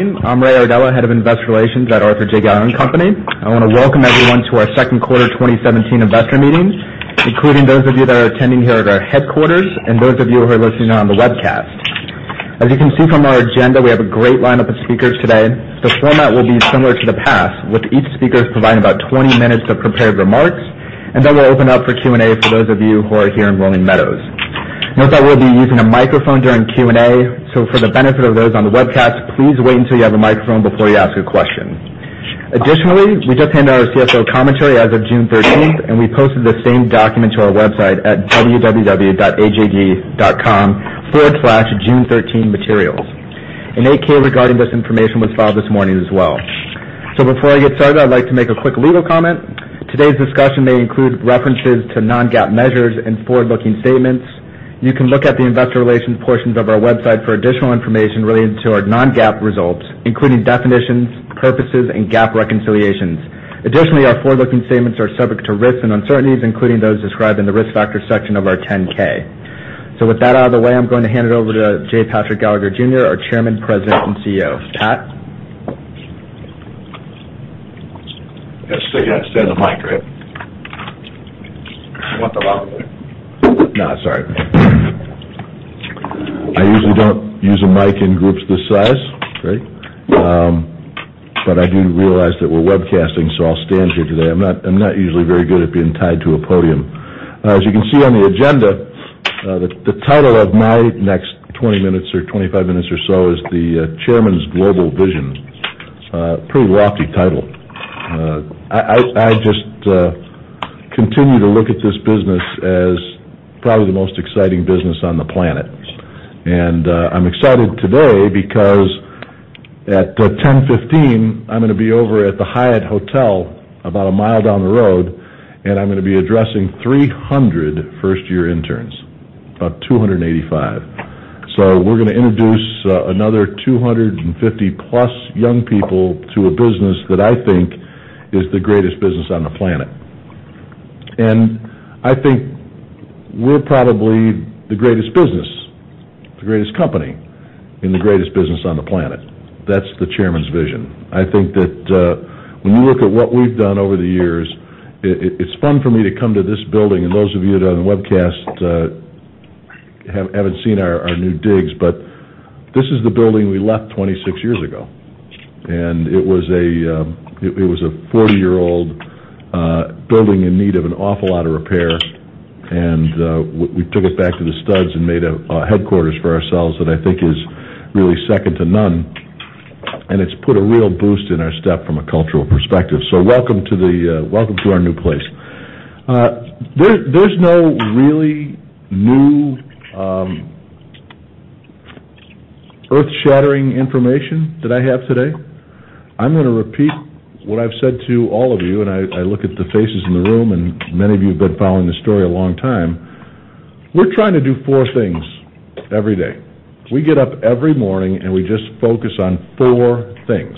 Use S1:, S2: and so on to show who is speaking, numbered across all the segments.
S1: I'm Ray Iardella, Head of Investor Relations at Arthur J. Gallagher & Co. I want to welcome everyone to our second quarter 2017 investor meeting, including those of you that are attending here at our headquarters and those of you who are listening on the webcast. As you can see from our agenda, we have a great lineup of speakers today. The format will be similar to the past, with each speaker providing about 20 minutes of prepared remarks, and then we'll open up for Q&A for those of you who are here in Rolling Meadows. Note that we'll be using a microphone during Q&A, so for the benefit of those on the webcast, please wait until you have a microphone before you ask a question. Additionally, we just handed out our CFO commentary as of June 13th, and we posted the same document to our website at www.ajg.com/junethirteematerials. An 8-K regarding this information was filed this morning as well. Before I get started, I'd like to make a quick legal comment. Today's discussion may include references to non-GAAP measures and forward-looking statements. You can look at the investor relations portions of our website for additional information related to our non-GAAP results, including definitions, purposes, and GAAP reconciliations. Additionally, our forward-looking statements are subject to risks and uncertainties, including those described in the Risk Factors section of our 10-K. With that out of the way, I'm going to hand it over to J. Patrick Gallagher, Jr., our Chairman, President, and CEO. Pat?
S2: I've still got to stay on the mic, right?
S1: You want the loud one?
S2: No, it's all right. I usually don't use a mic in groups this size, right? I do realize that we're webcasting, so I'll stand here today. I'm not usually very good at being tied to a podium. As you can see on the agenda, the title of my next 20 minutes or 25 minutes or so is the Chairman's Global Vision. Pretty lofty title. I just continue to look at this business as probably the most exciting business on the planet. I'm excited today because at 10:15, I'm going to be over at the Hyatt Hotel about a mile down the road, I'm going to be addressing 300 first-year interns, about 285. We're going to introduce another 250-plus young people to a business that I think is the greatest business on the planet. I think we're probably the greatest business, the greatest company, and the greatest business on the planet. That's the chairman's vision. I think that when you look at what we've done over the years, it's fun for me to come to this building. Those of you that are on the webcast haven't seen our new digs, but this is the building we left 26 years ago. It was a 40-year-old building in need of an awful lot of repair, and we took it back to the studs and made a headquarters for ourselves that I think is really second to none. It's put a real boost in our step from a cultural perspective. Welcome to our new place. There's no really new, earth-shattering information that I have today. I'm going to repeat what I've said to all of you. I look at the faces in the room, and many of you have been following this story a long time. We're trying to do four things every day. We get up every morning, we just focus on four things.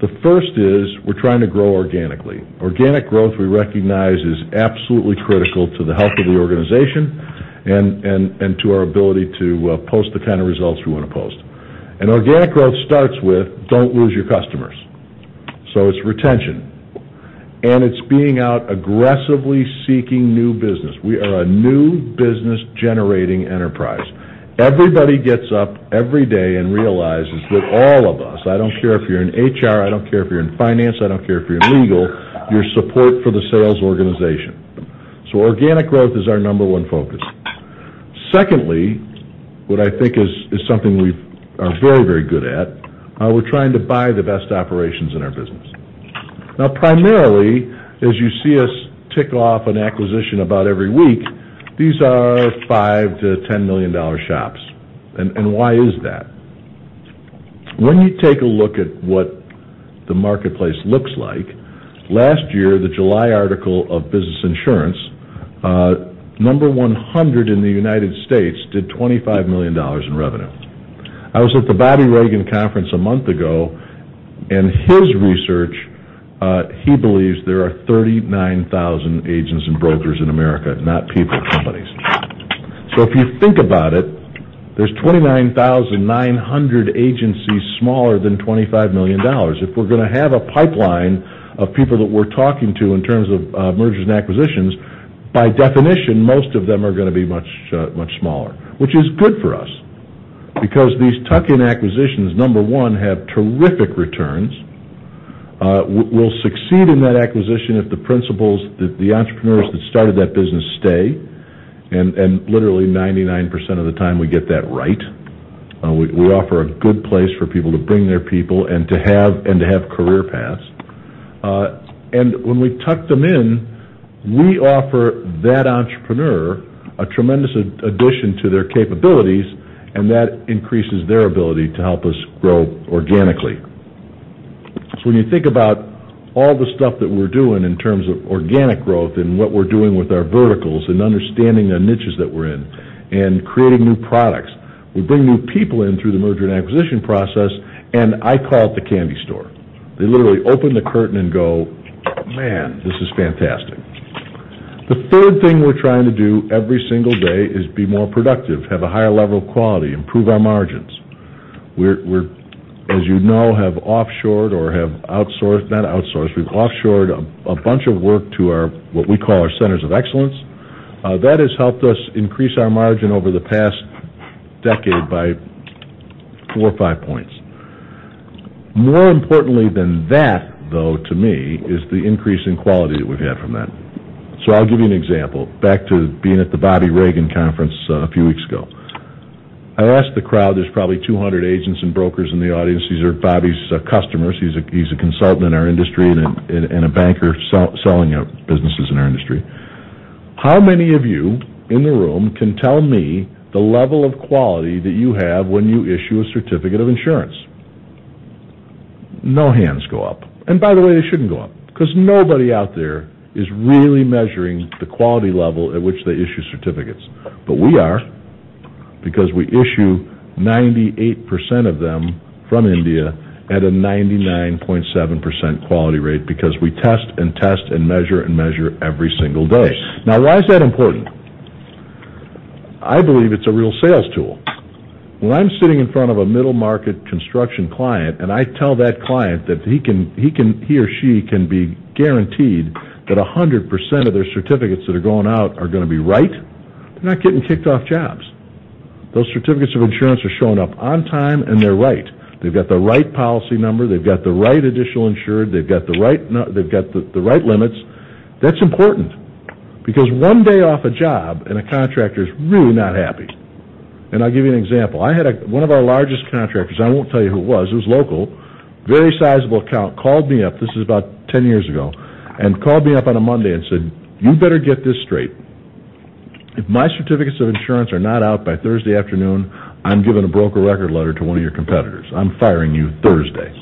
S2: The first is we're trying to grow organically. Organic growth, we recognize, is absolutely critical to the health of the organization and to our ability to post the kind of results we want to post. Organic growth starts with don't lose your customers. It's retention, and it's being out aggressively seeking new business. We are a new business-generating enterprise. Everybody gets up every day and realizes that all of us, I don't care if you're in HR, I don't care if you're in finance, I don't care if you're in legal, you're support for the sales organization. Organic growth is our number one focus. Secondly, what I think is something we are very, very good at, we're trying to buy the best operations in our business. Primarily, as you see us tick off an acquisition about every week, these are $5 million-$10 million shops. Why is that? When you take a look at what the marketplace looks like, last year, the July article of Business Insurance, number 100 in the U.S. did $25 million in revenue. I was at the Bobby Reagan conference a month ago, and his research, he believes there are 39,000 agents and brokers in America, not people, companies. If you think about it, there's 29,900 agencies smaller than $25 million. If we're going to have a pipeline of people that we're talking to in terms of mergers and acquisitions, by definition, most of them are going to be much smaller, which is good for us because these tuck-in acquisitions, number 1, have terrific returns. We'll succeed in that acquisition if the principals, the entrepreneurs that started that business stay, and literally 99% of the time we get that right. We offer a good place for people to bring their people and to have career paths. When we tuck them in, we offer that entrepreneur a tremendous addition to their capabilities, and that increases their ability to help us grow organically. When you think about all the stuff that we're doing in terms of organic growth and what we're doing with our verticals and understanding the niches that we're in and creating new products, we bring new people in through the merger and acquisition process, I call it the candy store. They literally open the curtain and go, "Man, this is fantastic." The third thing we're trying to do every single day is be more productive, have a higher level of quality, improve our margins. We, as you know, have offshored a bunch of work to what we call our centers of excellence. That has helped us increase our margin over the past decade by four or five points. More importantly than that, though, to me, is the increase in quality that we've had from that. I'll give you an example. Back to being at the Bobby Reagan conference a few weeks ago. I asked the crowd, there's probably 200 agents and brokers in the audience, these are Bobby's customers. He's a consultant in our industry and a banker selling businesses in our industry. How many of you in the room can tell me the level of quality that you have when you issue a certificate of insurance? No hands go up. By the way, they shouldn't go up because nobody out there is really measuring the quality level at which they issue certificates. We are, because we issue 98% of them from India at a 99.7% quality rate because we test and test and measure and measure every single day. Why is that important? I believe it's a real sales tool. When I'm sitting in front of a middle-market construction client, and I tell that client that he or she can be guaranteed that 100% of their certificates that are going out are going to be right, they're not getting kicked off jobs. Those certificates of insurance are showing up on time, and they're right. They've got the right policy number. They've got the right additional insured. They've got the right limits. That's important because one day off a job and a contractor is really not happy. I'll give you an example. One of our largest contractors, I won't tell you who it was, it was local, very sizable account, called me up, this is about 10 years ago, called me up on a Monday and said, "You better get this straight. If my certificates of insurance are not out by Thursday afternoon, I'm giving a broker record letter to one of your competitors. I'm firing you Thursday."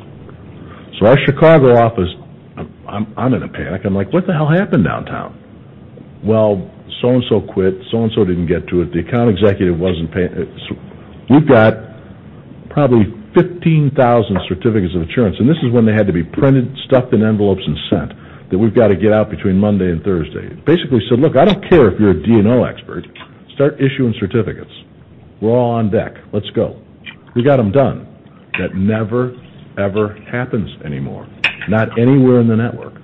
S2: Our Chicago office, I'm in a panic. I'm like, "What the hell happened downtown?" So-and-so quit. So-and-so didn't get to it. The account executive wasn't paid. We've got probably 15,000 certificates of insurance, and this is when they had to be printed, stuffed in envelopes, and sent, that we've got to get out between Monday and Thursday. Basically said, "Look, I don't care if you're a D&O expert. Start issuing certificates. We're all on deck. Let's go." We got them done. That never, ever happens anymore, not anywhere in the network.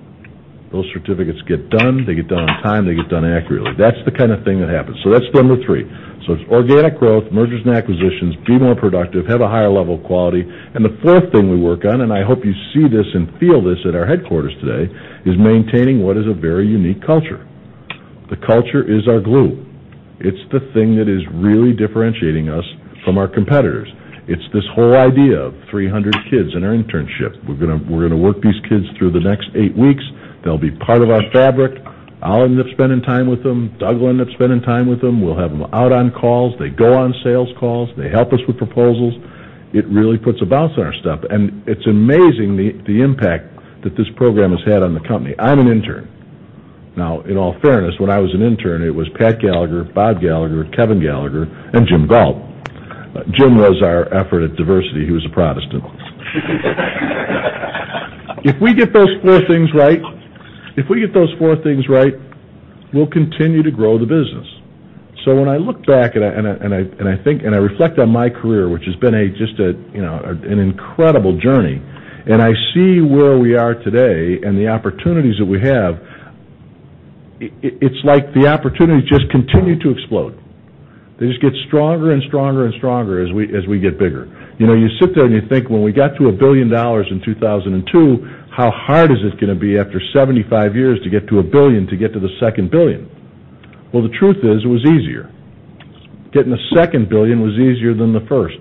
S2: Those certificates get done, they get done on time, they get done accurately. That's the kind of thing that happens. That's number three. It's organic growth, mergers and acquisitions, be more productive, have a higher level of quality, and the fourth thing we work on, and I hope you see this and feel this at our headquarters today, is maintaining what is a very unique culture. The culture is our glue. It's the thing that is really differentiating us from our competitors. It's this whole idea of 300 kids in our internship. We're going to work these kids through the next eight weeks. They'll be part of our fabric. I'll end up spending time with them. Doug will end up spending time with them. We'll have them out on calls. They go on sales calls. They help us with proposals. It really puts a bounce in our step, and it's amazing the impact that this program has had on the company. I'm an intern. In all fairness, when I was an intern, it was Pat Gallagher, Bob Gallagher, Kevin Gallagher, and Jim Gault. Jim was our effort at diversity. He was a Protestant. If we get those four things right, we'll continue to grow the business. When I look back and I reflect on my career, which has been just an incredible journey, and I see where we are today and the opportunities that we have, it's like the opportunities just continue to explode. They just get stronger and stronger and stronger as we get bigger. You sit there and you think, we got to $1 billion in 2002, how hard is it going to be after 75 years to get to $1 billion, to get to the second $1 billion? The truth is, it was easier. Getting the second $1 billion was easier than the first.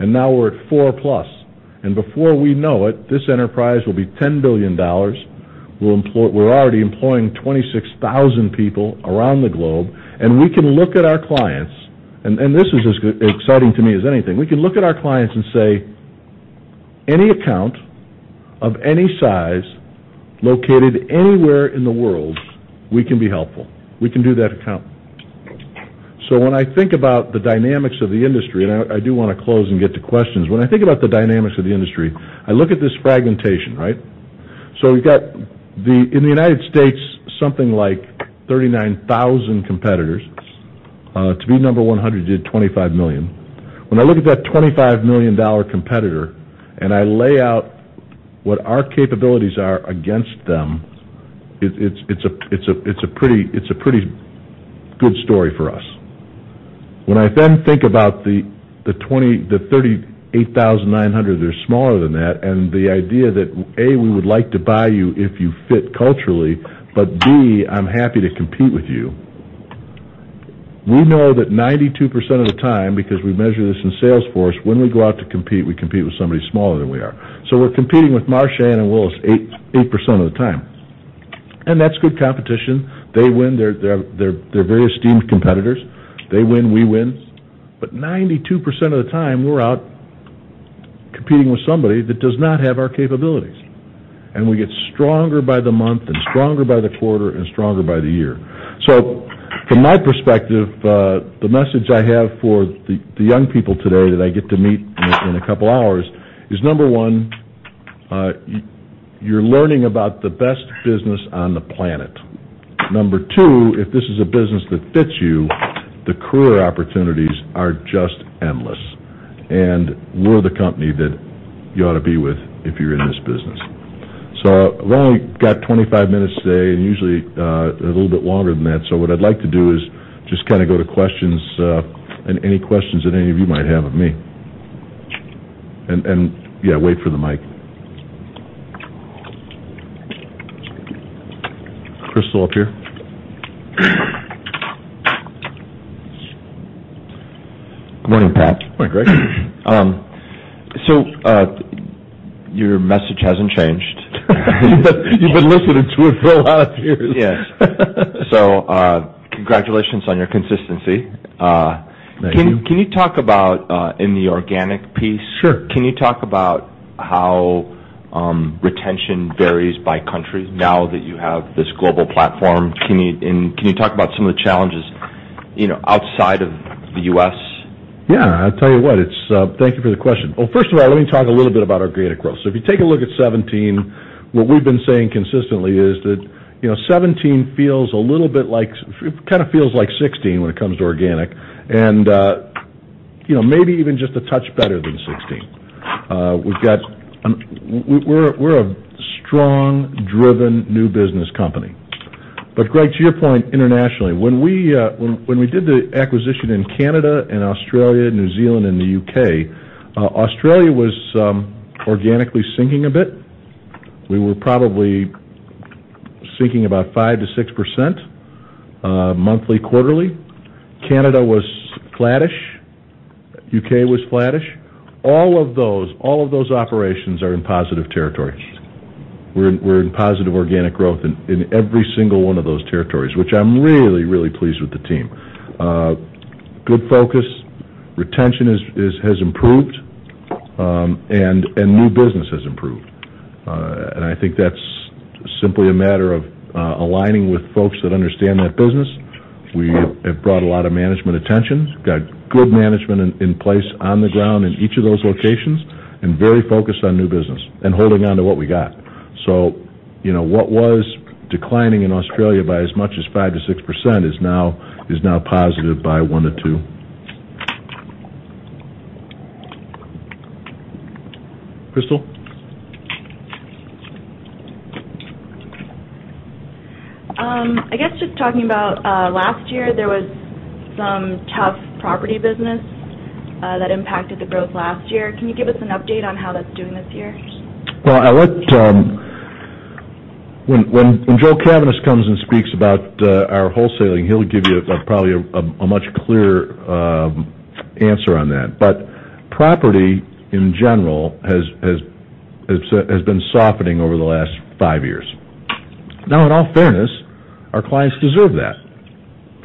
S2: Now we're at four-plus, and before we know it, this enterprise will be $10 billion. We're already employing 26,000 people around the globe. We can look at our clients, and this is as exciting to me as anything. We can look at our clients and say, any account of any size, located anywhere in the world, we can be helpful. We can do that account. When I think about the dynamics of the industry, and I do want to close and get to questions. When I think about the dynamics of the industry, I look at this fragmentation, right? We've got in the U.S., something like 39,000 competitors. To be number 100, you did $25 million. When I look at that $25 million competitor, and I lay out what our capabilities are against them, it's a pretty good story for us. I think about the 38,900 that are smaller than that, and the idea that, A, we would like to buy you if you fit culturally, but B, I'm happy to compete with you. We know that 92% of the time, because we measure this in Salesforce, when we go out to compete, we compete with somebody smaller than we are. We're competing with Marsh, Aon, and Willis 8% of the time, and that's good competition. They win. They're very esteemed competitors. They win, we win. 92% of the time, we're out competing with somebody that does not have our capabilities, and we get stronger by the month and stronger by the quarter and stronger by the year. From my perspective, the message I have for the young people today that I get to meet in a couple of hours is, number 1. You're learning about the best business on the planet. Number 2, if this is a business that fits you, the career opportunities are just endless. We're the company that you ought to be with if you're in this business. I've only got 25 minutes today, and usually a little bit longer than that. What I'd like to do is just go to questions, and any questions that any of you might have of me. Yeah, wait for the mic. Crystal, up here.
S3: Good morning, Pat.
S2: Morning, Greg.
S3: Your message hasn't changed.
S2: You've been listening to it for a lot of years.
S3: Yes. Congratulations on your consistency.
S2: Thank you.
S3: Can you talk about, in the organic piece?
S2: Sure
S3: Can you talk about how retention varies by country now that you have this global platform? Can you talk about some of the challenges outside of the U.S.?
S2: Yeah. I tell you what, thank you for the question. Well, first of all, let me talk a little bit about our organic growth. If you take a look at 2017, what we've been saying consistently is that 2017 feels a little bit like 2016 when it comes to organic, and maybe even just a touch better than 2016. We're a strong, driven new business company. Greg, to your point, internationally. When we did the acquisition in Canada and Australia, New Zealand, and the U.K., Australia was organically sinking a bit. We were probably sinking about 5%-6% monthly, quarterly. Canada was flattish. U.K. was flattish. All of those operations are in positive territories. We're in positive organic growth in every single one of those territories, which I'm really, really pleased with the team. Good focus. Retention has improved, and new business has improved. I think that's simply a matter of aligning with folks that understand that business. We have brought a lot of management attention, got good management in place on the ground in each of those locations, and very focused on new business and holding on to what we got. What was declining in Australia by as much as 5%-6% is now positive by 1%-2%. Crystal?
S4: I guess just talking about last year, there was some tough property business that impacted the growth last year. Can you give us an update on how that's doing this year?
S2: Well, when Joel Cavaness comes and speaks about our wholesaling, he'll give you probably a much clearer answer on that. Property, in general, has been softening over the last five years. Now in all fairness, our clients deserve that,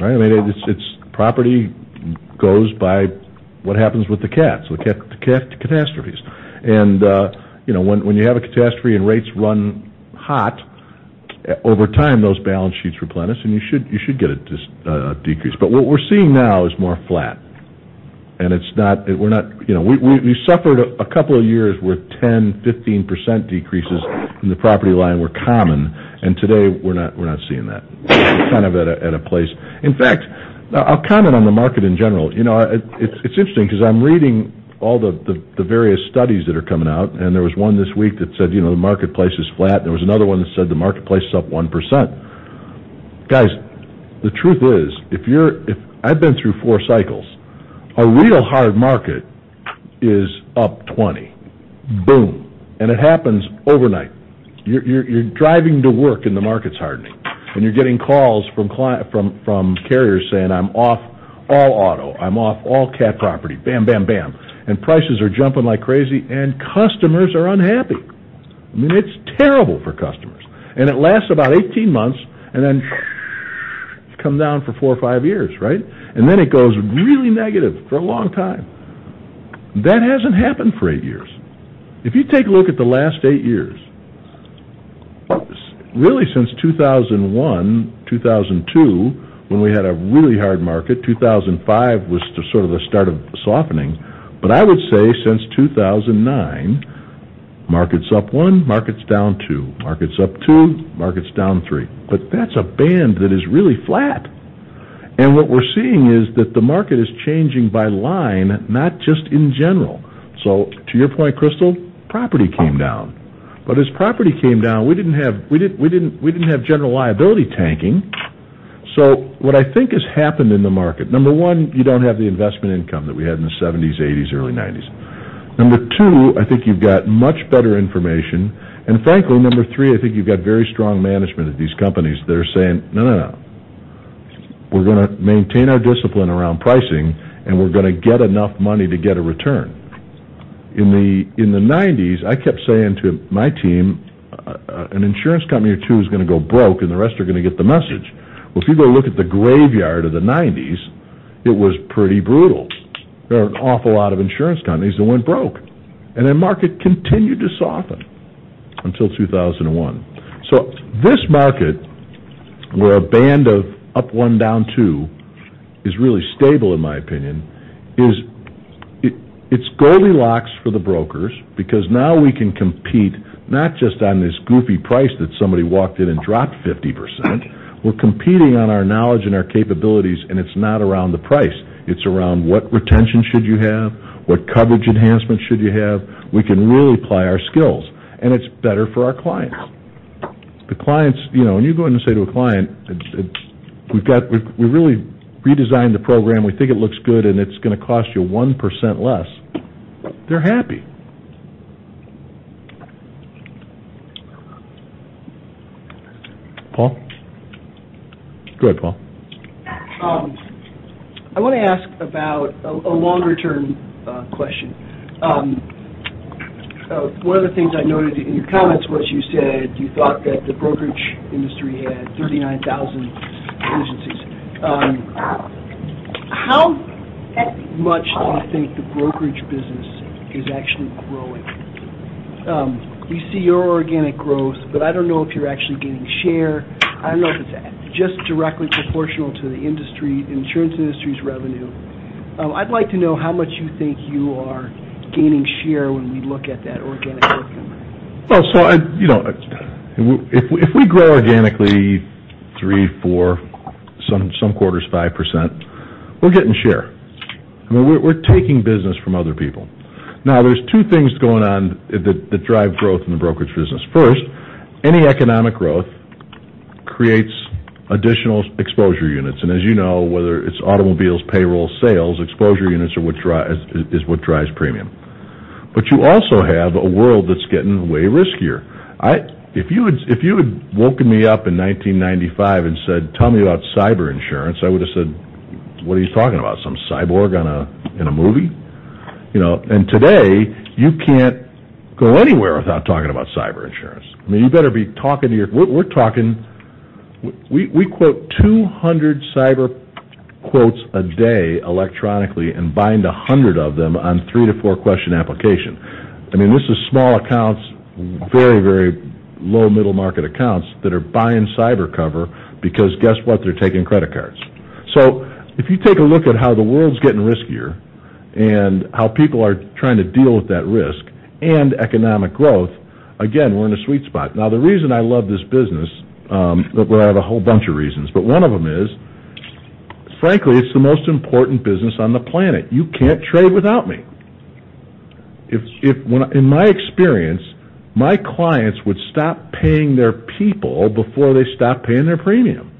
S2: right? Property goes by what happens with the CATs, the catastrophe. When you have a catastrophe and rates run hot, over time, those balance sheets replenish, and you should get a decrease. What we're seeing now is more flat. We suffered a couple of years where 10%-15% decreases in the property line were common, and today we're not seeing that. We're kind of at a place. In fact, I'll comment on the market in general. It's interesting because I'm reading all the various studies that are coming out, there was one this week that said, the marketplace is flat, there was another one that said the marketplace is up 1%. Guys, the truth is, I've been through four cycles. A real hard market is up 20%. Boom. It happens overnight. You're driving to work and the market's hardening, and you're getting calls from carriers saying, "I'm off all auto. I'm off all CAT property." Bam, bam. Prices are jumping like crazy, and customers are unhappy. It's terrible for customers. It lasts about 18 months, and then phew, it's come down for four or five years, right? It goes really negative for a long time. That hasn't happened for eight years. If you take a look at the last eight years, really since 2001, 2002, when we had a really hard market, 2005 was the sort of the start of softening. I would say since 2009, market's up 1%, market's down 2%. Market's up 2%, market's down 3%. That's a band that is really flat. What we're seeing is that the market is changing by line, not just in general. To your point, Crystal, property came down. As property came down, we didn't have general liability tanking. What I think has happened in the market, number one, you don't have the investment income that we had in the '70s, '80s, early '90s. Number two, I think you've got much better information. Frankly, number three, I think you've got very strong management at these companies that are saying, "No, no. We're going to maintain our discipline around pricing, and we're going to get enough money to get a return." In the '90s, I kept saying to my team, an insurance company or two is going to go broke, and the rest are going to get the message. Well, if you go look at the graveyard of the '90s, it was pretty brutal. There were an awful lot of insurance companies that went broke. The market continued to soften until 2001. This market where a band of up one, down two is really stable, in my opinion, is it's Goldilocks for the brokers because now we can compete not just on this goofy price that somebody walked in and dropped 50%. We're competing on our knowledge and our capabilities, and it's not around the price. It's around what retention should you have, what coverage enhancement should you have. We can really apply our skills, and it's better for our clients. When you go in and say to a client, "We've really redesigned the program. We think it looks good, and it's going to cost you 1% less," they're happy. Paul? Go ahead, Paul.
S5: I want to ask about a longer-term question. One of the things I noted in your comments was you said you thought that the brokerage industry had 39,000 agencies. How much do you think the brokerage business is actually growing? We see your organic growth, but I don't know if you're actually gaining share. I don't know if it's just directly proportional to the insurance industry's revenue. I'd like to know how much you think you are gaining share when we look at that organic growth number.
S2: If we grow organically 3%, 4%, some quarters 5%, we're getting share. We're taking business from other people. Now, there's two things going on that drive growth in the brokerage business. First, any economic growth creates additional exposure units. As you know, whether it's automobiles, payroll, sales, exposure units is what drives premium. You also have a world that's getting way riskier. If you had woken me up in 1995 and said, "Tell me about cyber insurance," I would've said, "What are you talking about? Some cyborg in a movie?" Today, you can't go anywhere without talking about cyber insurance. We quote 200 cyber quotes a day electronically and bind 100 of them on three-to-four question application. This is small accounts, very low middle market accounts that are buying cyber cover because guess what? They're taking credit cards. If you take a look at how the world's getting riskier and how people are trying to deal with that risk and economic growth, again, we're in a sweet spot. The reason I love this business, well, I have a whole bunch of reasons, but one of them is, frankly, it's the most important business on the planet. You can't trade without me. In my experience, my clients would stop paying their people before they stop paying their premium.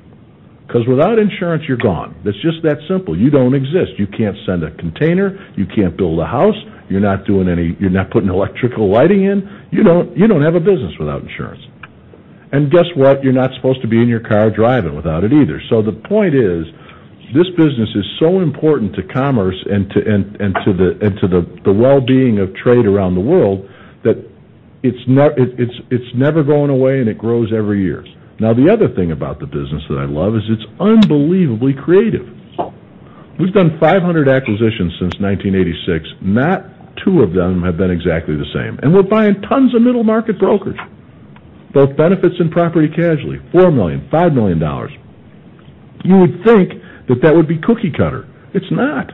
S2: Because without insurance, you're gone. It's just that simple. You don't exist. You can't send a container. You can't build a house. You're not putting electrical lighting in. You don't have a business without insurance. Guess what? You're not supposed to be in your car driving without it either. The point is, this business is so important to commerce and to the wellbeing of trade around the world that it's never going away, it grows every year. The other thing about the business that I love is it's unbelievably creative. We've done 500 acquisitions since 1986. Not two of them have been exactly the same. We're buying tons of middle market brokers, both benefits and property casualty, $4 million, $5 million. You would think that that would be cookie cutter. It's not.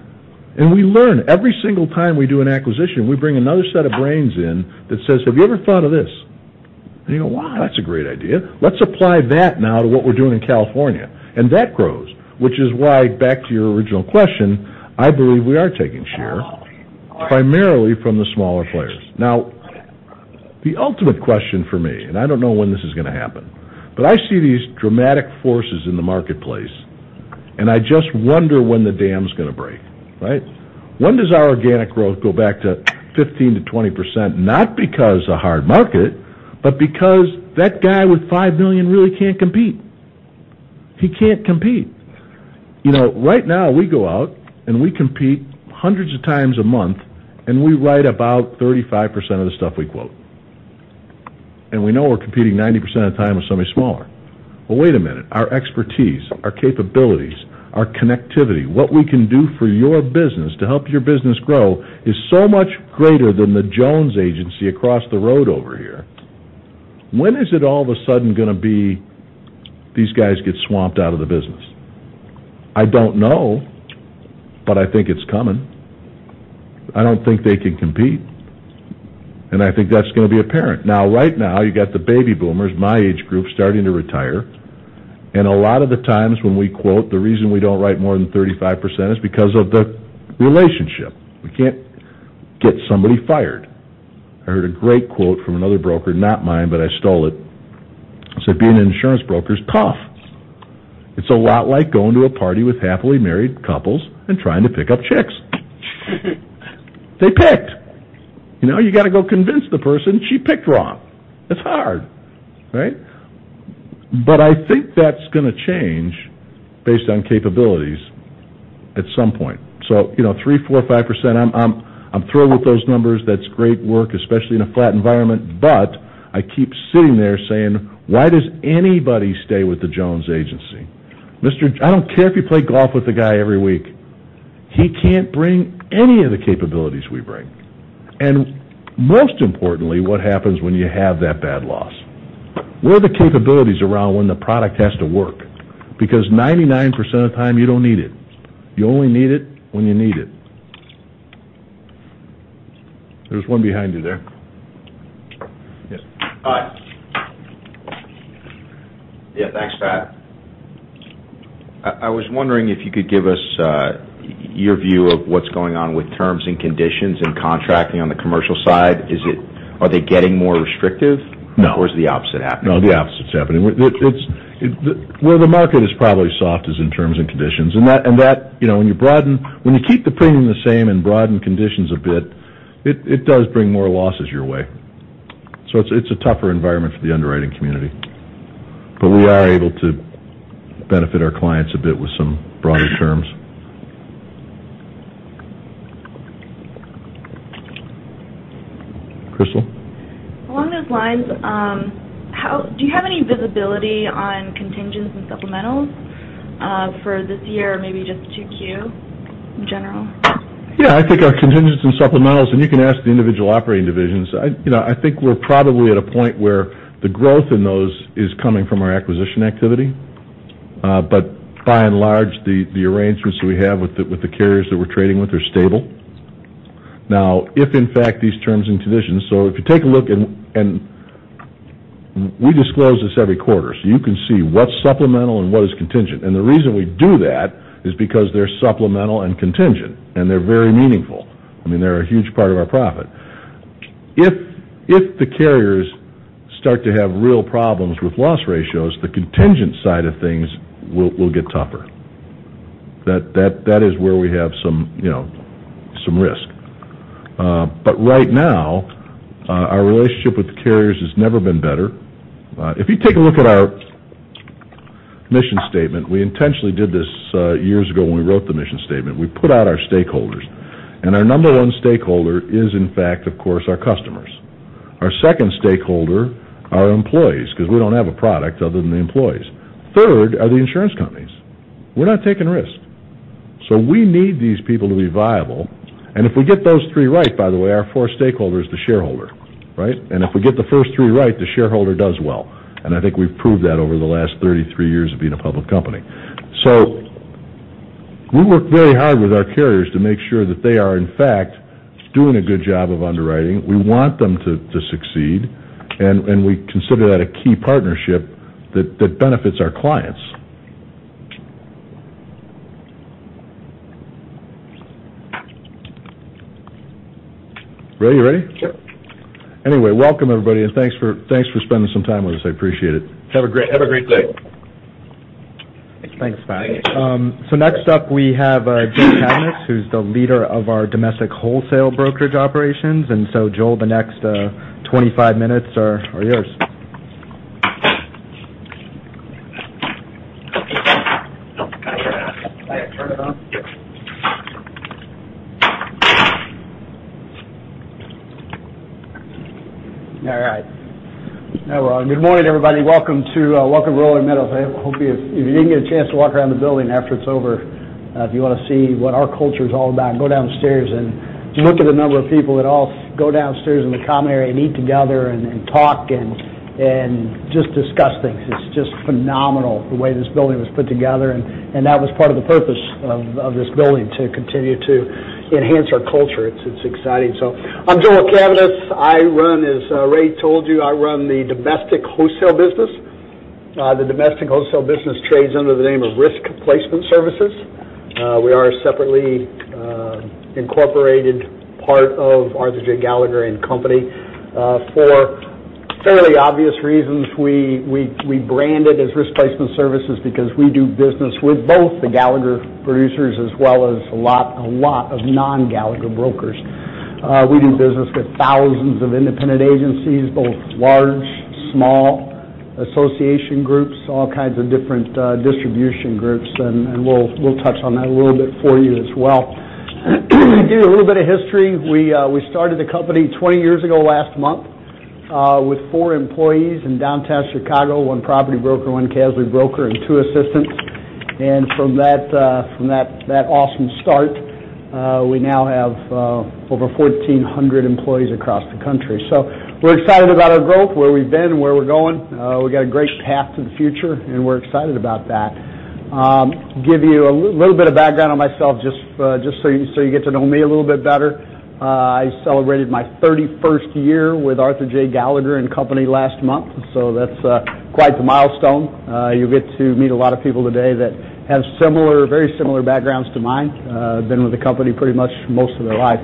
S2: We learn. Every single time we do an acquisition, we bring another set of brains in that says, "Have you ever thought of this?" You go, "Wow, that's a great idea. Let's apply that now to what we're doing in California." That grows, which is why, back to your original question, I believe we are taking share primarily from the smaller players. The ultimate question for me, I don't know when this is going to happen, I see these dramatic forces in the marketplace, I just wonder when the dam's going to break. Right? When does our organic growth go back to 15%-20%, not because a hard market, but because that guy with $5 million really can't compete. He can't compete. Right now, we go out and we compete hundreds of times a month, we write about 35% of the stuff we quote. We know we're competing 90% of the time with somebody smaller. Wait a minute. Our expertise, our capabilities, our connectivity, what we can do for your business to help your business grow is so much greater than the Jones Agency across the road over here. When is it all of a sudden going to be these guys get swamped out of the business? I don't know, I think it's coming. I don't think they can compete, I think that's going to be apparent. Right now, you got the baby boomers, my age group, starting to retire, a lot of the times when we quote, the reason we don't write more than 35% is because of the relationship. We can't get somebody fired. I heard a great quote from another broker, not mine, I stole it. It said, "Being an insurance broker is tough. It's a lot like going to a party with happily married couples and trying to pick up chicks." They picked. You got to go convince the person she picked wrong. It's hard. Right? I think that's going to change based on capabilities at some point. 3%, 4%, 5%, I'm thrilled with those numbers. That's great work, especially in a flat environment. I keep sitting there saying, "Why does anybody stay with the Jones Agency?" I don't care if you play golf with the guy every week. He can't bring any of the capabilities we bring. Most importantly, what happens when you have that bad loss? Where are the capabilities around when the product has to work? 99% of the time, you don't need it. You only need it when you need it. There's one behind you there. Yes.
S6: Hi. Yeah, thanks, Pat. I was wondering if you could give us your view of what's going on with terms and conditions and contracting on the commercial side. Are they getting more restrictive?
S2: No.
S6: Is the opposite happening?
S2: No, the opposite's happening. Where the market is probably soft is in terms and conditions. When you keep the premium the same and broaden conditions a bit, it does bring more losses your way. It's a tougher environment for the underwriting community. We are able to benefit our clients a bit with some broader terms. Crystal?
S4: Along those lines, do you have any visibility on contingents and supplementals for this year or maybe just 2Q in general?
S2: Yeah, I think our contingents and supplementals, you can ask the individual operating divisions. I think we're probably at a point where the growth in those is coming from our acquisition activity. By and large, the arrangements we have with the carriers that we're trading with are stable. If in fact, these terms and conditions. If you take a look, and we disclose this every quarter, you can see what's supplemental and what is contingent. The reason we do that is because they're supplemental and contingent, and they're very meaningful. They're a huge part of our profit. If the carriers start to have real problems with loss ratios, the contingent side of things will get tougher. That is where we have some risk. Right now, our relationship with the carriers has never been better. If you take a look at our mission statement, we intentionally did this years ago when we wrote the mission statement. We put out our stakeholders, our number one stakeholder is, in fact, of course, our customers. Our second stakeholder are our employees because we don't have a product other than the employees. Third are the insurance companies. We're not taking risks. We need these people to be viable, if we get those three right, by the way, our fourth stakeholder is the shareholder. Right? If we get the first three right, the shareholder does well, and I think we've proved that over the last 33 years of being a public company. We work very hard with our carriers to make sure that they are, in fact, doing a good job of underwriting. We want them to succeed, we consider that a key partnership that benefits our clients. Ray, you ready?
S1: Sure.
S2: Welcome everybody, thanks for spending some time with us. I appreciate it. Have a great day.
S1: Thank you. Thanks, Pat. Next up, we have Joel Cavaness, who's the leader of our domestic wholesale brokerage operations. Joel, the next 25 minutes are yours.
S7: Can I turn it on? All right. Good morning, everybody. Welcome to Rolling Meadows. If you can get a chance to walk around the building after it's over, if you want to see what our culture is all about, go downstairs and look at the number of people that all go downstairs in the common area and eat together and talk and just discuss things. It's just phenomenal the way this building was put together, and that was part of the purpose of this building, to continue to enhance our culture. It's exciting. I'm Joel Cavaness. I run, as Ray told you, I run the domestic wholesale business. The domestic wholesale business trades under the name of Risk Placement Services. We are a separately incorporated part of Arthur J. Gallagher & Co. For fairly obvious reasons, we brand it as Risk Placement Services because we do business with both the Gallagher producers as well as a lot of non-Gallagher brokers. We do business with thousands of independent agencies, both large, small, association groups, all kinds of different distribution groups, and we'll touch on that a little bit for you as well. To give you a little bit of history, we started the company 20 years ago last month with four employees in downtown Chicago, one property broker, one casualty broker, and two assistants. From that awesome start, we now have over 1,400 employees across the country. We're excited about our growth, where we've been and where we're going. We got a great path to the future, and we're excited about that. Give you a little bit of background on myself, just so you get to know me a little bit better. I celebrated my 31st year with Arthur J. Gallagher & Co. last month, that's quite the milestone. You'll get to meet a lot of people today that have very similar backgrounds to mine. They have been with the company pretty much most of their life.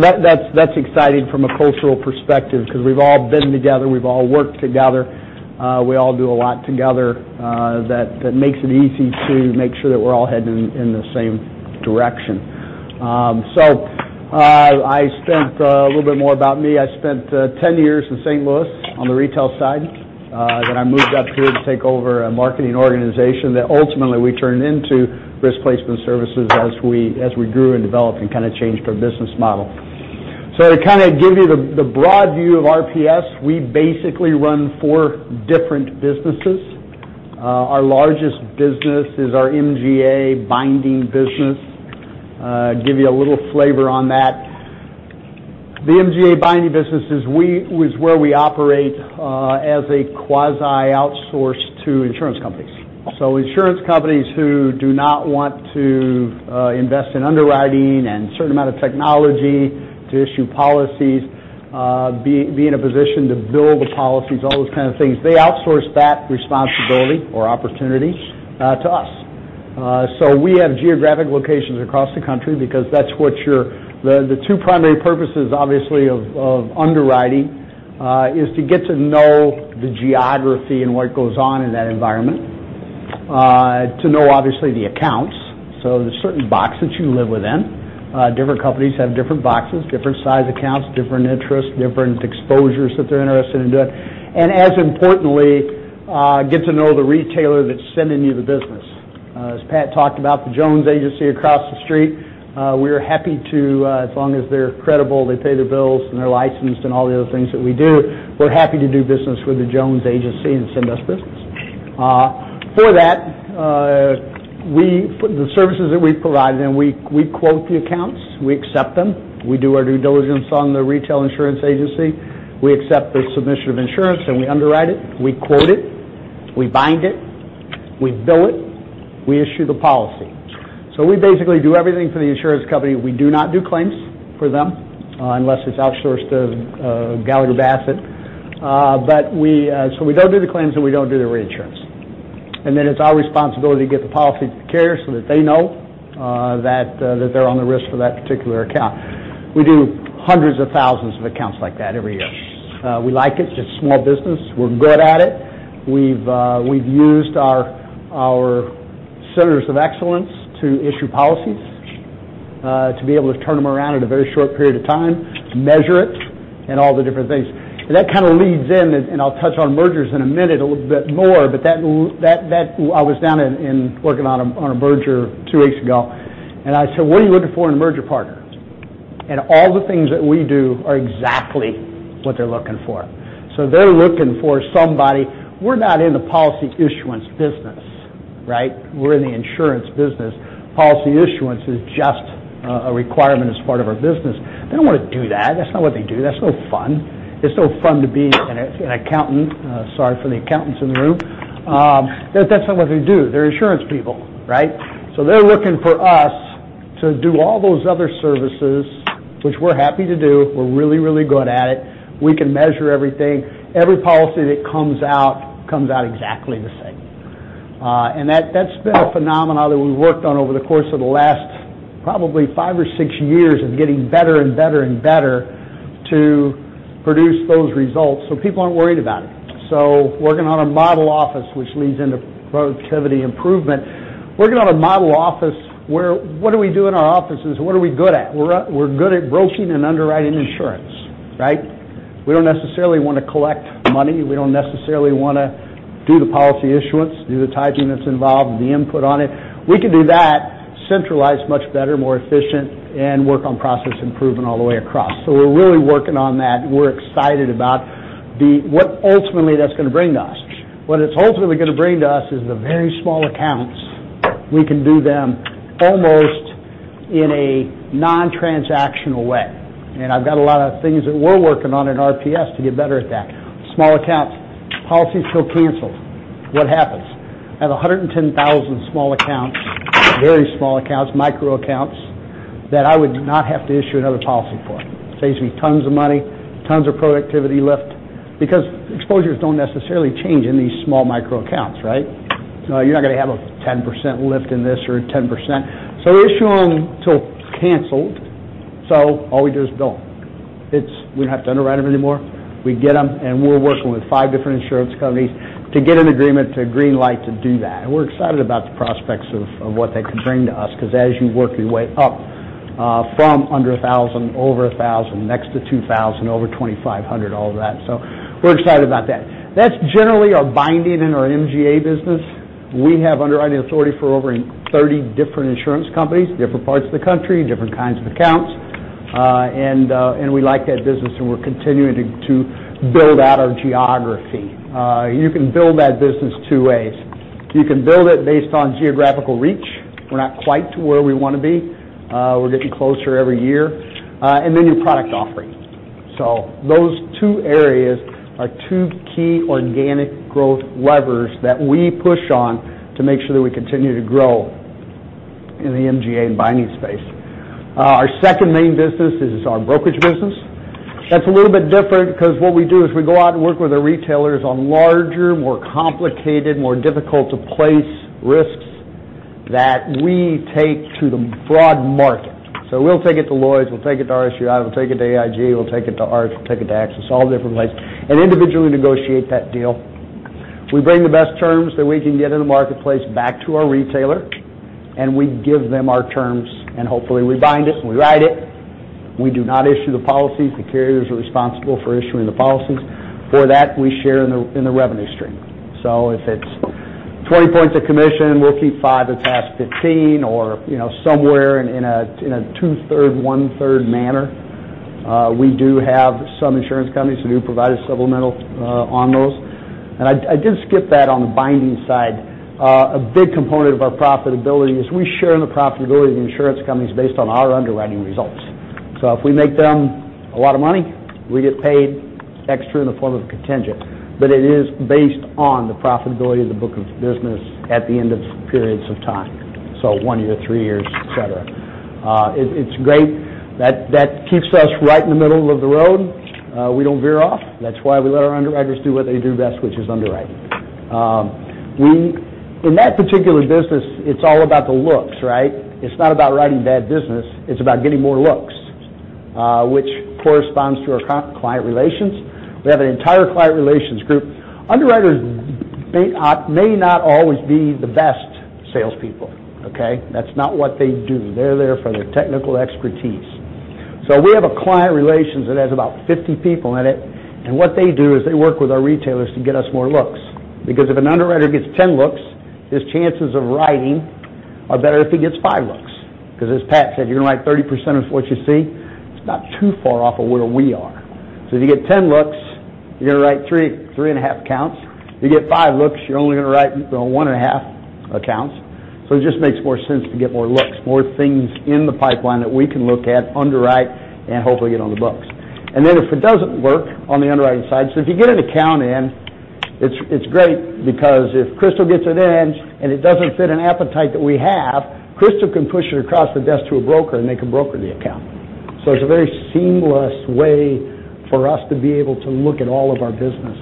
S7: That's exciting from a cultural perspective because we've all been together, we've all worked together. We all do a lot together that makes it easy to make sure that we're all heading in the same direction. A little bit more about me. I spent 10 years in St. Louis on the retail side. I moved up here to take over a marketing organization that ultimately we turned into Risk Placement Services as we grew and developed and kind of changed our business model. To kind of give you the broad view of RPS, we basically run four different businesses. Our largest business is our MGA binding business. Give you a little flavor on that. The MGA binding business is where we operate as a quasi outsource to insurance companies. Insurance companies who do not want to invest in underwriting and certain amount of technology to issue policies, be in a position to bill the policies, all those kind of things. They outsource that responsibility or opportunity to us. We have geographic locations across the country because that's what The two primary purposes, obviously, of underwriting is to get to know the geography and what goes on in that environment, to know, obviously, the accounts. There's certain box that you live within. Different companies have different boxes, different size accounts, different interests, different exposures that they're interested in doing. As importantly, get to know the retailer that's sending you the business. As Pat talked about the Jones agency across the street, we are happy to, as long as they're credible, they pay their bills, and they're licensed, and all the other things that we do, we're happy to do business with the Jones agency and send us business. For that, the services that we provide them, we quote the accounts, we accept them. We do our due diligence on the retail insurance agency. We accept the submission of insurance, and we underwrite it, we quote it, we bind it, we bill it, we issue the policy. We basically do everything for the insurance company. We do not do claims for them unless it's outsourced to Gallagher Bassett. We don't do the claims, and we don't do the reinsurance. It's our responsibility to get the policy to the carrier so that they know that they're on the risk for that particular account. We do hundreds of thousands of accounts like that every year. We like it. Just small business. We're good at it. We've used our centers of excellence to issue policies, to be able to turn them around at a very short period of time, to measure it, and all the different things. That kind of leads in, I'll touch on mergers in a minute a little bit more, but I was down in working on a merger two weeks ago, and I said, "What are you looking for in a merger partner?" All the things that we do are exactly what they're looking for. They're looking for somebody. We're not in the policy issuance business, right? We're in the insurance business. Policy issuance is just a requirement as part of our business. They don't want to do that. That's not what they do. That's no fun. It's no fun to be an accountant. Sorry for the accountants in the room. That's not what they do. They're insurance people, right? They're looking for us to do all those other services, which we're happy to do. We're really, really good at it. We can measure everything. Every policy that comes out, comes out exactly the same. That's been a phenomena that we've worked on over the course of the last probably five or six years of getting better and better and better to produce those results so people aren't worried about it. Working on a model office, which leads into productivity improvement. Working on a model office where what do we do in our offices? What are we good at? We're good at brokering and underwriting insurance, right? We don't necessarily want to collect money. We don't necessarily want to do the policy issuance, do the typing that's involved and the input on it. We can do that centralized, much better, more efficient, and work on process improvement all the way across. We're really working on that. We're excited about what ultimately that's going to bring to us. What it's ultimately going to bring to us is the very small accounts. We can do them almost in a non-transactional way, I've got a lot of things that we're working on in RPS to get better at that. Small accounts, policies till canceled. What happens? I have 110,000 small accounts, very small accounts, micro accounts, that I would not have to issue another policy for. Saves me tons of money, tons of productivity lift, because exposures don't necessarily change in these small micro accounts, right? You're not going to have a 10% lift in this or a 10%. We issue them till canceled, so all we do is bill. We don't have to underwrite them anymore. We get them, we're working with five different insurance companies to get an agreement to green light to do that. We're excited about the prospects of what that could bring to us, because as you work your way up from under 1,000, over 1,000, next to 2,000, over 2,500, all of that. We're excited about that. That's generally our binding in our MGA business. We have underwriting authority for over 30 different insurance companies, different parts of the country, different kinds of accounts. We like that business, we're continuing to build out our geography. You can build that business two ways. You can build it based on geographical reach. We're not quite to where we want to be. We're getting closer every year. Your product offering. Those two areas are two key organic growth levers that we push on to make sure that we continue to grow in the MGA and binding space. Our second main business is our brokerage business. That's a little bit different because what we do is we go out and work with our retailers on larger, more complicated, more difficult to place risks that we take to the broad market. We'll take it to Lloyd's, we'll take it to [RCI], we'll take it to AIG, we'll take it to Arch, we'll take it to AXA, all different places, and individually negotiate that deal. We bring the best terms that we can get in the marketplace back to our retailer, and we give them our terms, and hopefully we bind it and we write it. We do not issue the policies. The carriers are responsible for issuing the policies. For that, we share in the revenue stream. If it's 20 points of commission, we'll keep five; they'll pass 15 or somewhere in a two-third, one-third manner. We do have some insurance companies who do provide a supplemental on those. I did skip that on the binding side. A big component of our profitability is we share in the profitability of the insurance companies based on our underwriting results. If we make them a lot of money, we get paid extra in the form of contingent, it is based on the profitability of the book of business at the end of periods of time. One year, three years, et cetera. It's great. That keeps us right in the middle of the road. We don't veer off. That's why we let our underwriters do what they do best, which is underwriting. In that particular business, it's all about the looks, right? It's not about writing bad business, it's about getting more looks, which corresponds to our client relations. We have an entire client relations group. Underwriters may not always be the best salespeople, okay? That's not what they do. They're there for their technical expertise. We have a client relations that has about 50 people in it, and what they do is they work with our retailers to get us more looks. If an underwriter gets 10 looks, his chances of writing are better if he gets five looks. As Pat said, you're going to write 30% of what you see. It's not too far off of where we are. If you get 10 looks, you're going to write three and a half accounts. If you get five looks, you're only going to write one and a half accounts. It just makes more sense to get more looks, more things in the pipeline that we can look at, underwrite, and hopefully get on the books. If it doesn't work on the underwriting side, if you get an account in, it's great because if Crystal gets it in and it doesn't fit an appetite that we have, Crystal can push it across the desk to a broker, and they can broker the account. It's a very seamless way for us to be able to look at all of our business.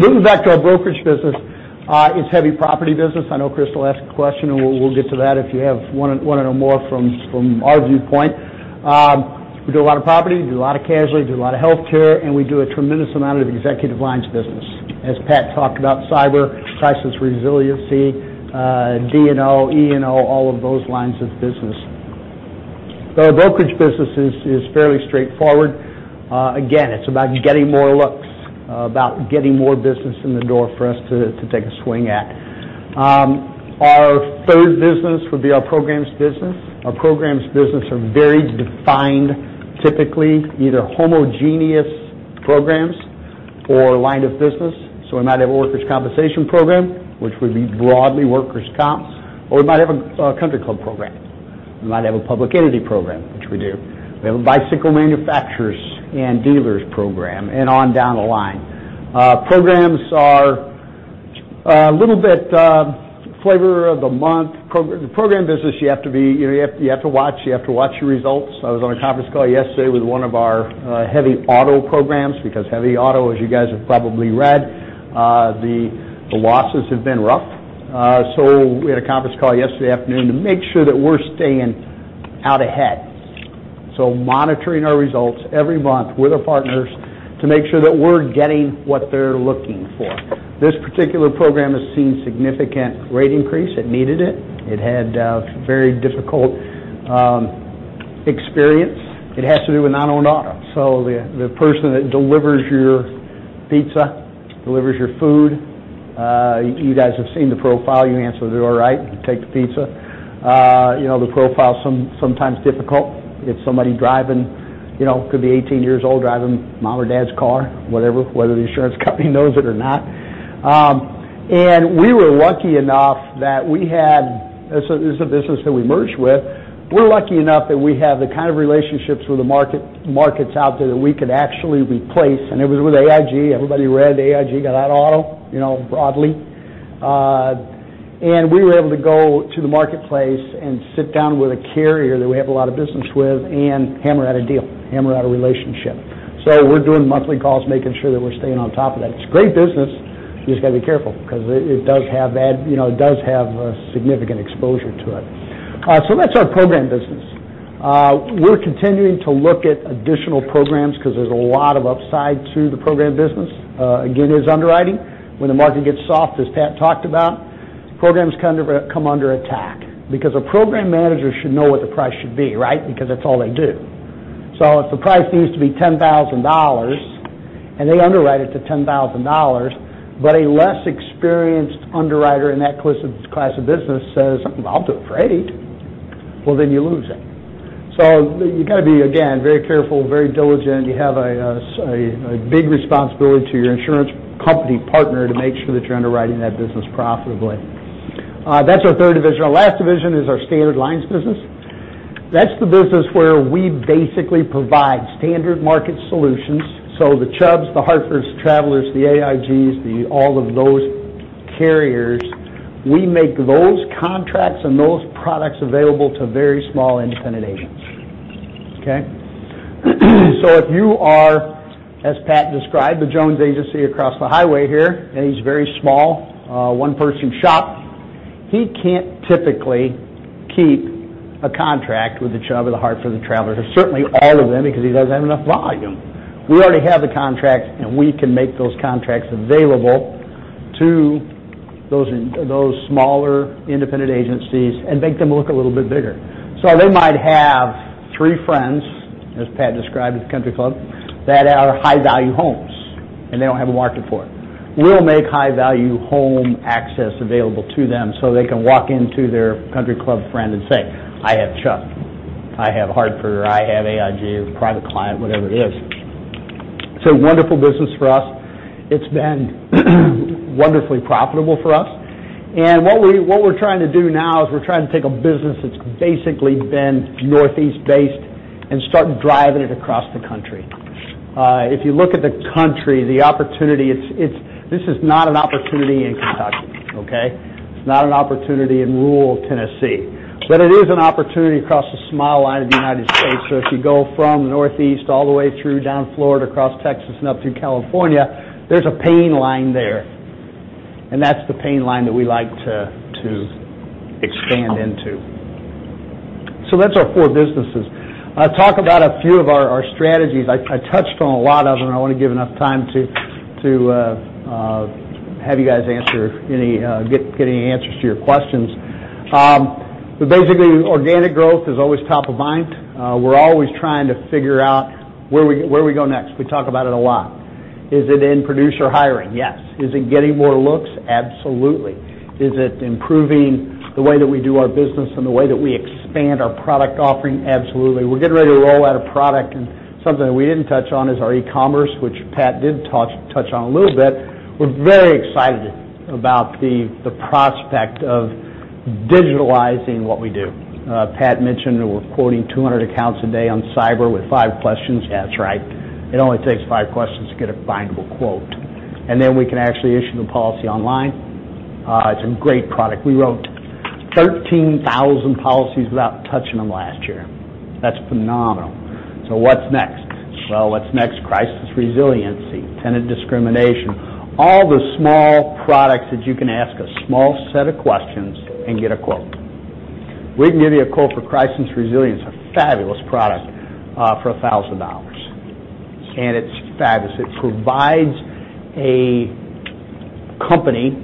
S7: Moving back to our brokerage business, it's heavy property business. I know Crystal asked a question, we'll get to that if you have one or more from our viewpoint. We do a lot of property, we do a lot of casualty, we do a lot of healthcare, and we do a tremendous amount of executive lines business. As Pat talked about, cyber, crisis resiliency, D&O, E&O, all of those lines of business. Our brokerage business is fairly straightforward. Again, it's about getting more looks, about getting more business in the door for us to take a swing at. Our third business would be our programs business. Our programs business are very defined, typically either homogeneous programs or line of business. We might have a workers' compensation program, which would be broadly workers' comps, or we might have a country club program. We might have a public entity program, which we do. We have a bicycle manufacturers and dealers program, and on down the line. Programs are a little bit flavor of the month. The program business, you have to watch your results. I was on a conference call yesterday with one of our heavy auto programs because heavy auto, as you guys have probably read, the losses have been rough. We had a conference call yesterday afternoon to make sure that we're staying out ahead. Monitoring our results every month with our partners to make sure that we're getting what they're looking for. This particular program has seen significant rate increase. It needed it. It had a very difficult experience. It has to do with non-owned auto. The person that delivers your pizza, delivers your food, you guys have seen the profile. You answer the door, right? You take the pizza. The profile is sometimes difficult. It's somebody driving, could be 18 years old, driving mom or dad's car, whatever, whether the insurance company knows it or not. We were lucky enough that we had a business that we merged with. We're lucky enough that we have the kind of relationships with the markets out there that we could actually replace. It was with AIG. Everybody read AIG got out of auto, broadly. We were able to go to the marketplace and sit down with a carrier that we have a lot of business with and hammer out a deal, hammer out a relationship. We're doing monthly calls, making sure that we're staying on top of that. It's great business. You just got to be careful because it does have significant exposure to it. That's our program business. We're continuing to look at additional programs because there's a lot of upside to the program business. Again, it is underwriting. When the market gets soft, as Pat talked about, programs come under attack because a program manager should know what the price should be, right? That's all they do. If the price needs to be $10,000 and they underwrite it to $10,000, but a less experienced underwriter in that class of business says, "I'll do it for $8," well, then you lose it. You got to be, again, very careful, very diligent. You have a big responsibility to your insurance company partner to make sure that you're underwriting that business profitably. That's our third division. Our last division is our standard lines business. That's the business where we basically provide standard market solutions. The Chubb, The Hartford, Travelers, the AIGs, all of those carriers, we make those contracts and those products available to very small independent agents. Okay? If you are, as Pat described, the Jones agency across the highway here, and he's a very small, one-person shop, he can't typically keep a contract with the Chubb or The Hartford or Travelers, or certainly all of them, because he doesn't have enough volume. We already have the contract, and we can make those contracts available to those smaller independent agencies and make them look a little bit bigger. They might have three friends, as Pat described at the country club, that are high-value homes. They don't have a market for it. We'll make high-value home access available to them so they can walk into their country club friend and say, "I have Chubb, I have The Hartford, or I have AIG, private client," whatever it is. It's a wonderful business for us. It's been wonderfully profitable for us. What we're trying to do now is we're trying to take a business that's basically been Northeast-based and start driving it across the country. If you look at the country, the opportunity, this is not an opportunity in Kentucky. Okay? It's not an opportunity in rural Tennessee. It is an opportunity across a small line of the U.S. If you go from the Northeast all the way through down Florida, across Texas and up through California, there's a pain line there, and that's the pain line that we like to expand into. That's our four businesses. I'll talk about a few of our strategies. I touched on a lot of them. I want to give enough time to have you guys get any answers to your questions. Basically, organic growth is always top of mind. We're always trying to figure out where we go next. We talk about it a lot. Is it in producer hiring? Yes. Is it getting more looks? Absolutely. Is it improving the way that we do our business and the way that we expand our product offering? Absolutely. We're getting ready to roll out a product, something that we didn't touch on is our e-commerce, which Pat did touch on a little bit. We're very excited about the prospect of digitalizing what we do. Pat mentioned that we're quoting 200 accounts a day on cyber with five questions. That's right. It only takes five questions to get a bindable quote, and then we can actually issue the policy online. It's a great product. We wrote 13,000 policies without touching them last year. That's phenomenal. What's next? Well, what's next? Crisis resiliency, tenant discrimination, all the small products that you can ask a small set of questions and get a quote. We can give you a quote for crisis resilience, a fabulous product, for $1,000. It's fabulous. It provides a company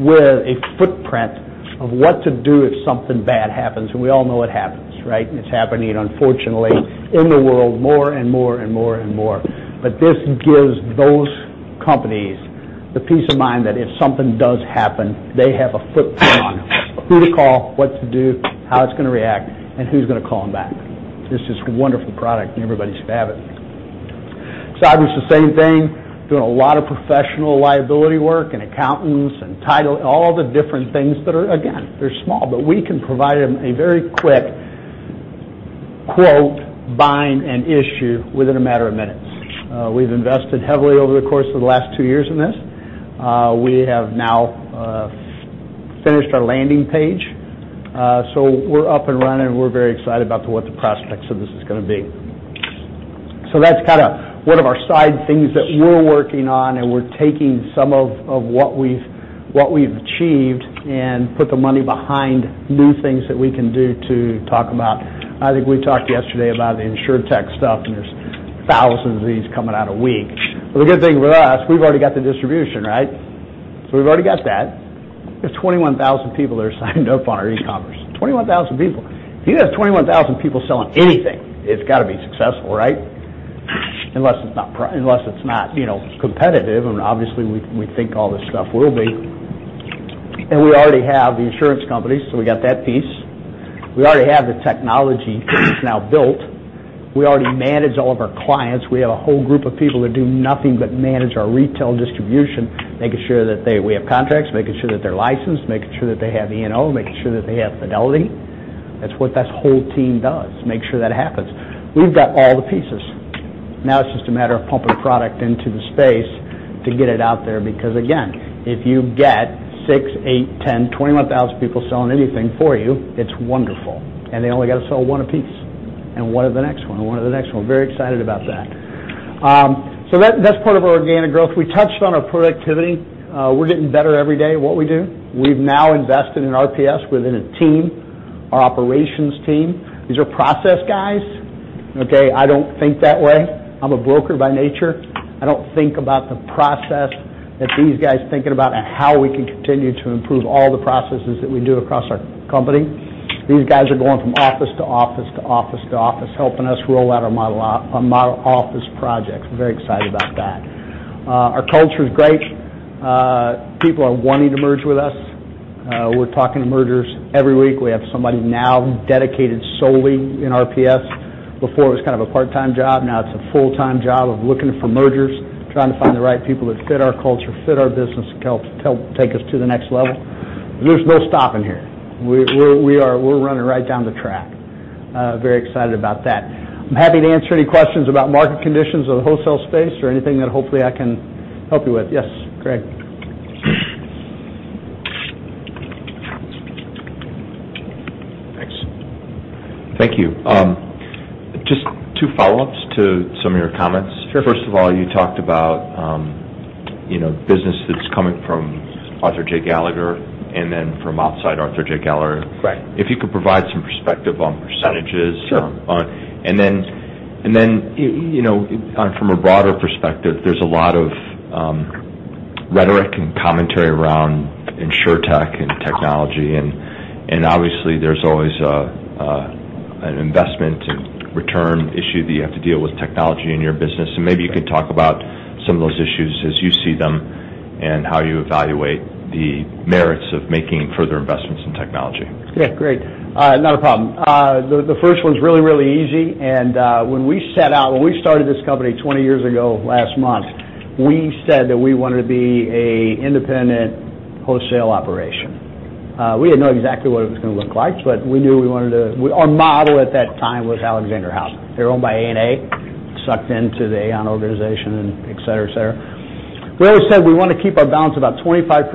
S7: with a footprint of what to do if something bad happens. We all know it happens, right? It's happening, unfortunately, in the world more and more and more and more. This gives those companies the peace of mind that if something does happen, they have a footprint on who to call, what to do, how it's going to react, and who's going to call them back. It's just a wonderful product and everybody should have it. Cyber's the same thing, doing a lot of professional liability work and accountants and title, all the different things that are, again, they're small, but we can provide a very quick quote, bind, and issue within a matter of minutes. We've invested heavily over the course of the last two years in this. We have now finished our landing page. We're up and running, and we're very excited about what the prospects of this is going to be. That's one of our side things that we're working on, and we're taking some of what we've achieved and put the money behind new things that we can do to talk about. I think we talked yesterday about the insurtech stuff, and there's thousands of these coming out a week. The good thing with us, we've already got the distribution, right? We've already got that. There's 21,000 people that are signed up on our e-commerce, 21,000 people. If you have 21,000 people selling anything, it's got to be successful, right? Unless it's not competitive, and obviously, we think all this stuff will be. We already have the insurance companies, we got that piece. We already have the technology now built. We already manage all of our clients. We have a whole group of people that do nothing but manage our retail distribution, making sure that we have contracts, making sure that they're licensed, making sure that they have E&O, making sure that they have fidelity. That's what that whole team does, make sure that happens. We've got all the pieces. Now it's just a matter of pumping the product into the space to get it out there, because again, if you get six, eight, 10, 21,000 people selling anything for you, it's wonderful. They only got to sell one a piece, and one to the next one, and one to the next one. Very excited about that. That's part of our organic growth. We touched on our productivity. We're getting better every day at what we do. We've now invested in RPS within a team, our operations team. These are process guys. Okay, I don't think that way. I'm a broker by nature. I don't think about the process that these guys thinking about how we can continue to improve all the processes that we do across our company. These guys are going from office to office to office to office, helping us roll out our model office projects. We're very excited about that. Our culture is great. People are wanting to merge with us. We're talking to mergers every week. We have somebody now dedicated solely in RPS. Before, it was kind of a part-time job. Now it's a full-time job of looking for mergers, trying to find the right people that fit our culture, fit our business, help take us to the next level. There's no stopping here. We're running right down the track. Very excited about that. I'm happy to answer any questions about market conditions of the wholesale space or anything that hopefully I can help you with. Yes, Greg.
S3: Thanks. Thank you. Just two follow-ups to some of your comments.
S7: Sure.
S3: First of all, you talked about business that's coming from Arthur J. Gallagher and then from outside Arthur J. Gallagher.
S7: Right.
S3: If you could provide some perspective on percentages.
S7: Sure.
S3: From a broader perspective, there's a lot of rhetoric and commentary around insurtech and technology. Obviously, there's always an investment and return issue that you have to deal with technology in your business. Maybe you can talk about some of those issues as you see them, and how you evaluate the merits of making further investments in technology.
S7: Yeah, great. Not a problem. The first one's really easy. When we started this company 20 years ago last month, we said that we wanted to be an independent wholesale operation. We didn't know exactly what it was going to look like, but our model at that time was Alexander Howden. They were owned by A&A, sucked into the Aon organization and et cetera. We always said we want to keep our balance about 25%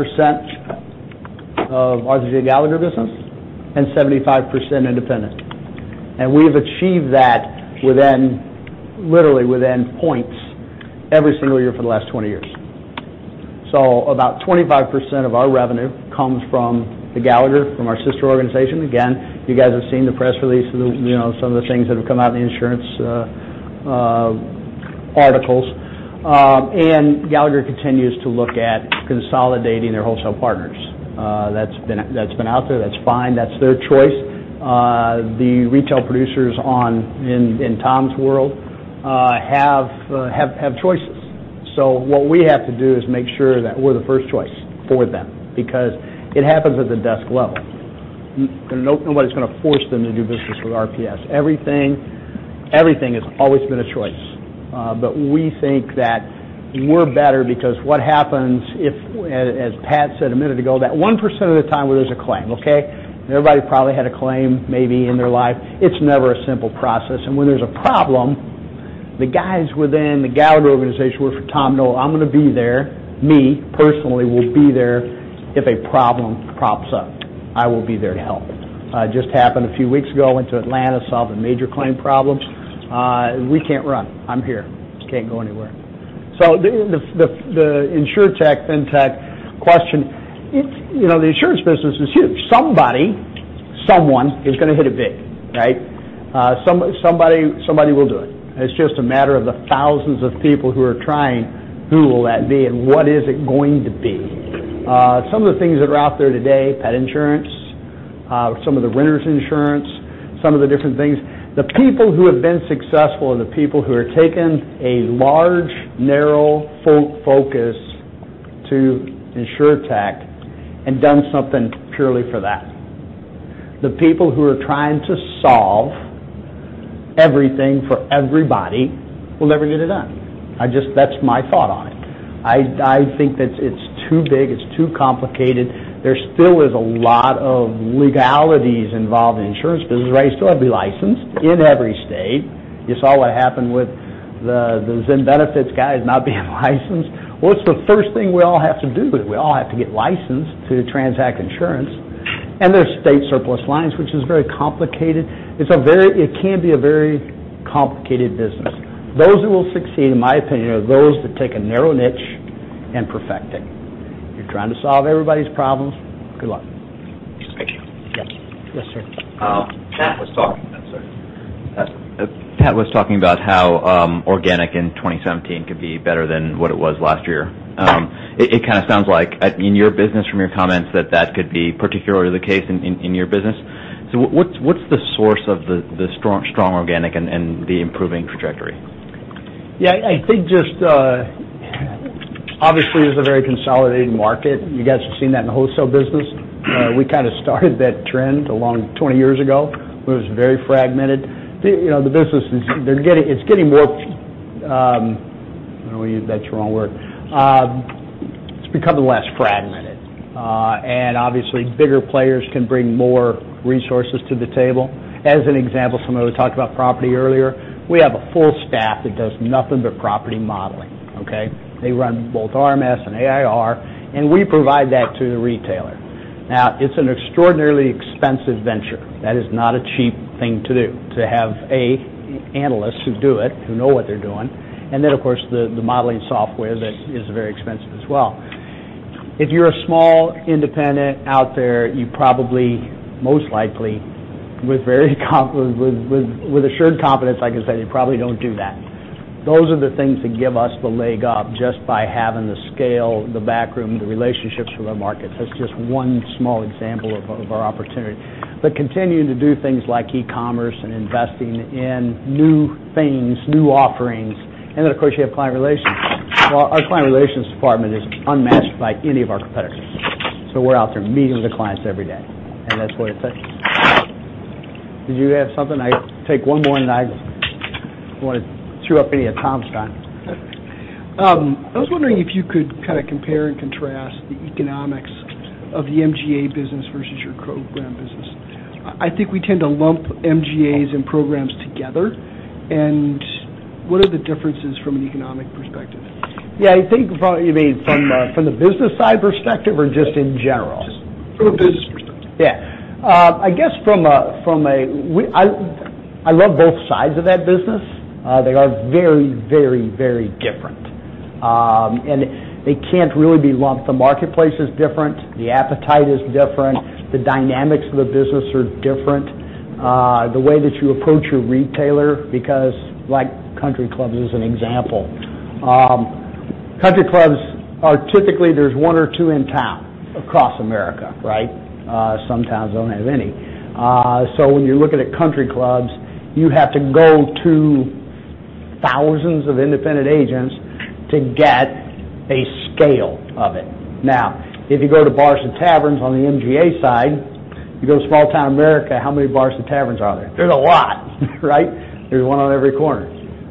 S7: of Arthur J. Gallagher business and 75% independent. We've achieved that literally within points every single year for the last 20 years. About 25% of our revenue comes from the Gallagher, from our sister organization. Again, you guys have seen the press release, some of the things that have come out in the insurance articles. Gallagher continues to look at consolidating their wholesale partners. That's been out there. That's fine. That's their choice. The retail producers in Tom's world have choices. What we have to do is make sure that we're the first choice for them, because it happens at the desk level. Nobody's going to force them to do business with RPS. Everything has always been a choice. We think that we're better because what happens if, as Pat said a minute ago, that 1% of the time where there's a claim, okay? Everybody probably had a claim maybe in their life. It's never a simple process. When there's a problem, the guys within the Gallagher organization work for Tom Gallagher. I'm going to be there. Me, personally, will be there if a problem crops up. I will be there to help. It just happened a few weeks ago. I went to Atlanta to solve a major claim problem. We can't run. I'm here. Can't go anywhere. The insurtech fintech question, the insurance business is huge. Someone is going to hit it big, right? Somebody will do it. It's just a matter of the thousands of people who are trying, who will that be and what is it going to be? Some of the things that are out there today, pet insurance, some of the renters insurance, some of the different things. The people who have been successful are the people who have taken a large, narrow focus to insurtech and done something purely for that. The people who are trying to solve everything for everybody will never get it done. That's my thought on it. I think that it's too big. It's too complicated. There still is a lot of legalities involved in insurance business. You still have to be licensed in every state. You saw what happened with the Zenefits guys not being licensed. Well, it's the first thing we all have to do, is we all have to get licensed to transact insurance. There's state surplus lines, which is very complicated. It can be a very complicated business. Those who will succeed, in my opinion, are those that take a narrow niche and perfect it. You're trying to solve everybody's problems, good luck.
S3: Thank you.
S7: Yes. Yes, sir.
S8: Pat was talking about how organic in 2017 could be better than what it was last year. It kind of sounds like in your business, from your comments, that that could be particularly the case in your business. What's the source of the strong organic and the improving trajectory?
S7: I think obviously, it's a very consolidated market. You guys have seen that in the wholesale business. We kind of started that trend along 20 years ago. It was very fragmented. The business, it's becoming less fragmented. Obviously bigger players can bring more resources to the table. As an example, somebody talked about property earlier. We have a full staff that does nothing but property modeling, okay? They run both RMS and AIR, and we provide that to the retailer. Now, it's an extraordinarily expensive venture. That is not a cheap thing to do, to have, A, analysts who do it, who know what they're doing, and then of course, the modeling software that is very expensive as well. If you're a small independent out there, you probably, most likely, with assured confidence, I can say, you probably don't do that. Those are the things that give us the leg up just by having the scale, the backroom, the relationships with our markets. That's just one small example of our opportunity. Continuing to do things like e-commerce and investing in new things, new offerings, and then, of course, you have client relations. Well, our client relations department is unmatched by any of our competitors. We're out there meeting with the clients every day, and that's what it takes. Did you have something? I take one more, and then I don't want to chew up any of Tom's time.
S5: I was wondering if you could kind of compare and contrast the economics of the MGA business versus your program business. I think we tend to lump MGAs and programs together, what are the differences from an economic perspective?
S7: I think you mean from the business side perspective or just in general?
S5: Just from a business perspective.
S7: Yeah. I love both sides of that business. They are very, very, very different. They can't really be lumped. The marketplace is different. The appetite is different. The dynamics of the business are different. The way that you approach your retailer, because like country clubs as an example. Country clubs are typically there's one or two in town across America, right? Some towns don't have any. When you're looking at country clubs, you have to go through thousands of independent agents to get a scale of it. If you go to bars and taverns on the MGA side, you go to small town America, how many bars and taverns are there? There's a lot, right? There's one on every corner.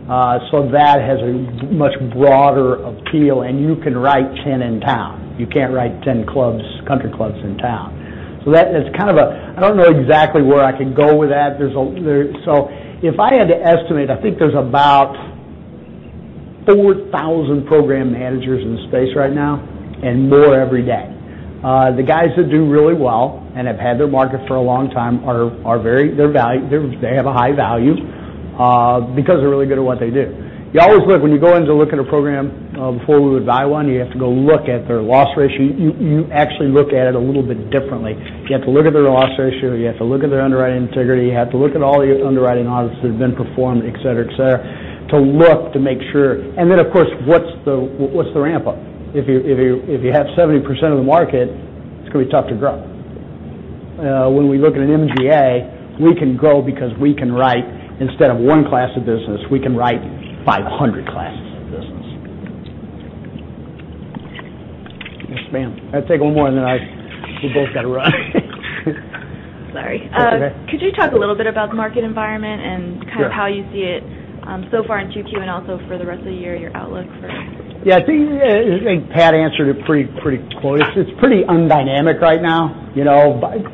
S7: That has a much broader appeal, and you can write 10 in town. You can't write 10 country clubs in town. I don't know exactly where I could go with that. If I had to estimate, I think there's about 4,000 program managers in the space right now and more every day. The guys that do really well and have had their market for a long time, they have a high value, because they're really good at what they do. You always look, when you go in to look at a program, before we would buy one, you have to go look at their loss ratio. You actually look at it a little bit differently. You have to look at their loss ratio. You have to look at their underwriting integrity. You have to look at all the underwriting audits that have been performed, et cetera, to look to make sure. Then, of course, what's the ramp-up? If you have 70% of the market, it's going to be tough to grow. When we look at an MGA, we can grow because we can write, instead of one class of business, we can write 500 classes of business. Yes, ma'am. I'll take one more, and then we both got to run.
S4: Sorry.
S7: That's okay.
S4: Could you talk a little bit about the market environment and kind of how you see it so far in 2Q and also for the rest of the year, your outlook for it?
S7: I think Pat answered it pretty close. It's pretty undynamic right now.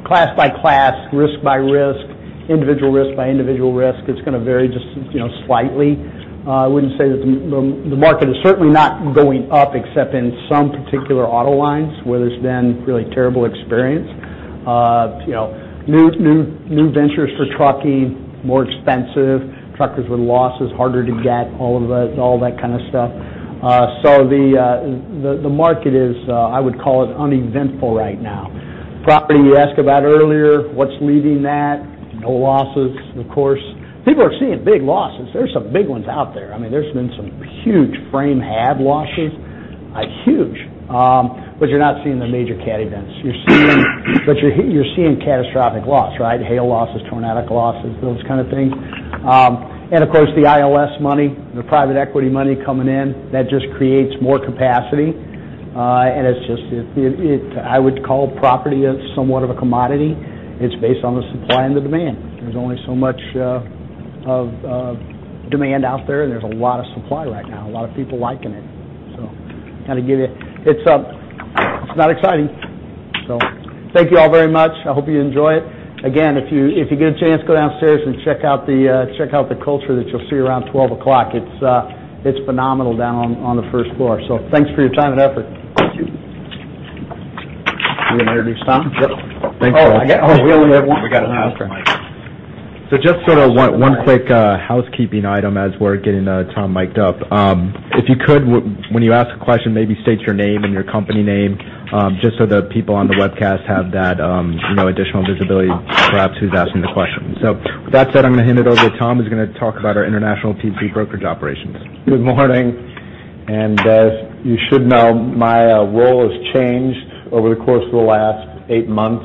S7: Class by class, risk by risk, individual risk by individual risk. It's going to vary just slightly. I wouldn't say that the market is certainly not going up except in some particular auto lines where there's been really terrible experience. New ventures for trucking, more expensive, truckers with losses, harder to get, all of that kind of stuff. The market is, I would call it uneventful right now. Property you asked about earlier, what's leading that? No losses, of course. People are seeing big losses. There's some big ones out there. There's been some huge frame hab losses. Huge. You're not seeing the major cat events. You're seeing catastrophic loss, right? Hail losses, tornadic losses, those kind of things. Of course, the ILS money, the private equity money coming in, that just creates more capacity. I would call property as somewhat of a commodity. It's based on the supply and the demand. There's only so much of demand out there, and there's a lot of supply right now, a lot of people liking it. Kind of give you. It's not exciting. Thank you all very much. I hope you enjoy it. Again, if you get a chance, go downstairs and check out the culture that you'll see around 12:00 o'clock. It's phenomenal down on the first floor. Thanks for your time and effort.
S1: Thank you. You want to introduce Tom?
S7: Yep.
S1: Thanks.
S7: Oh, we only have one?
S1: We got one.
S7: Okay.
S1: Just sort of one quick housekeeping item as we're getting Tom mic'd up. If you could, when you ask a question, maybe state your name and your company name, just so the people on the webcast have that additional visibility, perhaps who's asking the question. With that said, I'm going to hand it over to Tom, who's going to talk about our international P/C brokerage operations.
S9: Good morning. As you should know, my role has changed over the course of the last eight months,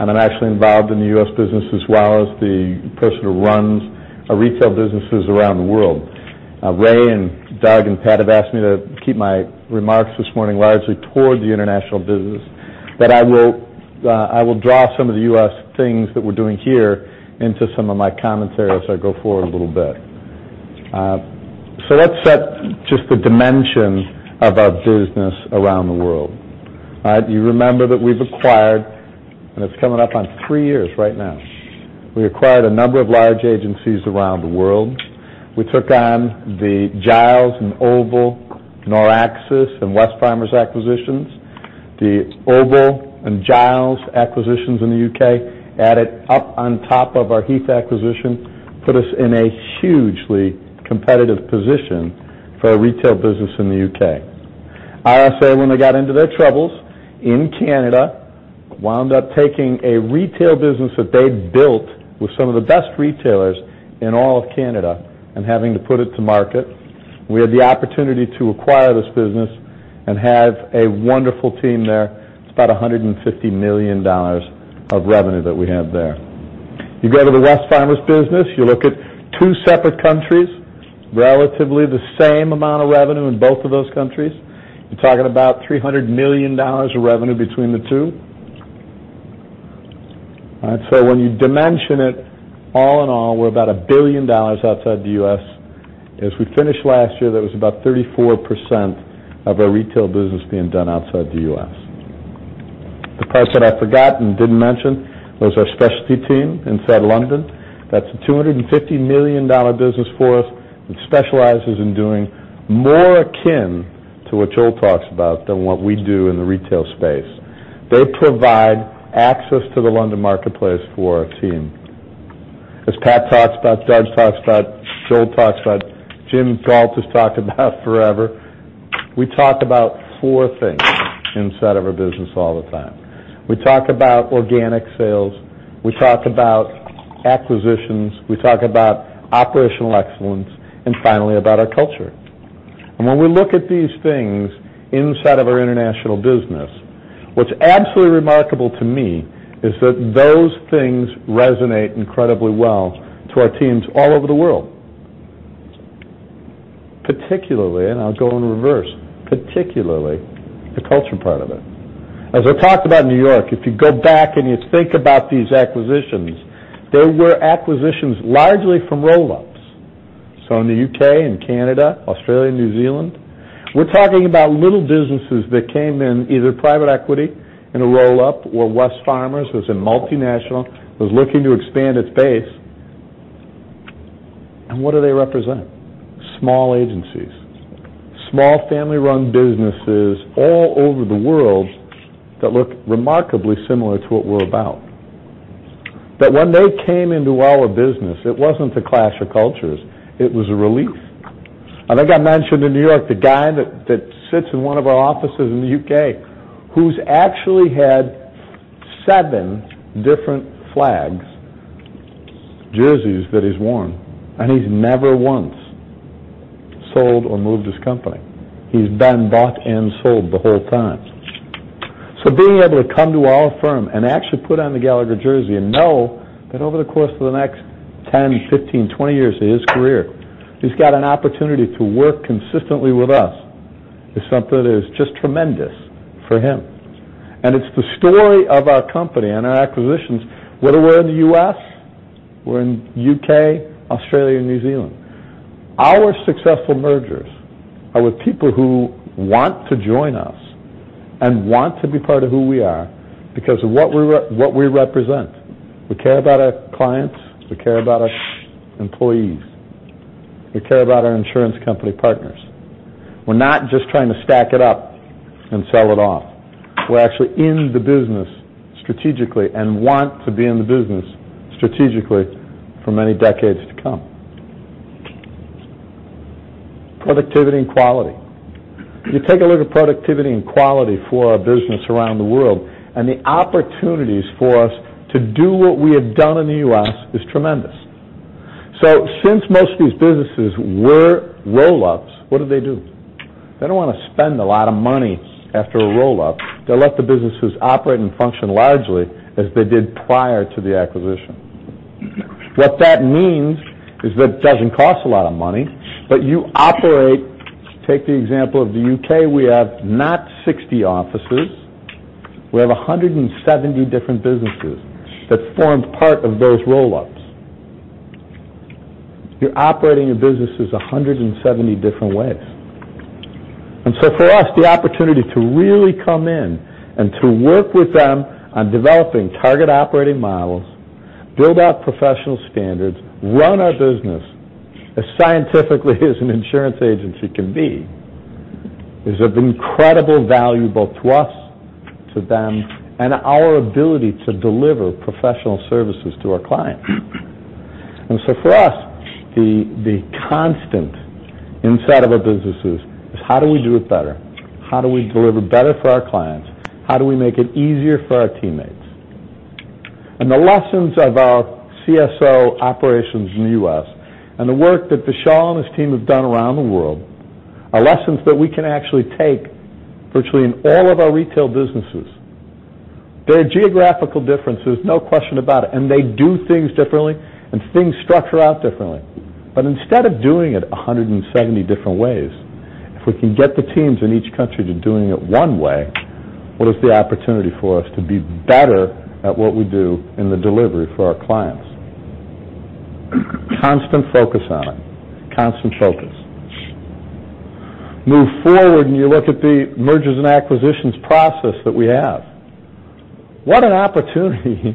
S9: and I'm actually involved in the U.S. business as well as the person who runs our retail businesses around the world. Ray and Doug and Pat have asked me to keep my remarks this morning largely toward the international business. I will draw some of the U.S. things that we're doing here into some of my commentary as I go forward a little bit. Let's set just the dimension of our business around the world. You remember that we've acquired, and it's coming up on three years right now. We acquired a number of large agencies around the world. We took on the Giles and Oval, Noraxis, and Wesfarmers acquisitions. The Oval and Giles acquisitions in the U.K., added up on top of our Heath Lambert acquisition, put us in a hugely competitive position for our retail business in the U.K. ISA, when they got into their troubles in Canada, wound up taking a retail business that they'd built with some of the best retailers in all of Canada and having to put it to market. We had the opportunity to acquire this business and have a wonderful team there. It's about $150 million of revenue that we have there. You go to the Wesfarmers business, you look at 2 separate countries, relatively the same amount of revenue in both of those countries. You're talking about $300 million of revenue between the 2. When you dimension it, all in all, we're about $1 billion outside the U.S. As we finished last year, that was about 34% of our retail business being done outside the U.S. The part that I forgot and didn't mention was our specialty team inside London. That's a $250 million business for us. It specializes in doing more akin to what Joel talks about than what we do in the retail space. They provide access to the London marketplace for our team. As Pat talks about, Doug talks about, Joel talks about, Jim Gault has talked about forever. We talk about 4 things inside of our business all the time. We talk about organic sales, we talk about acquisitions, we talk about operational excellence, and finally, about our culture. When we look at these things inside of our international business, what's absolutely remarkable to me is that those things resonate incredibly well to our teams all over the world. Particularly, I'll go in reverse, particularly the culture part of it. As I talked about in New York, if you go back and you think about these acquisitions, they were acquisitions largely from roll-ups. In the U.K. and Canada, Australia, New Zealand, we're talking about little businesses that came in either private equity in a roll-up or Wesfarmers was a multinational, was looking to expand its base. What do they represent? Small agencies, small family-run businesses all over the world that look remarkably similar to what we're about. That when they came into our business, it wasn't a clash of cultures, it was a relief. I think I mentioned in New York, the guy that sits in one of our offices in the U.K., who's actually had 7 different flags, jerseys that he's worn, and he's never once sold or moved his company. He's been bought and sold the whole time. Being able to come to our firm and actually put on the Gallagher jersey and know that over the course of the next 10, 15, 20 years of his career, he's got an opportunity to work consistently with us is something that is just tremendous for him. It's the story of our company and our acquisitions, whether we're in the U.S., we're in U.K., Australia, New Zealand. Our successful mergers are with people who want to join us and want to be part of who we are because of what we represent. We care about our clients, we care about our employees, we care about our insurance company partners. We're not just trying to stack it up and sell it off. We're actually in the business strategically and want to be in the business strategically for many decades to come. Productivity and quality. You take a look at productivity and quality for our business around the world, the opportunities for us to do what we have done in the U.S. is tremendous. Since most of these businesses were roll-ups, what do they do? They don't want to spend a lot of money after a roll-up. They let the businesses operate and function largely as they did prior to the acquisition. What that means is that it doesn't cost a lot of money, but you operate. Take the example of the U.K., we have not 60 offices, we have 170 different businesses that formed part of those roll-ups. You're operating your businesses 170 different ways. For us, the opportunity to really come in and to work with them on developing target operating models, build out professional standards, run our business as scientifically as an insurance agency can be, is of incredible value, both to us, to them, and our ability to deliver professional services to our clients. For us, the constant inside of our businesses is how do we do it better? How do we deliver better for our clients? How do we make it easier for our teammates? The lessons of our CSO operations in the U.S. and the work that Vishal and his team have done around the world are lessons that we can actually take virtually in all of our retail businesses. There are geographical differences, no question about it, and they do things differently and things structure out differently. Instead of doing it 170 different ways, if we can get the teams in each country to doing it one way, what is the opportunity for us to be better at what we do in the delivery for our clients? Constant focus on it. Constant focus. Move forward. You look at the mergers and acquisitions process that we have. What an opportunity.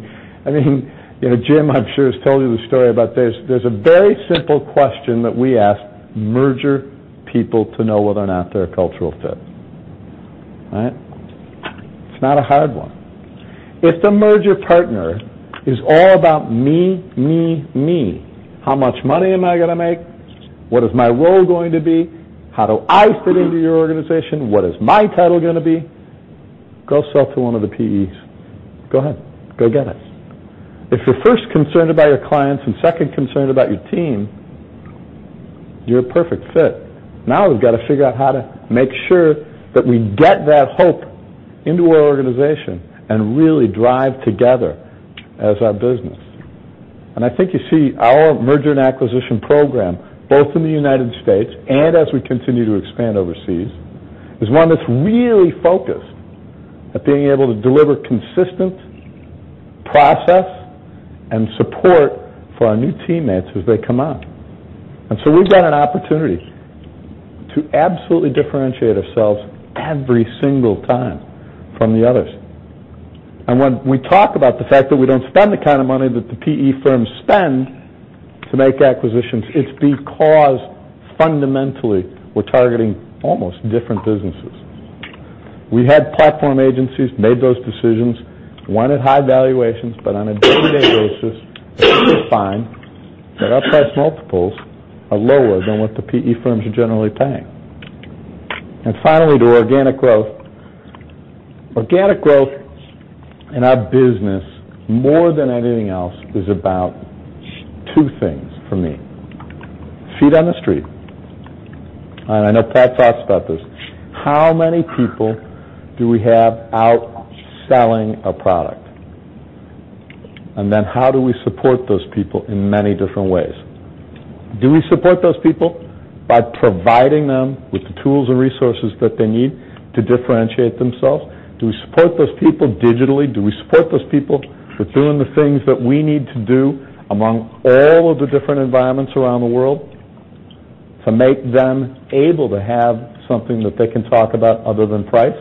S9: Jim, I'm sure, has told you the story about this. There's a very simple question that we ask merger people to know whether or not they're a cultural fit. Right? It's not a hard one. If the merger partner is all about me, me, how much money am I going to make? What is my role going to be? How do I fit into your organization? What is my title going to be? Go sell to one of the PEs. Go ahead. Go get it. If you're first concerned about your clients and second concerned about your team, you're a perfect fit. Now we've got to figure out how to make sure that we get that hope into our organization and really drive together as our business. I think you see our merger and acquisition program, both in the U.S. and as we continue to expand overseas, is one that's really focused at being able to deliver consistent process and support for our new teammates as they come on. We've got an opportunity to absolutely differentiate ourselves every single time from the others. When we talk about the fact that we don't spend the kind of money that the PE firms spend to make acquisitions, it's because fundamentally, we're targeting almost different businesses. We had platform agencies made those decisions, one at high valuations, but on a day-to-day basis, we're fine that our price multiples are lower than what the PE firms are generally paying. Finally, to organic growth. Organic growth in our business, more than anything else, is about two things for me. Feet on the street. I know Pat talks about this. How many people do we have out selling a product? Then how do we support those people in many different ways? Do we support those people by providing them with the tools and resources that they need to differentiate themselves? Do we support those people digitally? Do we support those people for doing the things that we need to do among all of the different environments around the world to make them able to have something that they can talk about other than price?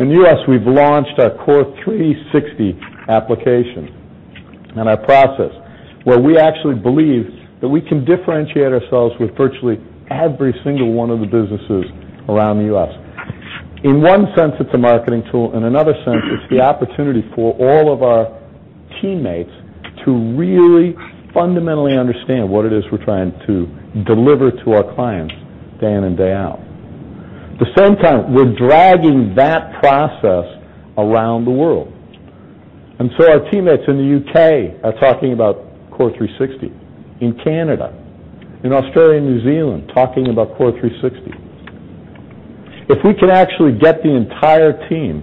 S9: In the U.S., we've launched our CORE360 application and our process, where we actually believe that we can differentiate ourselves with virtually every single one of the businesses around the U.S. In one sense, it's a marketing tool. In another sense, it's the opportunity for all of our teammates to really fundamentally understand what it is we're trying to deliver to our clients day in and day out. At the same time, we're dragging that process around the world. Our teammates in the U.K. are talking about CORE360, in Canada, in Australia, and New Zealand, talking about CORE360. If we can actually get the entire team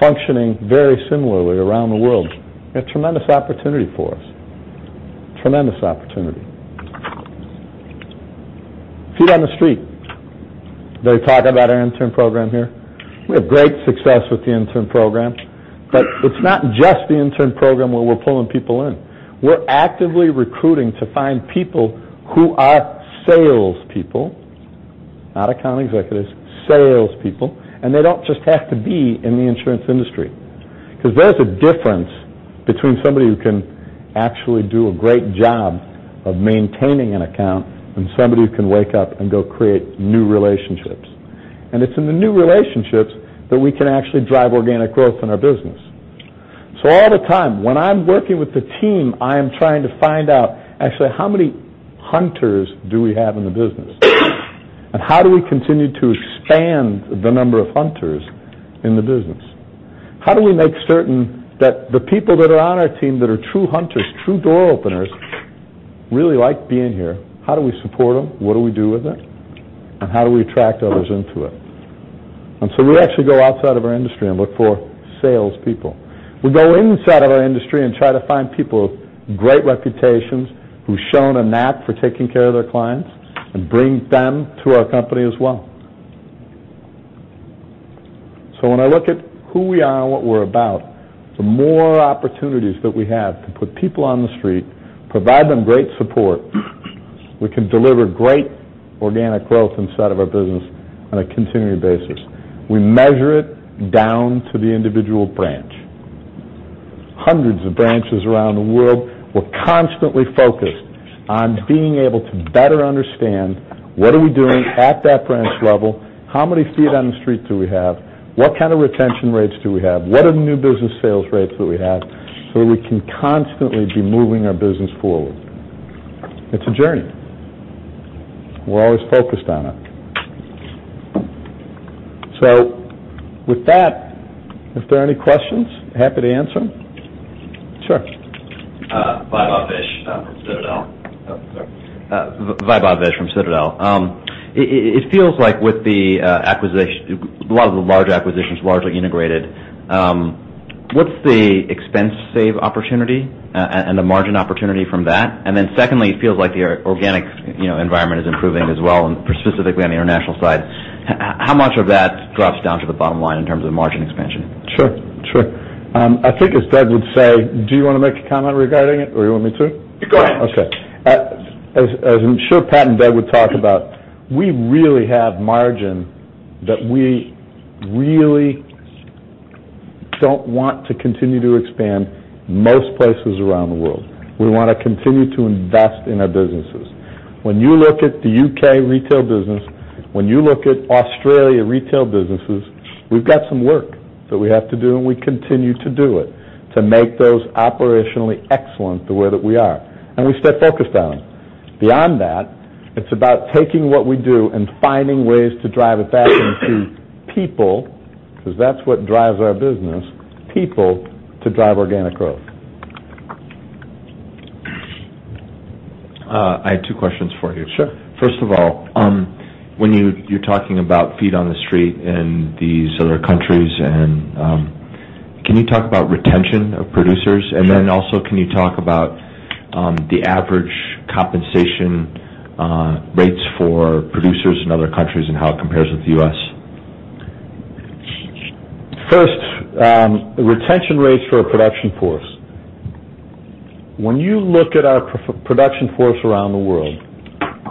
S9: functioning very similarly around the world, a tremendous opportunity for us. Tremendous opportunity. Feet on the street. They talk about our intern program here. We have great success with the intern program, but it's not just the intern program where we're pulling people in. We're actively recruiting to find people who are salespeople, not account executives, salespeople, and they don't just have to be in the insurance industry. Because there's a difference between somebody who can actually do a great job of maintaining an account and somebody who can wake up and go create new relationships. It's in the new relationships that we can actually drive organic growth in our business. All the time, when I'm working with the team, I am trying to find out actually how many hunters do we have in the business and how do we continue to expand the number of hunters in the business? How do we make certain that the people that are on our team that are true hunters, true door openers, really like being here? How do we support them? What do we do with it? How do we attract others into it? We actually go outside of our industry and look for salespeople. We go inside of our industry and try to find people with great reputations who've shown a knack for taking care of their clients and bring them to our company as well. When I look at who we are and what we're about, the more opportunities that we have to put people on the street, provide them great support, we can deliver great organic growth inside of our business on a continuing basis. We measure it down to the individual branch. Hundreds of branches around the world. We're constantly focused on being able to better understand what are we doing at that branch level, how many feet on the street do we have, what kind of retention rates do we have, what are the new business sales rates that we have so we can constantly be moving our business forward. It's a journey. We're always focused on it. With that, if there are any questions, happy to answer them. Sure.
S8: Vaibhav Vish from Citadel. It feels like with the acquisition, a lot of the large acquisitions largely integrated. What's the expense save opportunity and the margin opportunity from that? Secondly, it feels like your organic environment is improving as well, and specifically on the international side. How much of that drops down to the bottom line in terms of margin expansion?
S9: Sure. I think as Ted would say Do you want to make a comment regarding it, or you want me to?
S8: Go ahead.
S9: Okay. As I'm sure Pat and Ted would talk about, we really have margin that we really don't want to continue to expand most places around the world. We want to continue to invest in our businesses. When you look at the U.K. retail business, when you look at Australia retail businesses, we've got some work that we have to do, and we continue to do it to make those operationally excellent the way that we are, and we stay focused on them. Beyond that, it's about taking what we do and finding ways to drive it back into people, because that's what drives our business, people to drive organic growth.
S3: I have two questions for you.
S9: Sure.
S3: First of all, when you're talking about feet on the street in these other countries. Can you talk about retention of producers?
S9: Sure.
S3: Also, can you talk about the average compensation rates for producers in other countries and how it compares with the U.S.?
S9: First, retention rates for our production force. When you look at our production force around the world,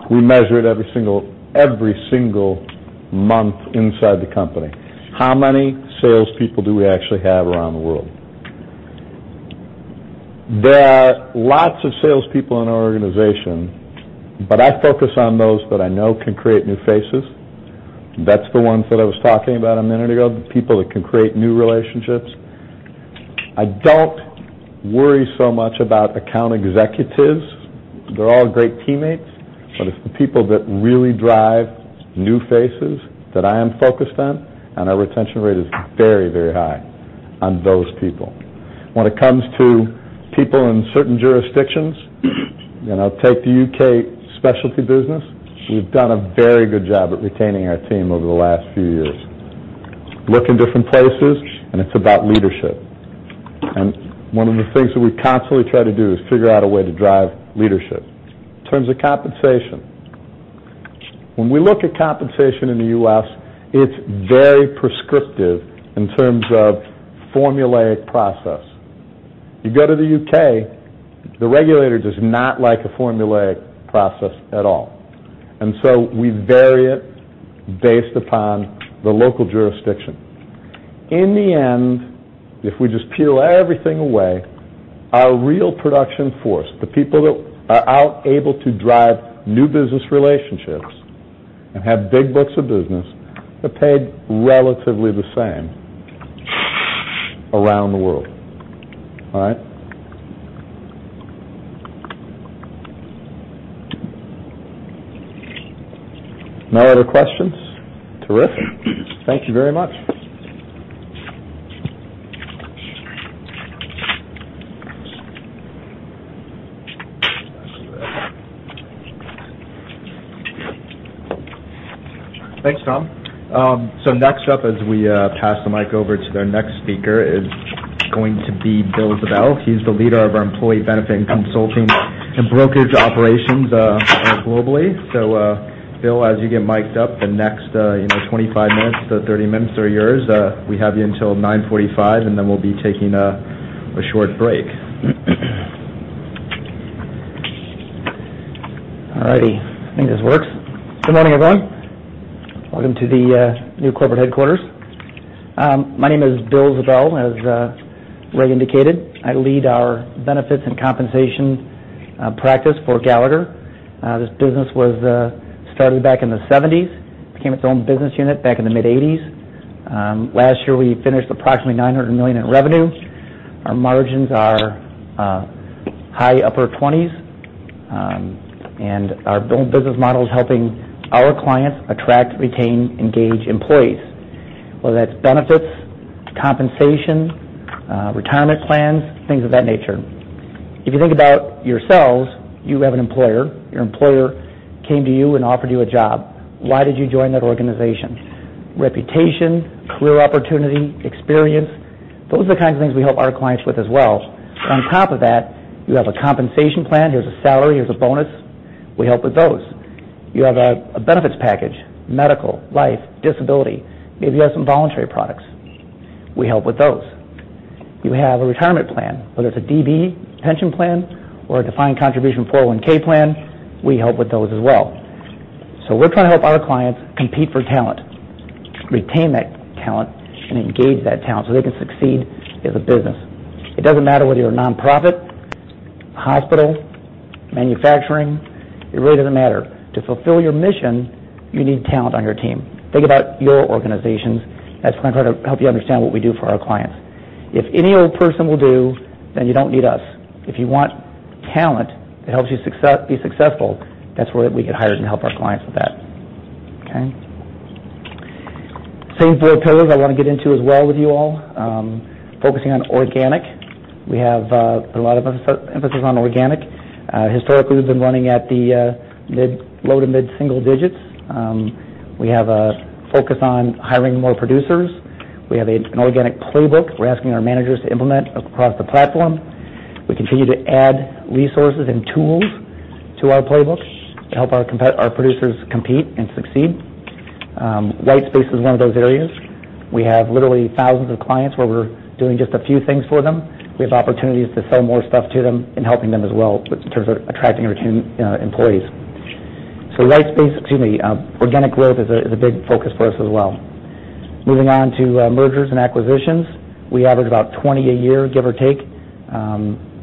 S9: we measure it every single month inside the company. How many salespeople do we actually have around the world? There are lots of salespeople in our organization, but I focus on those that I know can create new faces. That's the ones that I was talking about a minute ago, the people that can create new relationships. I don't worry so much about account executives. They're all great teammates, but it's the people that really drive new faces that I am focused on, and our retention rate is very high on those people. When it comes to people in certain jurisdictions, take the U.K. specialty business. We've done a very good job at retaining our team over the last few years. Look in different places, and it's about leadership. One of the things that we constantly try to do is figure out a way to drive leadership. In terms of compensation, when we look at compensation in the U.S., it's very prescriptive in terms of formulaic process. You go to the U.K., the regulator does not like a formulaic process at all. We vary it based upon the local jurisdiction. In the end, if we just peel everything away, our real production force, the people that are out able to drive new business relationships and have big books of business, they're paid relatively the same around the world. All right? No other questions? Terrific. Thank you very much.
S1: Thanks, Tom. Next up, as we pass the mic over to their next speaker, is going to be Bill Ziebell. He's the leader of our employee benefit and consulting and brokerage operations globally. Bill, as you get mic'd up, the next 25 minutes to 30 minutes are yours. We have you until 9:45, then we'll be taking a short break.
S10: All righty. I think this works. Good morning, everyone. Welcome to the new corporate headquarters. My name is Bill Ziebell, as Ray indicated. I lead our benefits and compensation practice for Gallagher. This business was started back in the '70s, became its own business unit back in the mid-'80s. Last year, we finished approximately $900 million in revenue. Our margins are high upper 20s. Our business model is helping our clients attract, retain, engage employees, whether that's benefits, compensation, retirement plans, things of that nature. If you think about yourselves, you have an employer. Your employer came to you and offered you a job. Why did you join that organization? Reputation, career opportunity, experience. Those are the kinds of things we help our clients with as well. On top of that, you have a compensation plan. There's a salary, there's a bonus. We help with those. You have a benefits package, medical, life, disability. Maybe you have some voluntary products. We help with those. You have a retirement plan, whether it's a DB pension plan or a defined contribution 401 plan. We help with those as well. We're trying to help our clients compete for talent, retain that talent, and engage that talent so they can succeed as a business. It doesn't matter whether you're a nonprofit, hospital, manufacturing. It really doesn't matter. To fulfill your mission, you need talent on your team. Think about your organizations. That's going to help you understand what we do for our clients. If any old person will do, then you don't need us. If you want talent that helps you be successful, that's where we get hired and help our clients with that. Okay? Same four pillars I want to get into as well with you all, focusing on organic. We have put a lot of emphasis on organic. Historically, we've been running at the low to mid-single digits. We have a focus on hiring more producers. We have an organic playbook we're asking our managers to implement across the platform. We continue to add resources and tools to our playbook to help our producers compete and succeed. White space is one of those areas. We have literally thousands of clients where we're doing just a few things for them. We have opportunities to sell more stuff to them and helping them as well in terms of attracting and retaining employees. Organic growth is a big focus for us as well. Moving on to mergers and acquisitions, we average about 20 a year, give or take,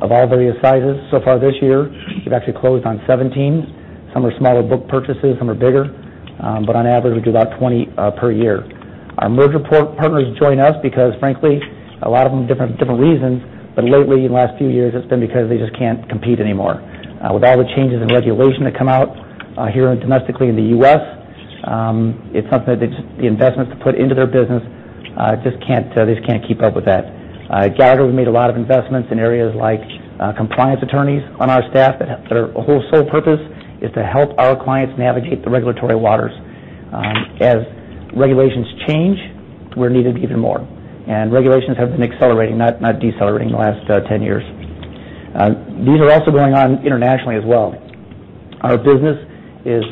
S10: of all various sizes. So far this year, we've actually closed on 17. Some are smaller book purchases, some are bigger. On average, we do about 20 per year. Our merger partners join us because, frankly, a lot of them, different reasons. Lately, in the last few years, it's been because they just can't compete anymore. With all the changes in regulation that come out here domestically in the U.S., it's something that the investments put into their business just can't keep up with that. At Gallagher, we've made a lot of investments in areas like compliance attorneys on our staff that their whole sole purpose is to help our clients navigate the regulatory waters. As regulations change, we're needed even more. Regulations have been accelerating, not decelerating in the last 10 years. These are also going on internationally as well. Our business is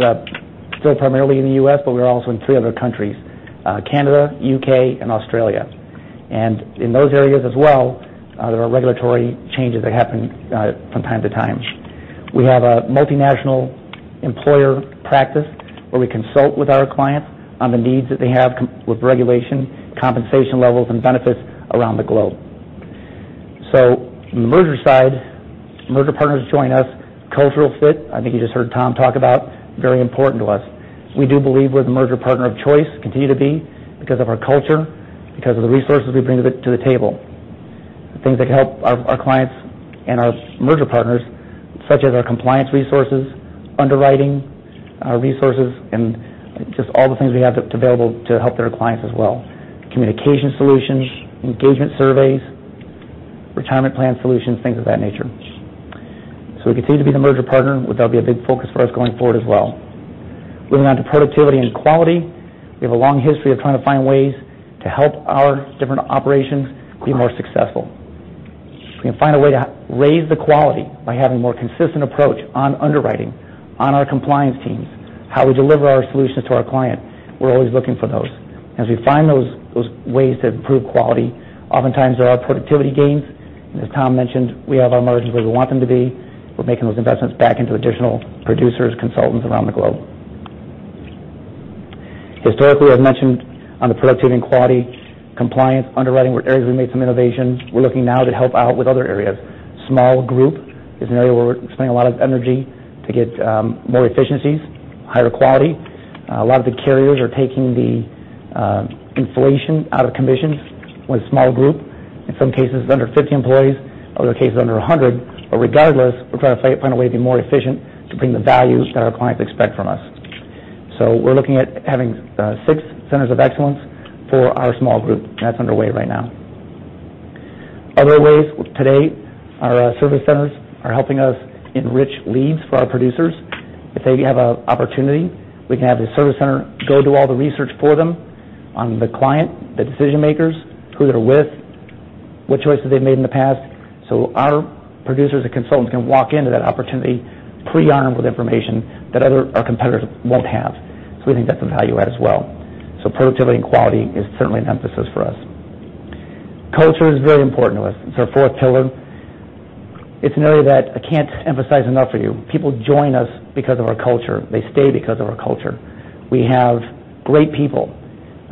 S10: still primarily in the U.S., but we're also in three other countries, Canada, U.K., and Australia. In those areas as well, there are regulatory changes that happen from time to time. We have a multinational employer practice where we consult with our clients on the needs that they have with regulation, compensation levels, and benefits around the globe. On the merger side, merger partners join us. Cultural fit, I think you just heard Tom talk about, very important to us. We do believe we're the merger partner of choice, continue to be because of our culture, because of the resources we bring to the table. The things that can help our clients and our merger partners, such as our compliance resources, underwriting resources, and just all the things we have available to help their clients as well. Communication solutions, engagement surveys, retirement plan solutions, things of that nature. We continue to be the merger partner. That'll be a big focus for us going forward as well. Moving on to productivity and quality, we have a long history of trying to find ways to help our different operations be more successful. If we can find a way to raise the quality by having more consistent approach on underwriting, on our compliance teams, how we deliver our solutions to our client, we're always looking for those. As we find those ways to improve quality, oftentimes there are productivity gains, and as Tom mentioned, we have our mergers where we want them to be. We're making those investments back into additional producers, consultants around the globe. Historically, as mentioned on the productivity and quality, compliance, underwriting were areas we made some innovations. We're looking now to help out with other areas. Small group is an area where we're spending a lot of energy to get more efficiencies, higher quality. A lot of the carriers are taking the inflation out of commissions with small group. In some cases, it's under 50 employees, other cases under 100. Regardless, we're trying to find a way to be more efficient to bring the value that our clients expect from us. We're looking at having six centers of excellence for our small group, and that's underway right now. Other ways today, our service centers are helping us enrich leads for our producers. If they have an opportunity, we can have the service center go do all the research for them on the client, the decision-makers, who they're with, what choices they've made in the past. Our producers and consultants can walk into that opportunity pre-armed with information that our competitors won't have. We think that's a value add as well. Productivity and quality is certainly an emphasis for us. Culture is very important to us. It's our fourth pillar. It's an area that I can't emphasize enough for you. People join us because of our culture. They stay because of our culture. We have great people.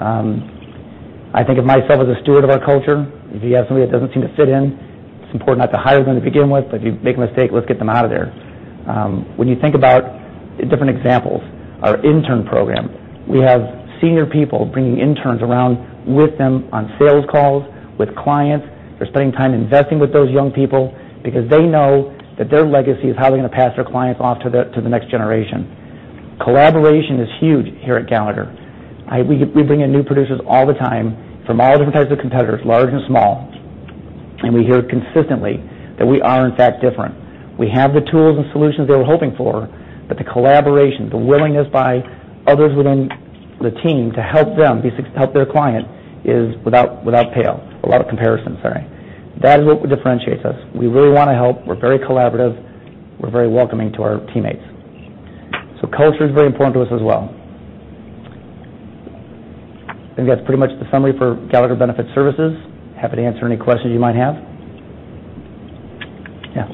S10: I think of myself as a steward of our culture. If you have somebody that doesn't seem to fit in, it's important not to hire them to begin with, but if you make a mistake, let's get them out of there. When you think about different examples, our intern program, we have senior people bringing interns around with them on sales calls with clients. They're spending time investing with those young people because they know that their legacy is how they're going to pass their clients off to the next generation. Collaboration is huge here at Gallagher. We bring in new producers all the time from all different types of competitors, large and small. We hear consistently that we are in fact different. We have the tools and solutions they were hoping for. The collaboration, the willingness by others within the team to help them help their client is without pale. A lot of comparisons, sorry. That is what differentiates us. We really want to help. We're very collaborative. We're very welcoming to our teammates. Culture is very important to us as well. I think that's pretty much the summary for Gallagher Benefit Services. Happy to answer any questions you might have. Yeah.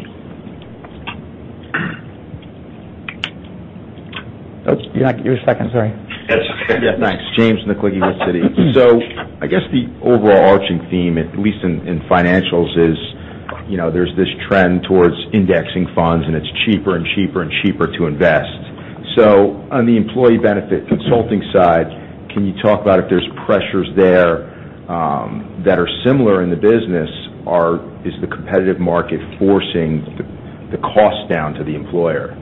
S10: Oops, you were second. Sorry.
S6: That's okay. Thanks. James Naklicki with Citi. I guess the overall arching theme, at least in financials, is there's this trend towards indexing funds, and it's cheaper and cheaper and cheaper to invest. On the employee benefit consulting side, can you talk about if there's pressures there that are similar in the business? Is the competitive market forcing the cost down to the employer?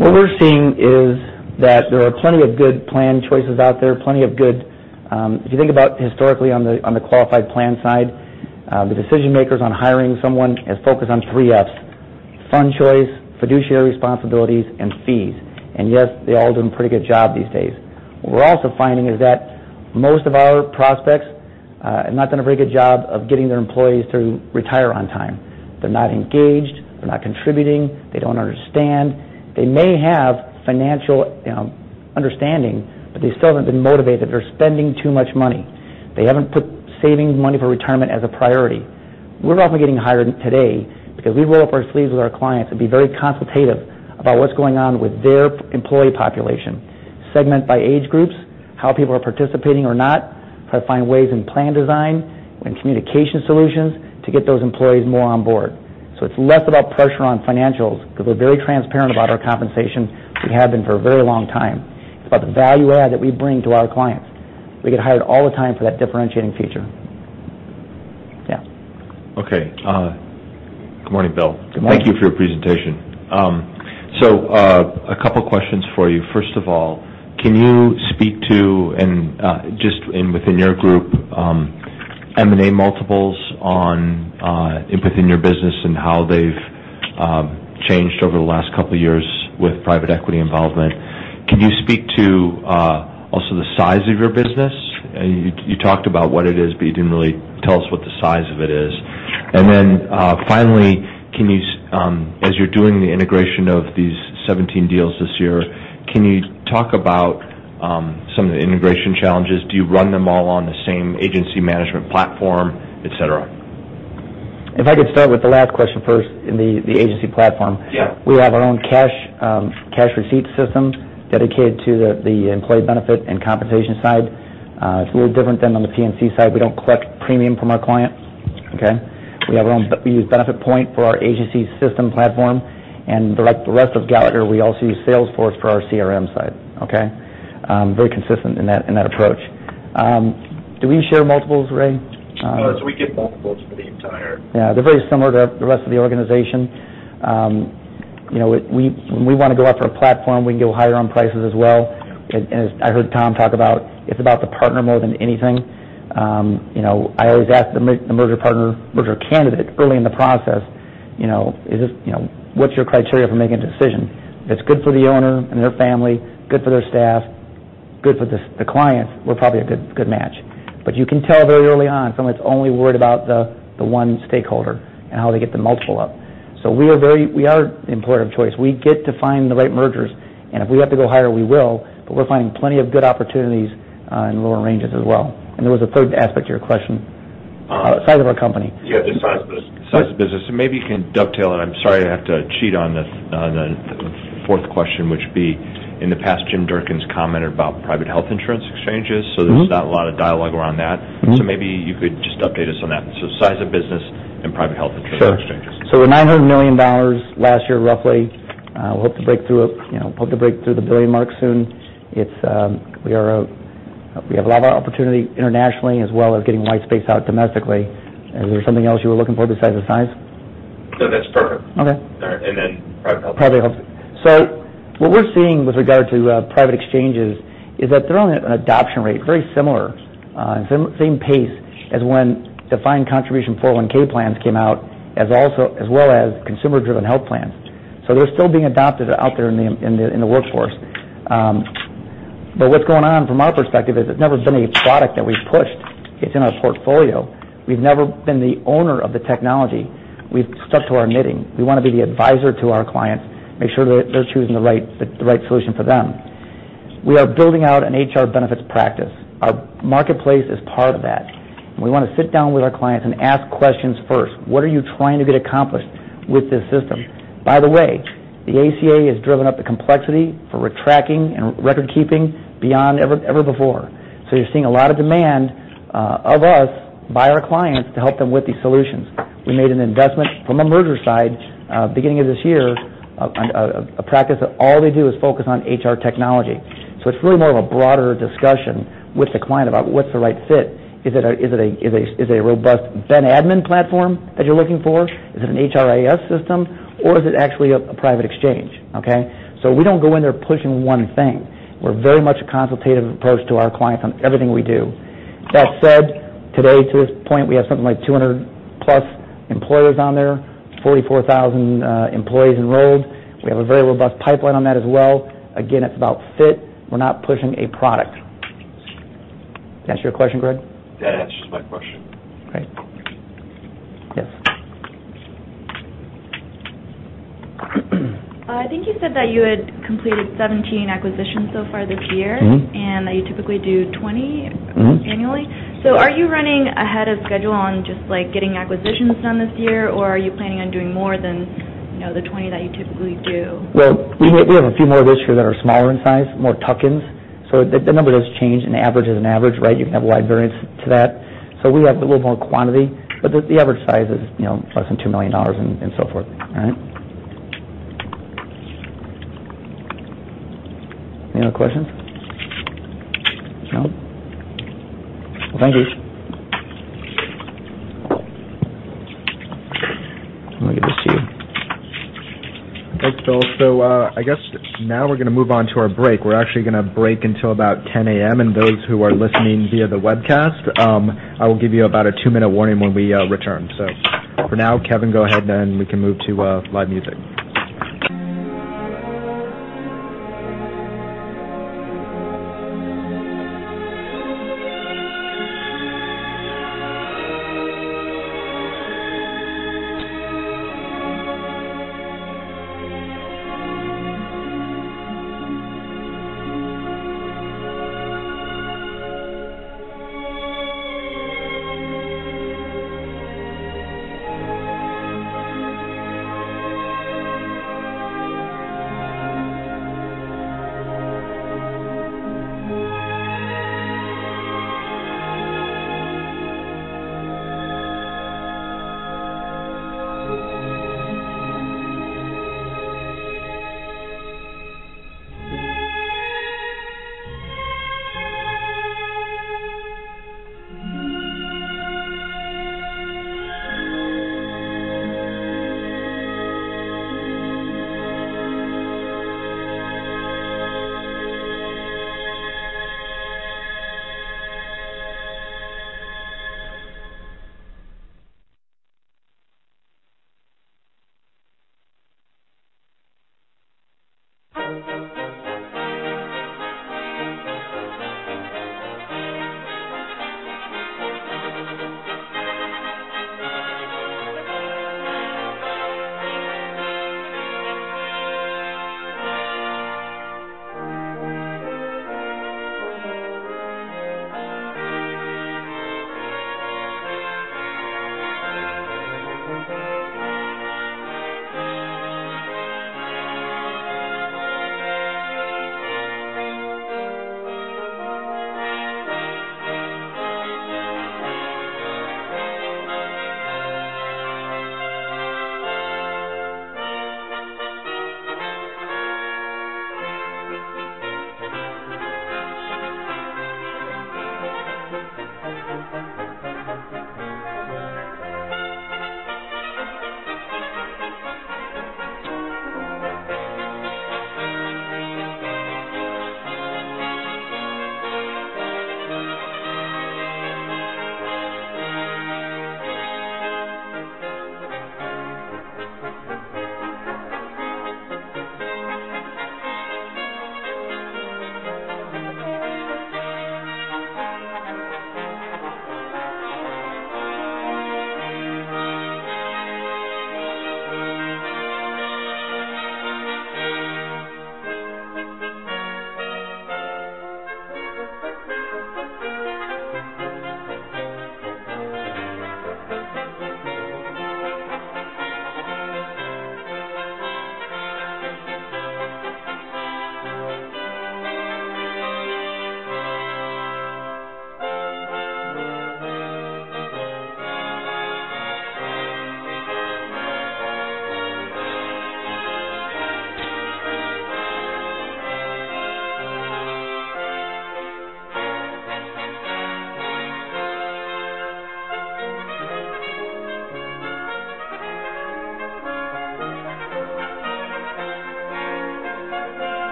S10: What we're seeing is that there are plenty of good plan choices out there. If you think about historically on the qualified plan side, the decision-makers on hiring someone is focused on three Fs, fund choice, fiduciary responsibilities, and fees. Yes, they all do a pretty good job these days. What we're also finding is that most of our prospects have not done a very good job of getting their employees to retire on time. They're not engaged. They're not contributing. They don't understand. They may have financial understanding. They still haven't been motivated. They're spending too much money. They haven't put saving money for retirement as a priority. We're often getting hired today because we roll up our sleeves with our clients and be very consultative about what's going on with their employee population, segment by age groups, how people are participating or not, try to find ways in plan design and communication solutions to get those employees more on board. It's less about pressure on financials because we're very transparent about our compensation. We have been for a very long time. It's about the value add that we bring to our clients. We get hired all the time for that differentiating feature. Yeah.
S3: Okay. Good morning, Bill.
S10: Good morning.
S3: Thank you for your presentation. A couple questions for you. First of all, can you speak to, and just within your group, M&A multiples within your business and how they've changed over the last couple of years with private equity involvement? Can you speak to also the size of your business? You talked about what it is, but you didn't really tell us what the size of it is. Then finally, as you're doing the integration of these 17 deals this year, can you talk about some of the integration challenges? Do you run them all on the same agency management platform, et cetera?
S10: If I could start with the last question first in the agency platform.
S3: Yeah.
S10: We have our own cash receipt system dedicated to the employee benefit and compensation side. It's a little different than on the P&C side. We don't collect premium from our clients, okay? We use BenefitPoint for our agency system platform, and like the rest of Gallagher, we also use Salesforce for our CRM side, okay? Very consistent in that approach. Do we share multiples, Ray?
S3: We get multiples for the entire-
S10: Yeah, they're very similar to the rest of the organization. When we want to go after a platform, we can go higher on prices as well.
S3: Yeah.
S10: As I heard Tom talk about, it's about the partner more than anything. I always ask the merger partner, merger candidate early in the process, "What's your criteria for making a decision?" If it's good for the owner and their family, good for their staff, good for the clients, we're probably a good match. You can tell very early on, someone's only worried about the one stakeholder and how they get the multiple up. We are an employer of choice. We get to find the right mergers, and if we have to go higher, we will, but we're finding plenty of good opportunities in lower ranges as well. There was a third aspect to your question, size of our company.
S3: Yeah, the size of the business. Maybe you can dovetail, and I'm sorry, I have to cheat on the fourth question, which would be, in the past, Jim Durkin's commented about private health insurance exchanges, there's not a lot of dialogue around that. Maybe you could just update us on that. Size of business and private health insurance exchanges.
S10: Sure. We're $900 million last year, roughly. We hope to break through the billion mark soon. We have a lot of opportunity internationally, as well as getting white space out domestically. Is there something else you were looking for besides the size?
S3: No, that's perfect.
S10: Okay.
S3: All right, then private health insurance.
S10: Private health. What we're seeing with regard to private exchanges is that they're on an adoption rate, very similar, same pace as when defined contribution 401 plans came out, as well as consumer-driven health plans. They're still being adopted out there in the workforce. What's going on from our perspective is it's never been a product that we've pushed. It's in our portfolio. We've never been the owner of the technology. We've stuck to our knitting. We want to be the advisor to our clients, make sure they're choosing the right solution for them. We are building out an HR benefits practice. Our marketplace is part of that, and we want to sit down with our clients and ask questions first. What are you trying to get accomplished with this system? By the way, the ACA has driven up the complexity for tracking and record keeping beyond ever before. You're seeing a lot of demand of us by our clients to help them with these solutions. We made an investment from a merger side, beginning of this year, a practice that all they do is focus on HR technology. It's really more of a broader discussion with the client about what's the right fit. Is it a robust ben admin platform that you're looking for? Is it an HRIS system, or is it actually a private exchange, okay? We don't go in there pushing one thing. We're very much a consultative approach to our clients on everything we do. That said, today, to this point, we have something like 200-plus employers on there, 44,000 employees enrolled. We have a very robust pipeline on that as well. Again, it's about fit. We're not pushing a product. Did I answer your question, Greg?
S3: That answers my question.
S10: Great. Yes.
S4: I think you said that you had completed 17 acquisitions so far this year. That you typically do 20 annually. Are you running ahead of schedule on just getting acquisitions done this year, or are you planning on doing more than the 20 that you typically do?
S10: Well, we have a few more this year that are smaller in size, more tuck-ins. The number does change, and average is an average, right? You can have wide variance to that. We have a little more quantity, but the average size is less than $2 million and so forth, all right? Any other questions? No. Well, thank you. I am going to give this to you.
S1: Thanks, Bill. I guess now we are going to move on to our break. We are actually going to break until about 10:00 A.M., and those who are listening via the webcast, I will give you about a two-minute warning when we return. For now, Kevin, go ahead, then we can move to live music.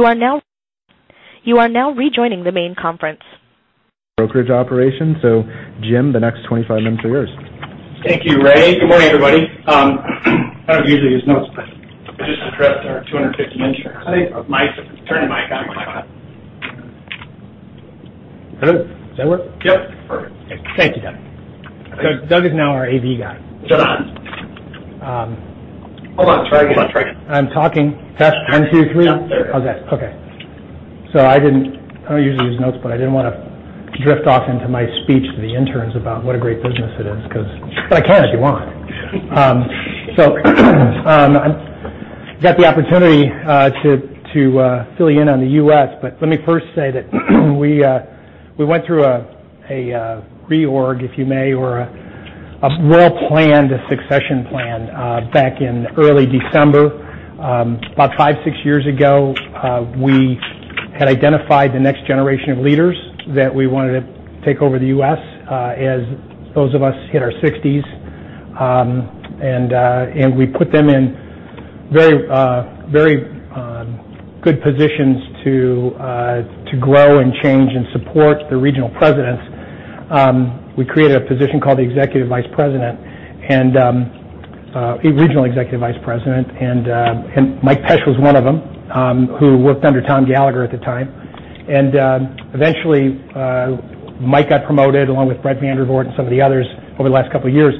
S11: You are now rejoining the main conference.
S1: Brokerage operation. Jim, the next 25 minutes are yours.
S12: Thank you, Ray. Good morning, everybody. I don't usually use notes, but I just addressed our 250 interns.
S1: Mike, turn the mic on, Mike.
S12: Hello? Does that work?
S1: Yep. Perfect.
S12: Thank you, Doug. Doug is now our AV guy.
S1: Is it on? Hold on. Try again.
S12: I'm talking. Test, one, two, three.
S1: Yeah, there we go.
S12: Okay. I don't usually use notes, but I didn't want to drift off into my speech to the interns about what a great business it is, but I can if you want. I got the opportunity to fill you in on the U.S., let me first say that we went through a reorg, if you may, or a well-planned succession plan back in early December. About five, six years ago, we had identified the next generation of leaders that we wanted to take over the U.S. as those of us hit our 60s. We put them in very good positions to grow and change and support the regional presidents. We created a position called the executive vice president, regional executive vice president. Mike Pesch was one of them who worked under Tom Gallagher at the time. Eventually, Mike got promoted along with Bret VanderVoort and some of the others over the last couple of years.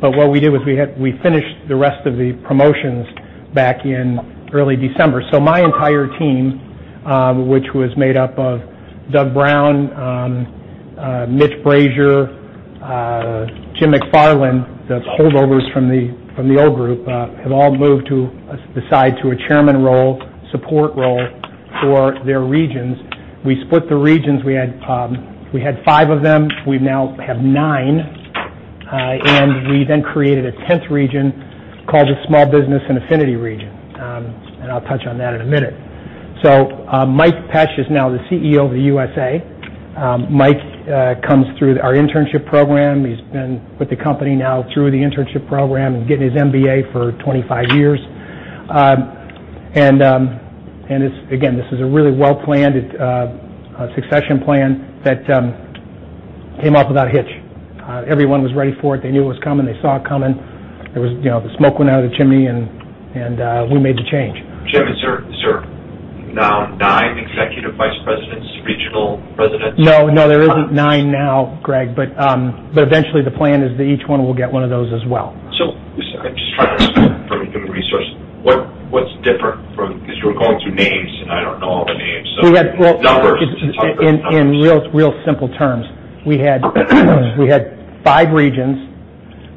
S12: What we did was we finished the rest of the promotions back in early December. My entire team, which was made up of Doug Brown, Mitch Brashier, Jim McFarlane, the holdovers from the old group, have all moved to the side to a chairman role, support role for their regions. We split the regions. We had five of them. We now have nine. We then created a 10th region called the Small Business and Affinity Region. I'll touch on that in a minute. Mike Pesch is now the CEO of the U.S.A. Mike comes through our internship program. He's been with the company now through the internship program and getting his MBA for 25 years. Again, this is a really well-planned succession plan that came off without a hitch. Everyone was ready for it. They knew it was coming. They saw it coming. The smoke went out of the chimney and we made the change.
S3: Jim, is there now nine executive vice presidents, regional presidents?
S12: No, there isn't nine now, Greg, but eventually the plan is that each one will get one of those as well.
S3: I'm just trying to understand from a human resource, what's different from Because you were going through names, and I don't know all the names.
S12: We had-
S3: Numbers.
S12: In real simple terms, we had five regions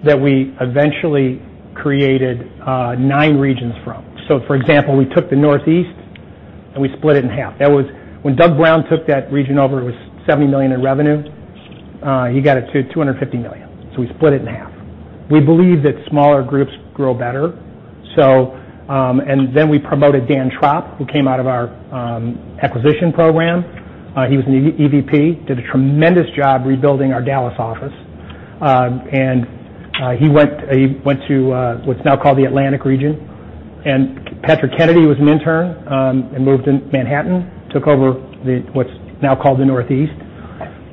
S12: that we eventually created nine regions from. For example, we took the Northeast and we split it in half. When Doug Brown took that region over, it was $70 million in revenue. He got it to $250 million. We split it in half. We believe that smaller groups grow better. We promoted Dan Tropp, who came out of our acquisition program. He was an EVP, did a tremendous job rebuilding our Dallas office. He went to what's now called the Atlantic region. Patrick Kennedy was an intern, moved to Manhattan, took over what's now called the Northeast.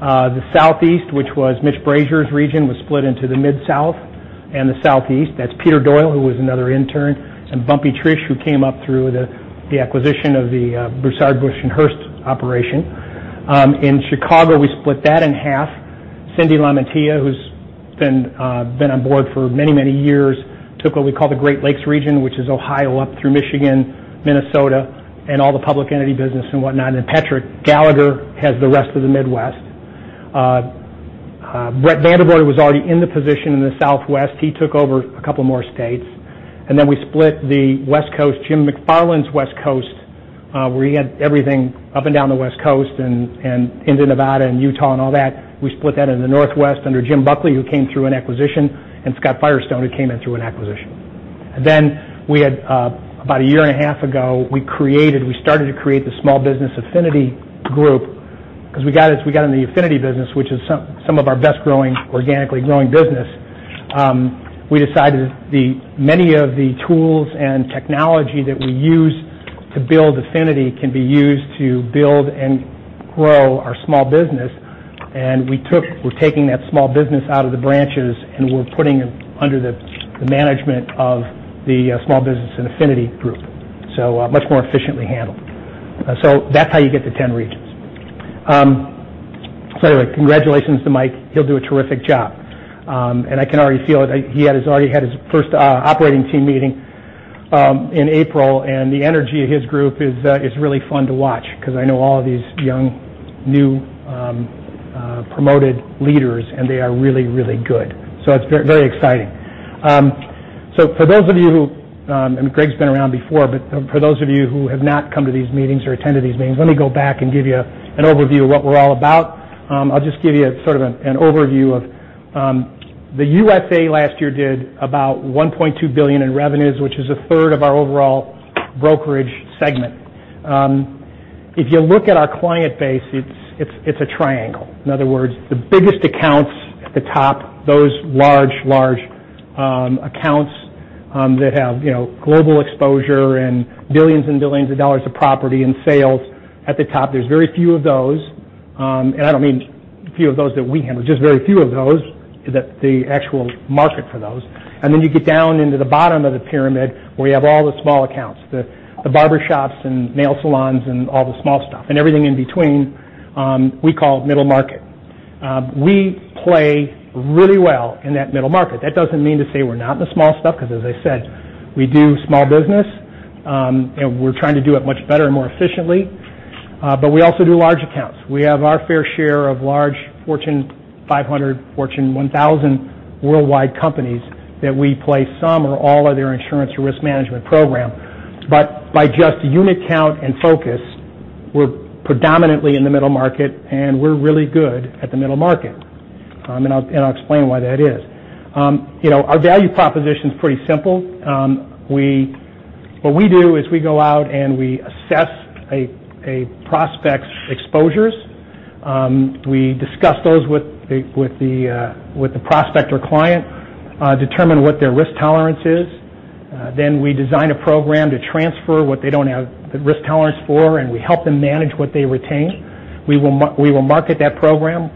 S12: The Southeast, which was Mitch Brashier's region, was split into the Mid-South and the Southeast. That's Peter Doyle, who was another intern, and Bumpy Triche, who came up through the acquisition of the Broussard, Bush and Hurst operation. In Chicago, we split that in half. Cindy LaMantia, who's been on board for many, many years, took what we call the Great Lakes region, which is Ohio up through Michigan, Minnesota, and all the public entity business and whatnot. Patrick Gallagher has the rest of the Midwest. Bret VanderVoort was already in the position in the Southwest. He took over a couple more states. We split the West Coast, Jim McFarlane's West Coast, where he had everything up and down the West Coast and into Nevada and Utah and all that. We split that into the Northwest under Jim Buckley, who came through an acquisition, and Scott Firestone, who came in through an acquisition. About a year and a half ago, we started to create the Small Business Affinity Group because we got in the affinity business, which is some of our best organically growing business. We decided that many of the tools and technology that we use to build affinity can be used to build and grow our small business. We're taking that small business out of the branches, and we're putting it under the management of the Small Business and Affinity Group. Much more efficiently handled. That's how you get to 10 regions. Congratulations to Mike. He'll do a terrific job. I can already feel it. He already had his first operating team meeting in April, and the energy of his group is really fun to watch because I know all of these young, new promoted leaders, and they are really, really good. It's very exciting. Greg's been around before, for those of you who have not come to these meetings or attended these meetings, let me go back and give you an overview of what we're all about. I'll just give you sort of an overview of the U.S.A. last year did about $1.2 billion in revenues, which is a third of our overall brokerage segment. If you look at our client base, it's a triangle. In other words, the biggest accounts at the top, those large accounts that have global exposure and billions and billions of dollars of property and sales at the top, there's very few of those. I don't mean few of those that we handle, just very few of those, the actual market for those. You get down into the bottom of the pyramid, where you have all the small accounts, the barbershops and nail salons and all the small stuff, and everything in between, we call middle market. We play really well in that middle market. That doesn't mean to say we're not in the small stuff, because as I said, we do small business. We're trying to do it much better and more efficiently. We also do large accounts. We have our fair share of large Fortune 500, Fortune 1000 worldwide companies that we place some or all of their insurance or risk management program. By just unit count and focus, we're predominantly in the middle market, and we're really good at the middle market. I'll explain why that is. Our value proposition's pretty simple. What we do is we go out and we assess a prospect's exposures. We discuss those with the prospect or client, determine what their risk tolerance is. We design a program to transfer what they don't have the risk tolerance for, and we help them manage what they retain. We will market that program.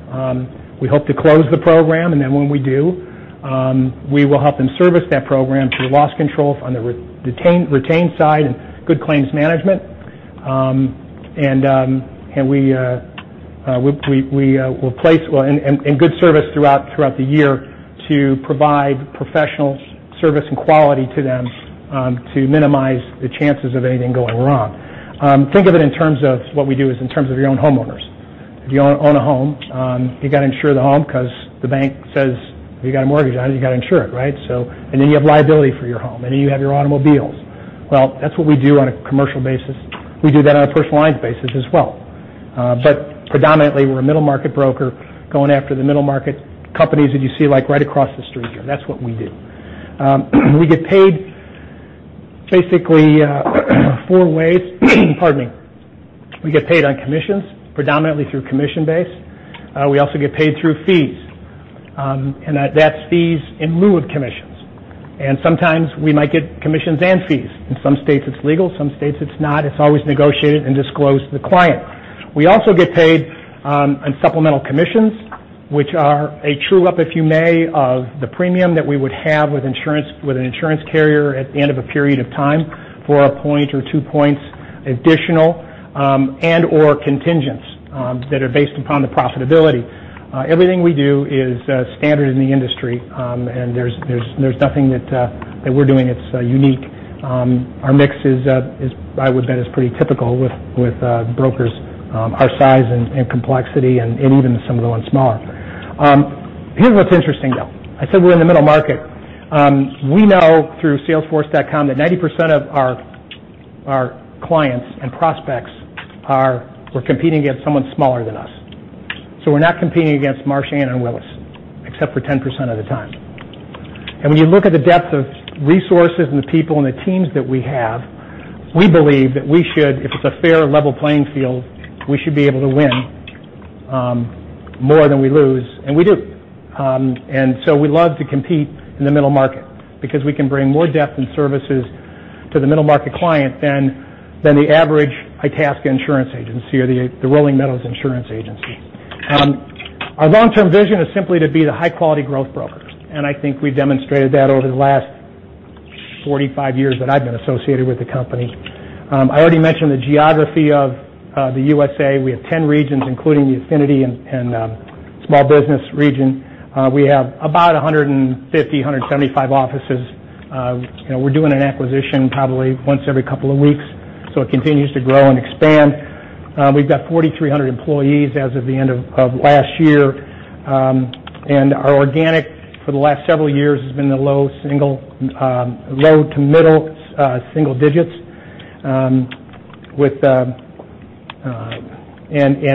S12: We hope to close the program, and then when we do, we will help them service that program through loss control on the retained side and good claims management. Good service throughout the year to provide professional service and quality to them to minimize the chances of anything going wrong. Think of it in terms of what we do is in terms of your own homeowners. If you own a home, you got to insure the home because the bank says if you got a mortgage on it, you got to insure it, right? You have liability for your home, and then you have your automobiles. Well, that's what we do on a commercial basis. We do that on a personal lines basis as well. Predominantly, we're a middle market broker going after the middle market companies that you see right across the street here. That's what we do. We get paid basically four ways. Pardon me. We get paid on commissions, predominantly through commission-based. We also get paid through fees, and that's fees in lieu of commissions. Sometimes we might get commissions and fees. In some states, it's legal, some states it's not. It's always negotiated and disclosed to the client. We also get paid on supplemental commissions, which are a true-up, if you may, of the premium that we would have with an insurance carrier at the end of a period of time for one point or two points additional, and/or contingents that are based upon the profitability. Everything we do is standard in the industry, and there's nothing that we're doing that's unique. Our mix is, I would bet, is pretty typical with brokers our size and complexity and even some of the ones smaller. Here's what's interesting, though. I said we're in the middle market. We know through Salesforce.com that 90% of our clients and prospects were competing against someone smaller than us. We're not competing against Marsh & McLennan and Willis, except for 10% of the time. When you look at the depth of resources and the people and the teams that we have, we believe that we should, if it's a fair, level playing field, we should be able to win more than we lose, and we do. We love to compete in the middle market because we can bring more depth in services to the middle market client than the average Itasca Insurance Agency or the Rolling Meadows Insurance Agency. Our long-term vision is simply to be the high-quality growth brokers, and I think we demonstrated that over the last 45 years that I've been associated with the company. I already mentioned the geography of the USA. We have 10 regions, including the affinity and small business region. We have about 150-175 offices. We're doing an acquisition probably once every couple of weeks, so it continues to grow and expand. We've got 4,300 employees as of the end of last year. Our organic for the last several years has been in the low to middle single digits.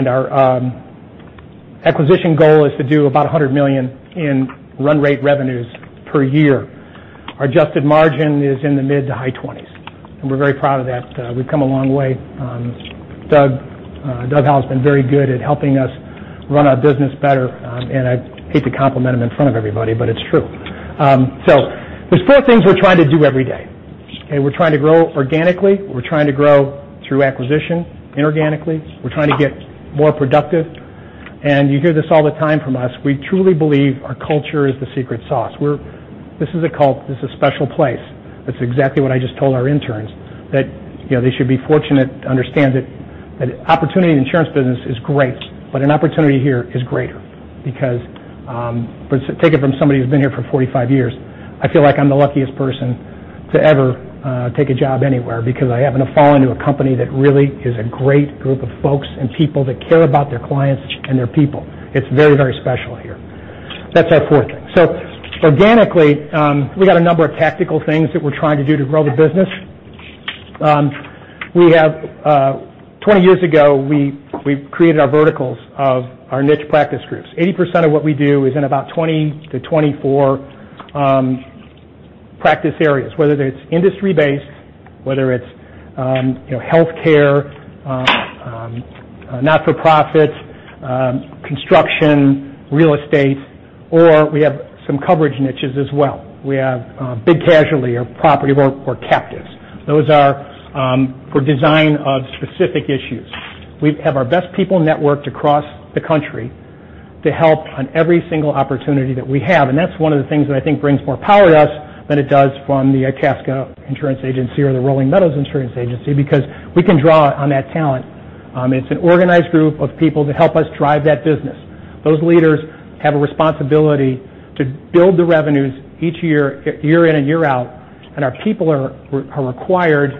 S12: Our acquisition goal is to do about $100 million in run rate revenues per year. Our adjusted margin is in the mid to high 20s, and we're very proud of that. We've come a long way. Doug Howell has been very good at helping us run our business better, and I hate to compliment him in front of everybody, but it's true. There's four things we're trying to do every day. Okay? We're trying to grow organically. We're trying to grow through acquisition inorganically. We're trying to get more productive. You hear this all the time from us, we truly believe our culture is the secret sauce. This is a cult. This is a special place. That's exactly what I just told our interns, that they should be fortunate to understand that an opportunity in the insurance business is great, but an opportunity here is greater because take it from somebody who's been here for 45 years, I feel like I'm the luckiest person to ever take a job anywhere because I happen to fall into a company that really is a great group of folks and people that care about their clients and their people. It's very, very special here. That's our fourth thing. Organically, we got a number of tactical things that we're trying to do to grow the business. 20 years ago, we created our verticals of our niche practice groups. 80% of what we do is in about 20-24 practice areas, whether it's industry-based, whether it's healthcare, not-for-profits, construction, real estate, or we have some coverage niches as well. We have big casualty or property or captives. Those are for design of specific issues. We have our best people networked across the country to help on every single opportunity that we have, that's one of the things that I think brings more power to us than it does from the Itasca Insurance Agency or the Rolling Meadows Insurance Agency because we can draw on that talent. It's an organized group of people to help us drive that business. Those leaders have a responsibility to build the revenues each year in and year out, and our people are required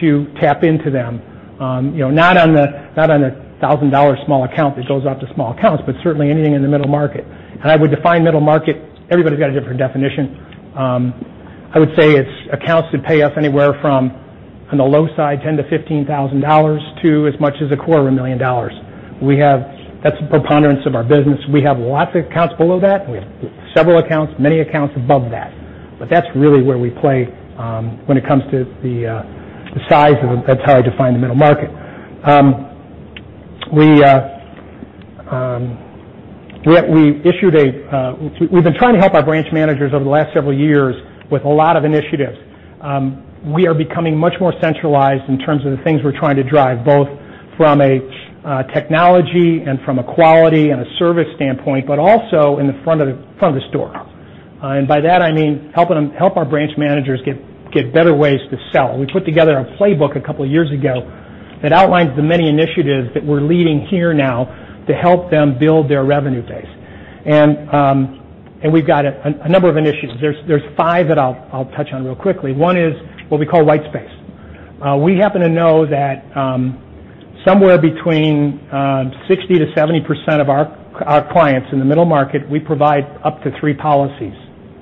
S12: to tap into them. Not on the $1,000 small account that goes out to small accounts, but certainly anything in the middle market. I would define middle market, everybody's got a different definition. I would say it's accounts that pay us anywhere from on the low side, $10,000-$15,000, to as much as a quarter of a million dollars. That's the preponderance of our business. We have lots of accounts below that, and we have several accounts, many accounts above that. That's really where we play when it comes to the size of them. That's how I define the middle market. We've been trying to help our branch managers over the last several years with a lot of initiatives. We are becoming much more centralized in terms of the things we're trying to drive, both from a technology and from a quality and a service standpoint, but also in the front of the store. By that, I mean help our branch managers get better ways to sell. We put together a playbook a couple of years ago that outlines the many initiatives that we're leading here now to help them build their revenue base. We've got a number of initiatives. There's five that I'll touch on real quickly. One is what we call white space. We happen to know that somewhere between 60%-70% of our clients in the middle market, we provide up to three policies.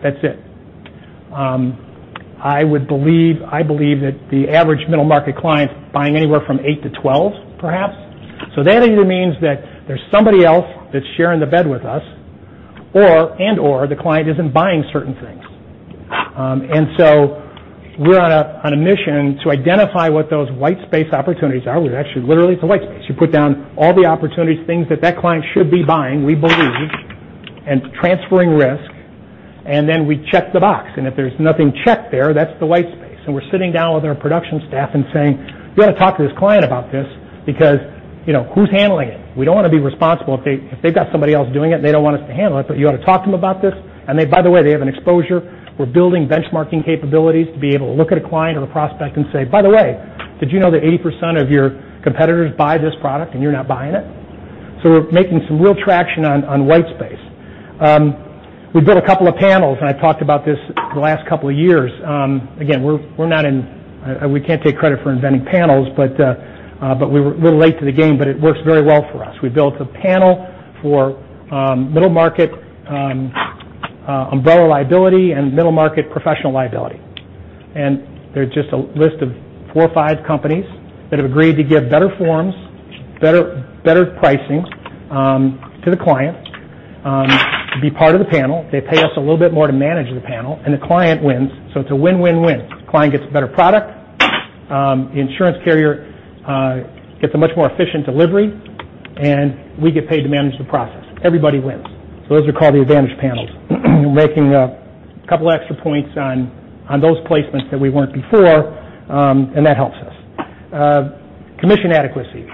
S12: That's it. I believe that the average middle market client is buying anywhere from eight to 12, perhaps. That either means that there's somebody else that's sharing the bed with us, and/or the client isn't buying certain things. We're on a mission to identify what those white space opportunities are. Actually, literally, it's a white space. You put down all the opportunities, things that that client should be buying, we believe, and transferring risk, then we check the box, and if there's nothing checked there, that's the white space. We're sitting down with our production staff and saying, "We ought to talk to this client about this because who's handling it? We don't want to be responsible if they've got somebody else doing it and they don't want us to handle it, but you ought to talk to them about this." By the way, they have an exposure. We're building benchmarking capabilities to be able to look at a client or a prospect and say, "By the way, did you know that 80% of your competitors buy this product and you're not buying it?" We're making some real traction on white space. We built a couple of panels. I talked about this the last couple of years. Again, we can't take credit for inventing panels, but we're late to the game, but it works very well for us. We built a panel for middle market umbrella liability and middle market professional liability. There's just a list of four or five companies that have agreed to give better forms, better pricing to the client to be part of the panel. They pay us a little bit more to manage the panel, and the client wins. It's a win-win-win. The client gets a better product. The insurance carrier gets a much more efficient delivery, and we get paid to manage the process. Everybody wins. Those are called the advantage panels. We're making a couple of extra points on those placements that we weren't before, and that helps us. Commission adequacy.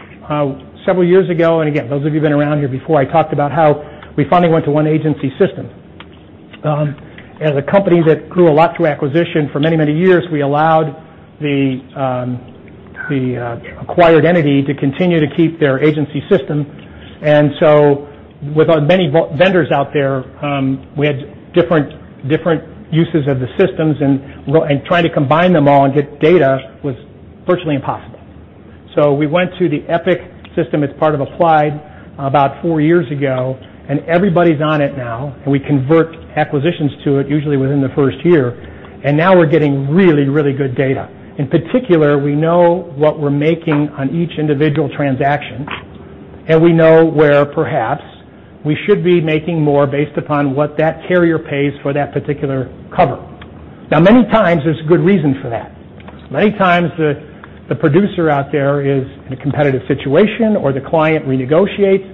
S12: Several years ago, and again, those of you been around here before, I talked about how we finally went to one agency system. As a company that grew a lot through acquisition for many, many years, we allowed the acquired entity to continue to keep their agency system. With many vendors out there, we had different uses of the systems, and trying to combine them all and get data was virtually impossible. We went to the Applied Epic system about four years ago, and everybody's on it now, and we convert acquisitions to it usually within the first year. Now we're getting really, really good data. In particular, we know what we're making on each individual transaction, and we know where perhaps we should be making more based upon what that carrier pays for that particular cover. Now, many times, there's good reason for that. Many times, the producer out there is in a competitive situation, or the client renegotiates.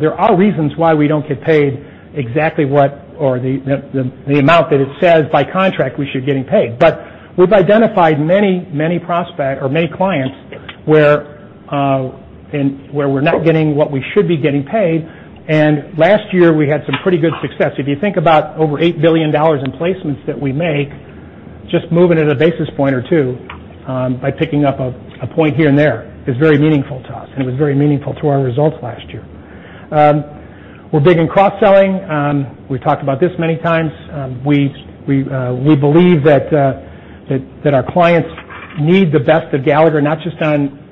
S12: There are reasons why we don't get paid exactly the amount that it says by contract we should be getting paid. We've identified many clients where we're not getting what we should be getting paid, and last year, we had some pretty good success. If you think about over $8 billion in placements that we make, just moving it a basis point or two by picking up a point here and there is very meaningful to us, and it was very meaningful to our results last year. We're big in cross-selling. We've talked about this many times. We believe that our clients need the best of Gallagher, not just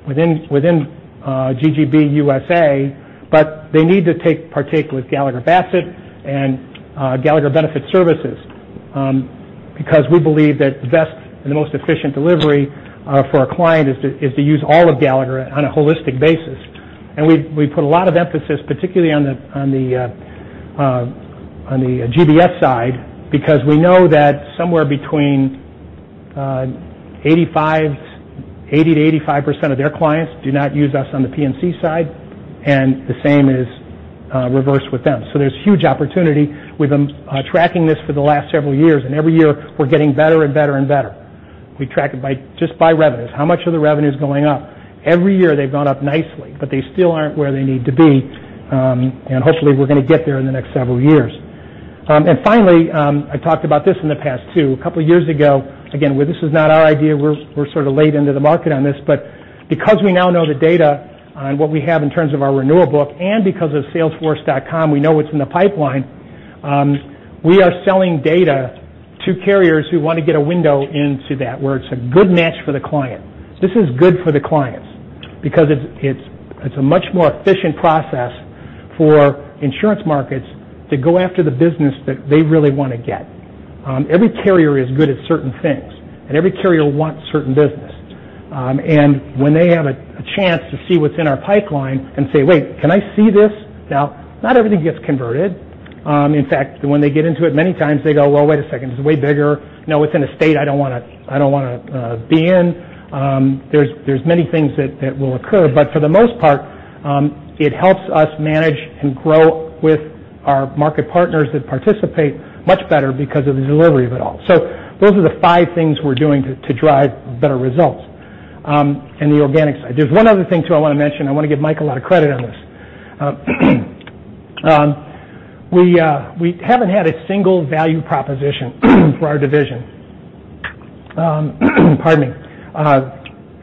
S12: within GGB USA, but they need to take part with Gallagher Bassett and Gallagher Benefit Services because we believe that the best and the most efficient delivery for a client is to use all of Gallagher on a holistic basis. We put a lot of emphasis, particularly on the GBS side, because we know that somewhere between 80%-85% of their clients do not use us on the P&C side, and the same is reverse with them. There's huge opportunity with them tracking this for the last several years, and every year we're getting better and better and better. We track it just by revenues. How much are the revenues going up? Every year, they've gone up nicely, but they still aren't where they need to be, and hopefully, we're going to get there in the next several years. Finally, I talked about this in the past, too. A couple of years ago, again, this is not our idea. We're sort of late into the market on this. Because we now know the data on what we have in terms of our renewal book and because of salesforce.com, we know what's in the pipeline, we are selling data to carriers who want to get a window into that where it's a good match for the client. This is good for the clients because it's a much more efficient process for insurance markets to go after the business that they really want to get. Every carrier is good at certain things, and every carrier wants certain business. When they have a chance to see what's in our pipeline and say, "Wait, can I see this?" Now, not everything gets converted. In fact, when they get into it, many times they go, "Well, wait a second. It's way bigger. No, it's in a state I don't want to be in." There's many things that will occur, but for the most part, it helps us manage and grow with our market partners that participate much better because of the delivery of it all. Those are the five things we're doing to drive better results in the organic side. There's one other thing, too, I want to mention. I want to give Mike a lot of credit on this. We haven't had a single value proposition for our division. Pardon me.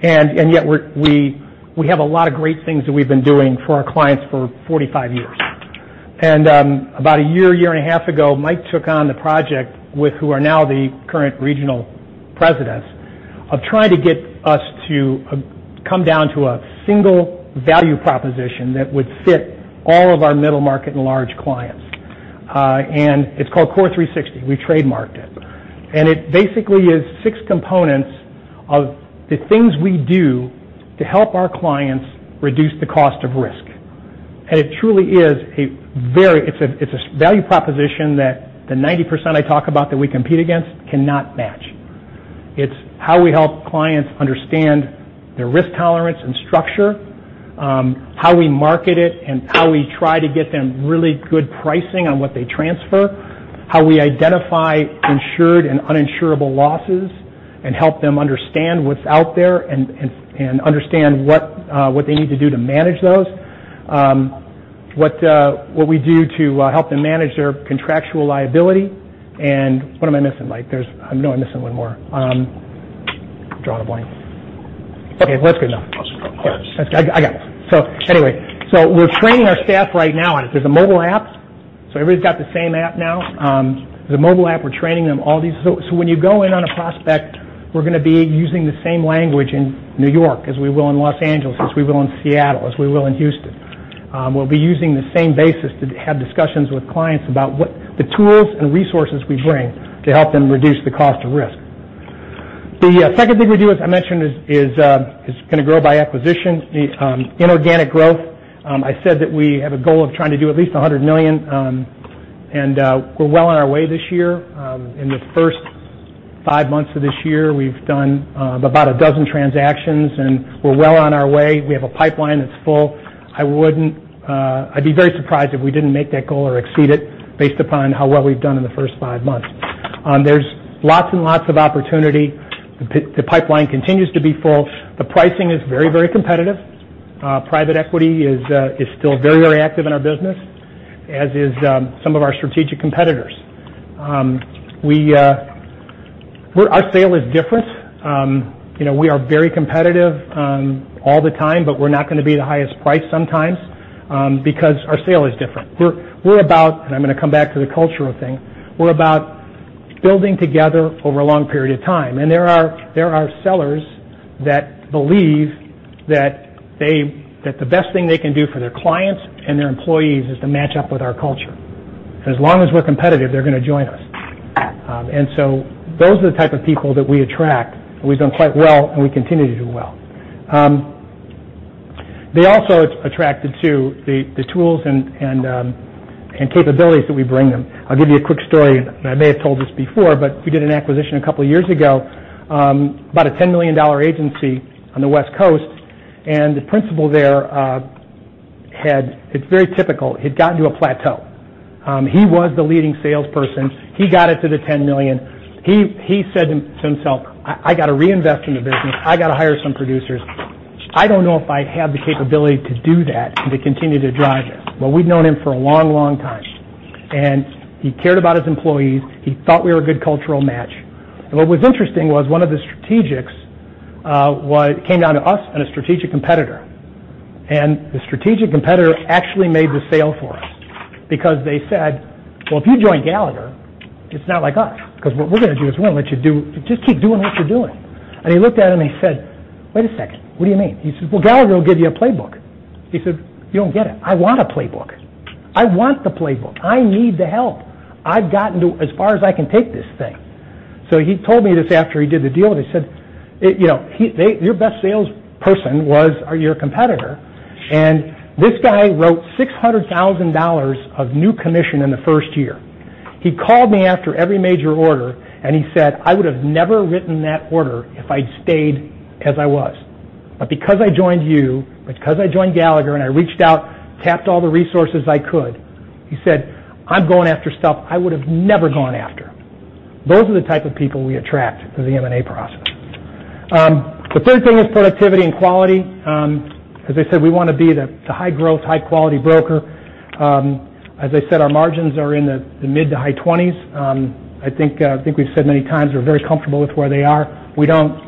S12: Yet we have a lot of great things that we've been doing for our clients for 45 years. About a year and a half ago, Mike took on the project with who are now the current regional presidents of trying to get us to come down to a single value proposition that would fit all of our middle market and large clients. It's called CORE360. We trademarked it. It basically is six components of the things we do to help our clients reduce the cost of risk. It truly is a value proposition that the 90% I talk about that we compete against cannot match. It's how we help clients understand their risk tolerance and structure, how we market it, and how we try to get them really good pricing on what they transfer, how we identify insured and uninsurable losses, and help them understand what's out there and understand what they need to do to manage those. What we do to help them manage their contractual liability. What am I missing? I know I'm missing one more. Drawing a blank. Okay, well, that's good enough.
S3: Also got clients.
S12: I got it. Anyway. We're training our staff right now on it. There's a mobile app, so everybody's got the same app now. There's a mobile app. We're training them all these. When you go in on a prospect, we're going to be using the same language in New York as we will in Los Angeles, as we will in Seattle, as we will in Houston. We'll be using the same basis to have discussions with clients about what the tools and resources we bring to help them reduce the cost of risk. The second thing we do, as I mentioned, is going to grow by acquisition, the inorganic growth. I said that we have a goal of trying to do at least $100 million, and we're well on our way this year. In the first five months of this year, we've done about a dozen transactions, and we're well on our way. We have a pipeline that's full. I'd be very surprised if we didn't make that goal or exceed it based upon how well we've done in the first five months. There's lots and lots of opportunity. The pipeline continues to be full. The pricing is very competitive. Private equity is still very active in our business, as is some of our strategic competitors. Our sale is different. We are very competitive all the time, but we're not going to be the highest price sometimes because our sale is different. We're about, I'm going to come back to the cultural thing, we're about building together over a long period of time. There are sellers that believe that the best thing they can do for their clients and their employees is to match up with our culture. As long as we're competitive, they're going to join us. Those are the type of people that we attract, and we've done quite well, and we continue to do well. They're also attracted to the tools and capabilities that we bring them. I'll give you a quick story, and I may have told this before, but we did an acquisition a couple of years ago, about a $10 million agency on the West Coast. The principal there. It's very typical. He'd gotten to a plateau. He was the leading salesperson. He got it to the $10 million. He said to himself, "I got to reinvest in the business. I got to hire some producers. I don't know if I have the capability to do that, to continue to drive it." We'd known him for a long time, and he cared about his employees. He thought we were a good cultural match. What was interesting was one of the strategics, it came down to us and a strategic competitor. The strategic competitor actually made the sale for us because they said, 'Well, if you join Gallagher, it's not like us, because what we're going to do is we're going to let you just keep doing what you're doing." He looked at him and he said, "Wait a second. What do you mean?" He says, "Well, Gallagher will give you a playbook." He said, "You don't get it. I want a playbook. I want the playbook. I need the help. I've gotten to as far as I can take this thing." He told me this after he did the deal, and he said, your best salesperson was your competitor. This guy wrote $600,000 of new commission in the first year. He called me after every major order, and he said, "I would have never written that order if I'd stayed as I was. Because I joined you, because I joined Gallagher and I reached out, tapped all the resources I could," he said, "I'm going after stuff I would have never gone after." Those are the type of people we attract through the M&A process. The third thing is productivity and quality. As I said, we want to be the high growth, high quality broker. As I said, our margins are in the mid to high 20s. I think we've said many times we're very comfortable with where they are. We don't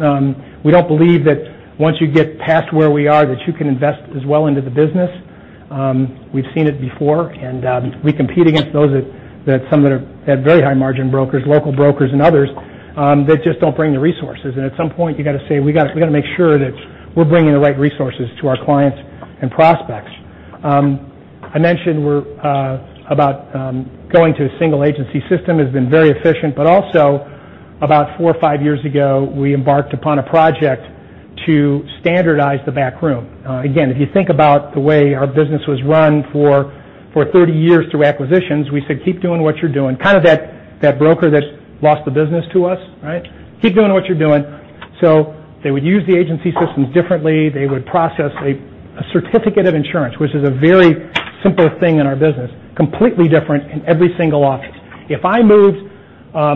S12: believe that once you get past where we are, that you can invest as well into the business. We've seen it before, and we compete against those that some that have very high margin brokers, local brokers, and others that just don't bring the resources. At some point, you got to say, we got to make sure that we're bringing the right resources to our clients and prospects. I mentioned about going to a single agency system has been very efficient, but also about four or five years ago, we embarked upon a project to standardize the backroom. If you think about the way our business was run for 30 years through acquisitions, we said, keep doing what you're doing. Kind of that broker that lost the business to us, right? Keep doing what you're doing. They would use the agency systems differently. They would process a certificate of insurance, which is a very simple thing in our business, completely different in every single office. If I moved,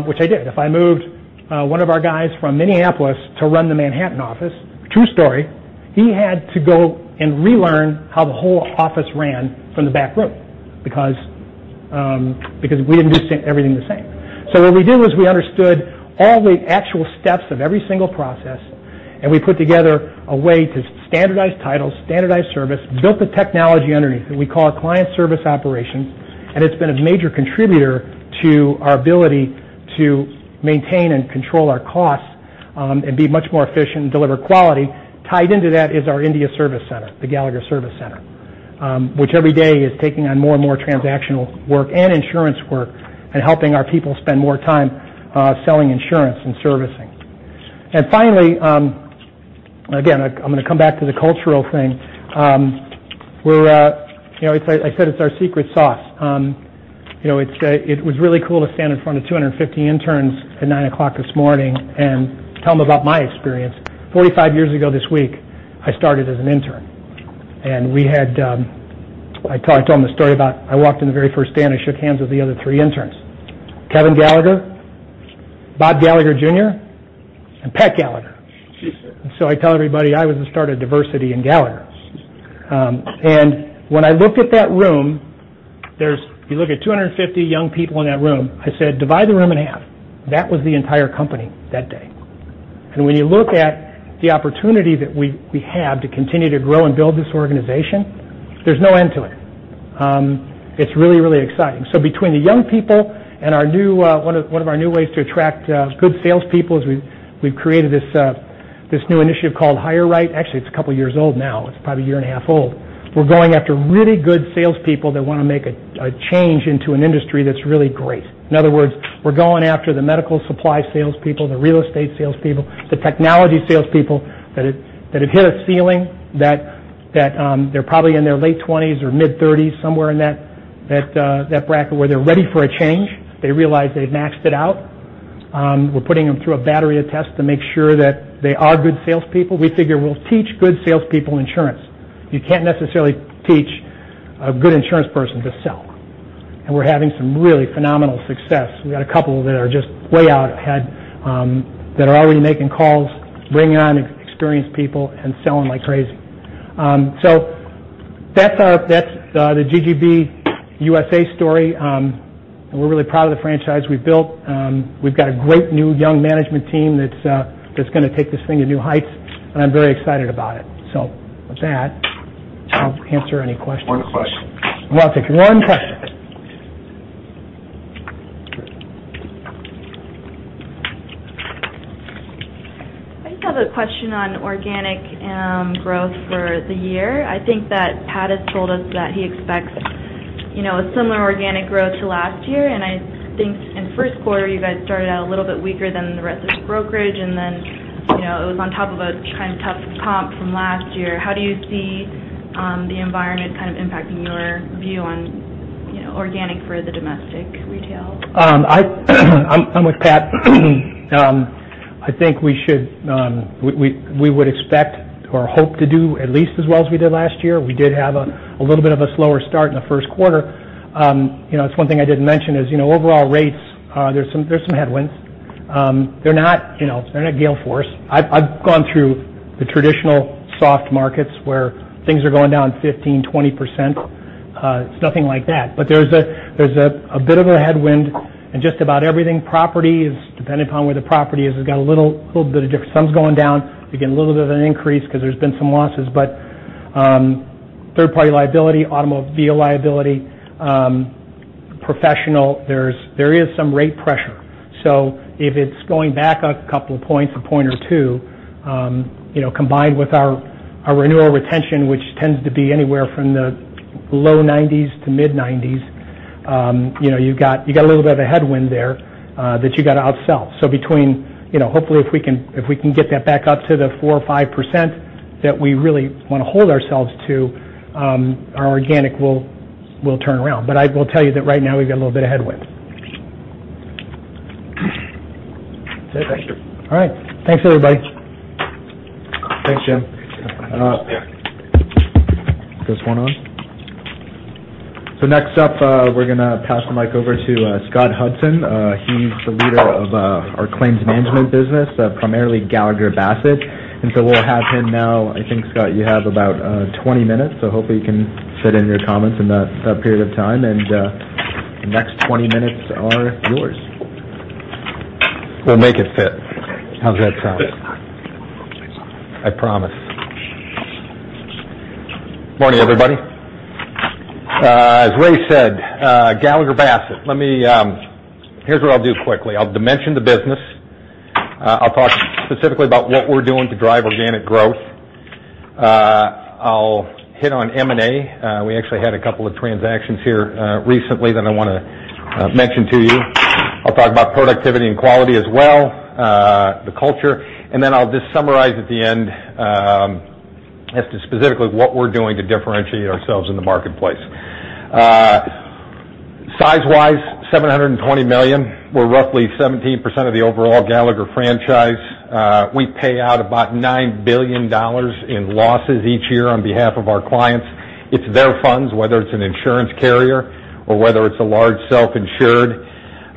S12: which I did, if I moved one of our guys from Minneapolis to run the Manhattan office, true story, he had to go and relearn how the whole office ran from the back room because we didn't do everything the same. What we did was we understood all the actual steps of every single process, and we put together a way to standardize titles, standardize service, built the technology underneath it. We call it client service operations, and it's been a major contributor to our ability to maintain and control our costs and be much more efficient and deliver quality. Tied into that is our India service center, the Gallagher Service Center, which every day is taking on more and more transactional work and insurance work and helping our people spend more time selling insurance and servicing. Finally, again, I'm going to come back to the cultural thing. I said it's our secret sauce. It was really cool to stand in front of 250 interns at 9:00 A.M. this morning and tell them about my experience. 45 years ago this week, I started as an intern. I told them the story about I walked in the very first day, and I shook hands with the other three interns, Kevin Gallagher, Bob Gallagher Jr., and Pat Gallagher. I tell everybody I was the start of diversity in Gallagher. When I looked at that room, you look at 250 young people in that room, I said, "Divide the room in half." That was the entire company that day. When you look at the opportunity that we have to continue to grow and build this organization, there's no end to it. It's really, really exciting. Between the young people and one of our new ways to attract good salespeople is we've created this new initiative called Hire Right. Actually, it's a couple of years old now. It's probably a year and a half old. We're going after really good salespeople that want to make a change into an industry that's really great. In other words, we're going after the medical supply salespeople, the real estate salespeople, the technology salespeople that have hit a ceiling, that they're probably in their late 20s or mid-30s, somewhere in that bracket, where they're ready for a change. They realize they've maxed it out. We're putting them through a battery of tests to make sure that they are good salespeople. We figure we'll teach good salespeople insurance. You can't necessarily teach a good insurance person to sell. We're having some really phenomenal success. We've got a couple that are just way out ahead, that are already making calls, bringing on experienced people, and selling like crazy. That's the GGB USA story. We're really proud of the franchise we've built. We've got a great new young management team that's going to take this thing to new heights, and I'm very excited about it. With that, I'll answer any questions.
S1: One question.
S12: We'll take one question.
S4: I just have a question on organic growth for the year. I think that Pat has told us that he expects a similar organic growth to last year, and I think in the first quarter, you guys started out a little bit weaker than the rest of the brokerage, and then it was on top of a kind of tough comp from last year. How do you see the environment kind of impacting your view on organic for the domestic retail?
S12: I'm with Pat. I think we would expect or hope to do at least as well as we did last year. We did have a little bit of a slower start in the first quarter. It's one thing I didn't mention is overall rates, there's some headwinds. They're not gale force. I've gone through the traditional soft markets where things are going down 15%, 20%. It's nothing like that. There's a bit of a headwind in just about everything. Depending upon where the property is, it's got a little bit of difference. Some's going down. You get a little bit of an increase because there's been some losses. Third party liability, automobile liability, professional, there is some rate pressure. If it's going back a couple of points, a point or two, combined with our renewal retention, which tends to be anywhere from the low 90s to mid 90s, you've got a little bit of a headwind there that you've got to upsell. Hopefully if we can get that back up to the 4% or 5% that we really want to hold ourselves to, our organic will turn around. I will tell you that right now we've got a little bit of headwind. All right. Thanks, everybody.
S1: Thanks, Jim. Is this one on? Next up, we're going to pass the mic over to Scott Hudson. He's the leader of our claims management business, primarily Gallagher Bassett. We'll have him now. I think, Scott, you have about 20 minutes. Hopefully you can fit in your comments in that period of time, and the next 20 minutes are yours.
S13: We'll make it fit. How's that sound? I promise. Morning, everybody. As Ray said, Gallagher Bassett. Here's what I'll do quickly. I'll dimension the business. I'll talk specifically about what we're doing to drive organic growth. I'll hit on M&A. We actually had a couple of transactions here recently that I want to mention to you. I'll talk about productivity and quality as well, the culture, then I'll just summarize at the end as to specifically what we're doing to differentiate ourselves in the marketplace. Size-wise, $720 million. We're roughly 17% of the overall Gallagher franchise. We pay out about $9 billion in losses each year on behalf of our clients. It's their funds, whether it's an insurance carrier or whether it's a large self-insured.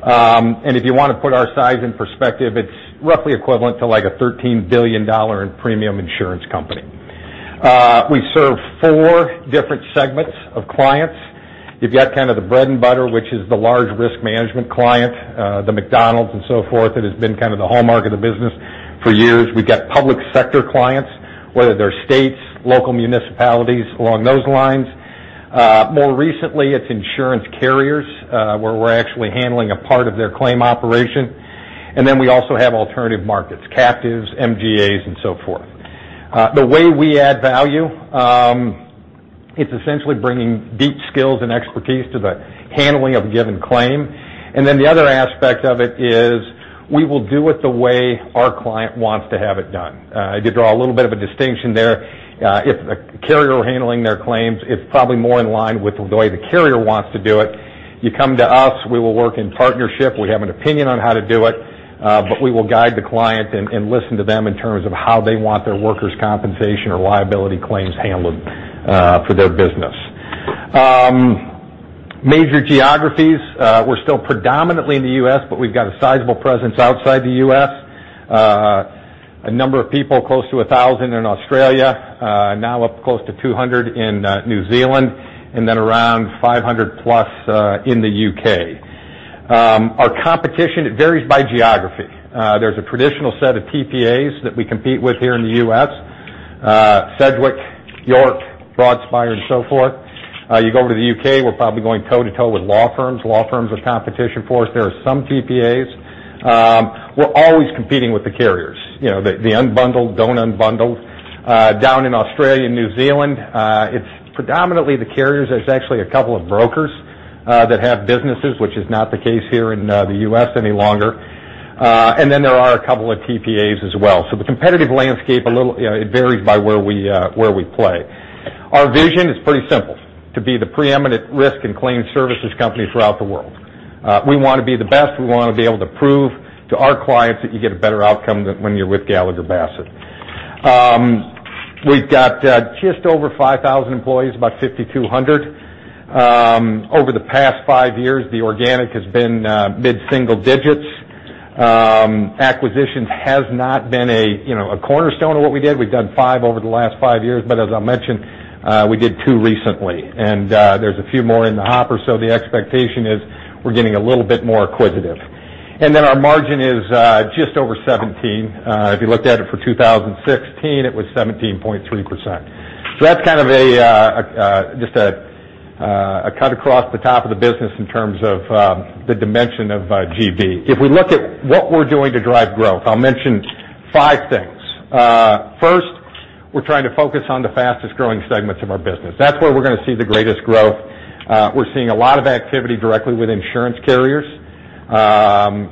S13: If you want to put our size in perspective, it's roughly equivalent to, like, a $13 billion in premium insurance company. We serve four different segments of clients. You've got kind of the bread and butter, which is the large risk management client, the McDonald's and so forth, that has been kind of the hallmark of the business for years. We've got public sector clients, whether they're states, local municipalities, along those lines. More recently, it's insurance carriers, where we're actually handling a part of their claim operation. Then we also have alternative markets, captives, MGAs, and so forth. The way we add value, it's essentially bringing deep skills and expertise to the handling of a given claim. Then the other aspect of it is, we will do it the way our client wants to have it done. I did draw a little bit of a distinction there. If a carrier handling their claims, it's probably more in line with the way the carrier wants to do it. You come to us, we will work in partnership. We have an opinion on how to do it, but we will guide the client and listen to them in terms of how they want their workers' compensation or liability claims handled for their business. Major geographies, we're still predominantly in the U.S., but we've got a sizable presence outside the U.S. A number of people, close to 1,000 in Australia, now up close to 200 in New Zealand, then around 500+ in the U.K. Our competition, it varies by geography. There's a traditional set of TPAs that we compete with here in the U.S., Sedgwick, York, Broadspire, and so forth. You go over to the U.K., we're probably going toe to toe with law firms. Law firms are competition for us. There are some TPAs. We're always competing with the carriers, the unbundled, don't unbundle. Down in Australia and New Zealand, it's predominantly the carriers. There's actually a couple of brokers that have businesses, which is not the case here in the U.S. any longer. Then there are a couple of TPAs as well. The competitive landscape, it varies by where we play. Our vision is pretty simple, to be the preeminent risk and claims services company throughout the world. We want to be the best. We want to be able to prove to our clients that you get a better outcome when you're with Gallagher Bassett. We've got just over 5,000 employees, about 5,200. Over the past five years, the organic has been mid-single digits. Acquisitions has not been a cornerstone of what we did. We've done five over the last five years, but as I mentioned, we did two recently, and there's a few more in the hopper. The expectation is we're getting a little bit more acquisitive. Our margin is just over 17%. If you looked at it for 2016, it was 17.3%. That's kind of just a cut across the top of the business in terms of the dimension of GB. If we look at what we're doing to drive growth, I will mention five things. First, we're trying to focus on the fastest growing segments of our business. That's where we're going to see the greatest growth. We're seeing a lot of activity directly with insurance carriers.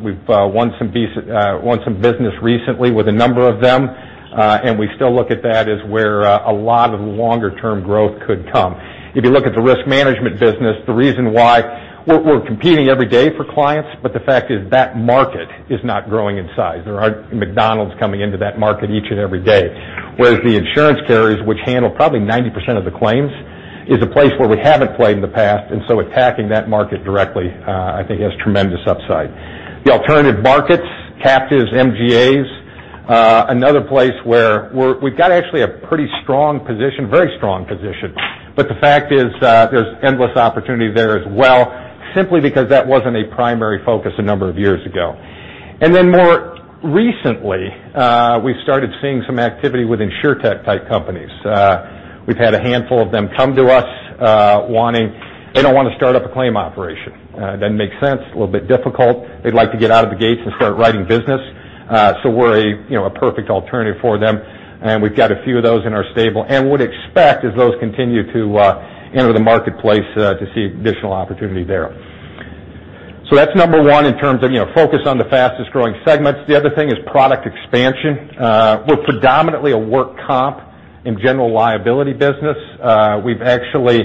S13: We've won some business recently with a number of them, and we still look at that as where a lot of longer term growth could come. If you look at the risk management business, the reason why we're competing every day for clients, but the fact is that market is not growing in size. There aren't McDonald's coming into that market each and every day, whereas the insurance carriers, which handle probably 90% of the claims, is a place where we haven't played in the past, attacking that market directly, I think, has tremendous upside. The alternative markets, captives, MGAs, another place where we've got actually a pretty strong position, very strong position, but the fact is, there's endless opportunity there as well, simply because that wasn't a primary focus a number of years ago. More recently, we've started seeing some activity with insurtech type companies. We've had a handful of them come to us. They don't want to start up a claim operation. Doesn't make sense. A little bit difficult. They'd like to get out of the gates and start writing business. We're a perfect alternative for them, and we've got a few of those in our stable and would expect, as those continue to enter the marketplace, to see additional opportunity there. That's number one in terms of focus on the fastest growing segments. The other thing is product expansion. We're predominantly a work comp and general liability business. We've actually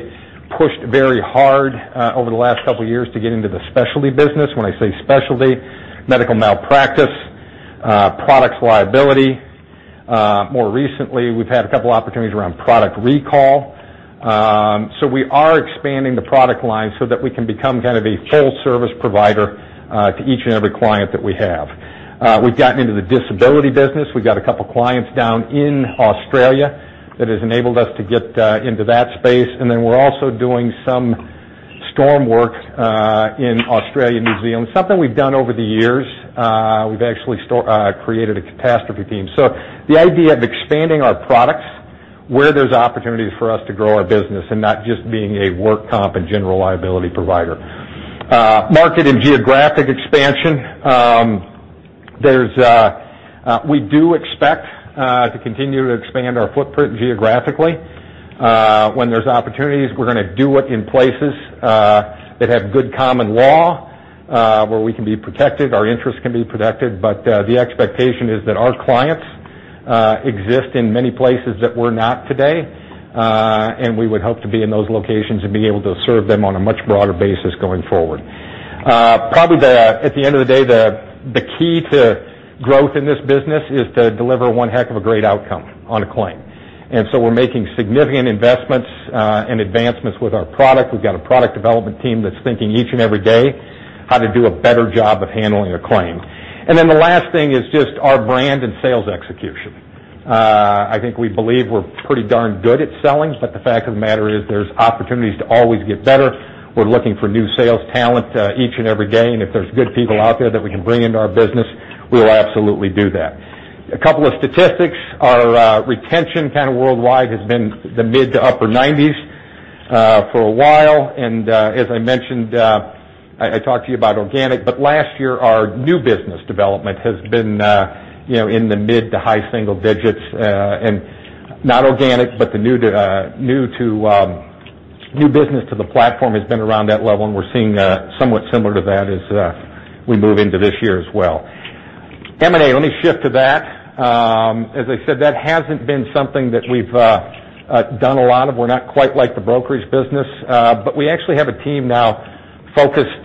S13: pushed very hard over the last couple of years to get into the specialty business. When I say specialty, medical malpractice, products liability. More recently, we've had a couple opportunities around product recall. We are expanding the product line so that we can become kind of a full service provider to each and every client that we have. We've gotten into the disability business. We've got a couple clients down in Australia that has enabled us to get into that space. We're also doing some storm work in Australia and New Zealand, something we've done over the years. We've actually created a catastrophe team. The idea of expanding our products where there's opportunities for us to grow our business and not just being a work comp and general liability provider. Market and geographic expansion. We do expect to continue to expand our footprint geographically. When there's opportunities, we're going to do it in places that have good common law, where we can be protected, our interests can be protected. The expectation is that our clients exist in many places that we're not today, and we would hope to be in those locations and be able to serve them on a much broader basis going forward. Probably at the end of the day, the key to growth in this business is to deliver one heck of a great outcome on a claim. We're making significant investments and advancements with our product. We've got a product development team that's thinking each and every day how to do a better job of handling a claim. The last thing is just our brand and sales execution. I think we believe we're pretty darn good at selling, but the fact of the matter is, there's opportunities to always get better. We're looking for new sales talent each and every day, and if there's good people out there that we can bring into our business, we will absolutely do that. A couple of statistics. Our retention kind of worldwide has been the mid to upper 90s for a while, as I mentioned I talked to you about organic, last year, our new business development has been in the mid to high single digits, not organic, the new business to the platform has been around that level, we're seeing somewhat similar to that as we move into this year as well. M&A, let me shift to that. As I said, that hasn't been something that we've done a lot of. We're not quite like the brokerage business. We actually have a team now focused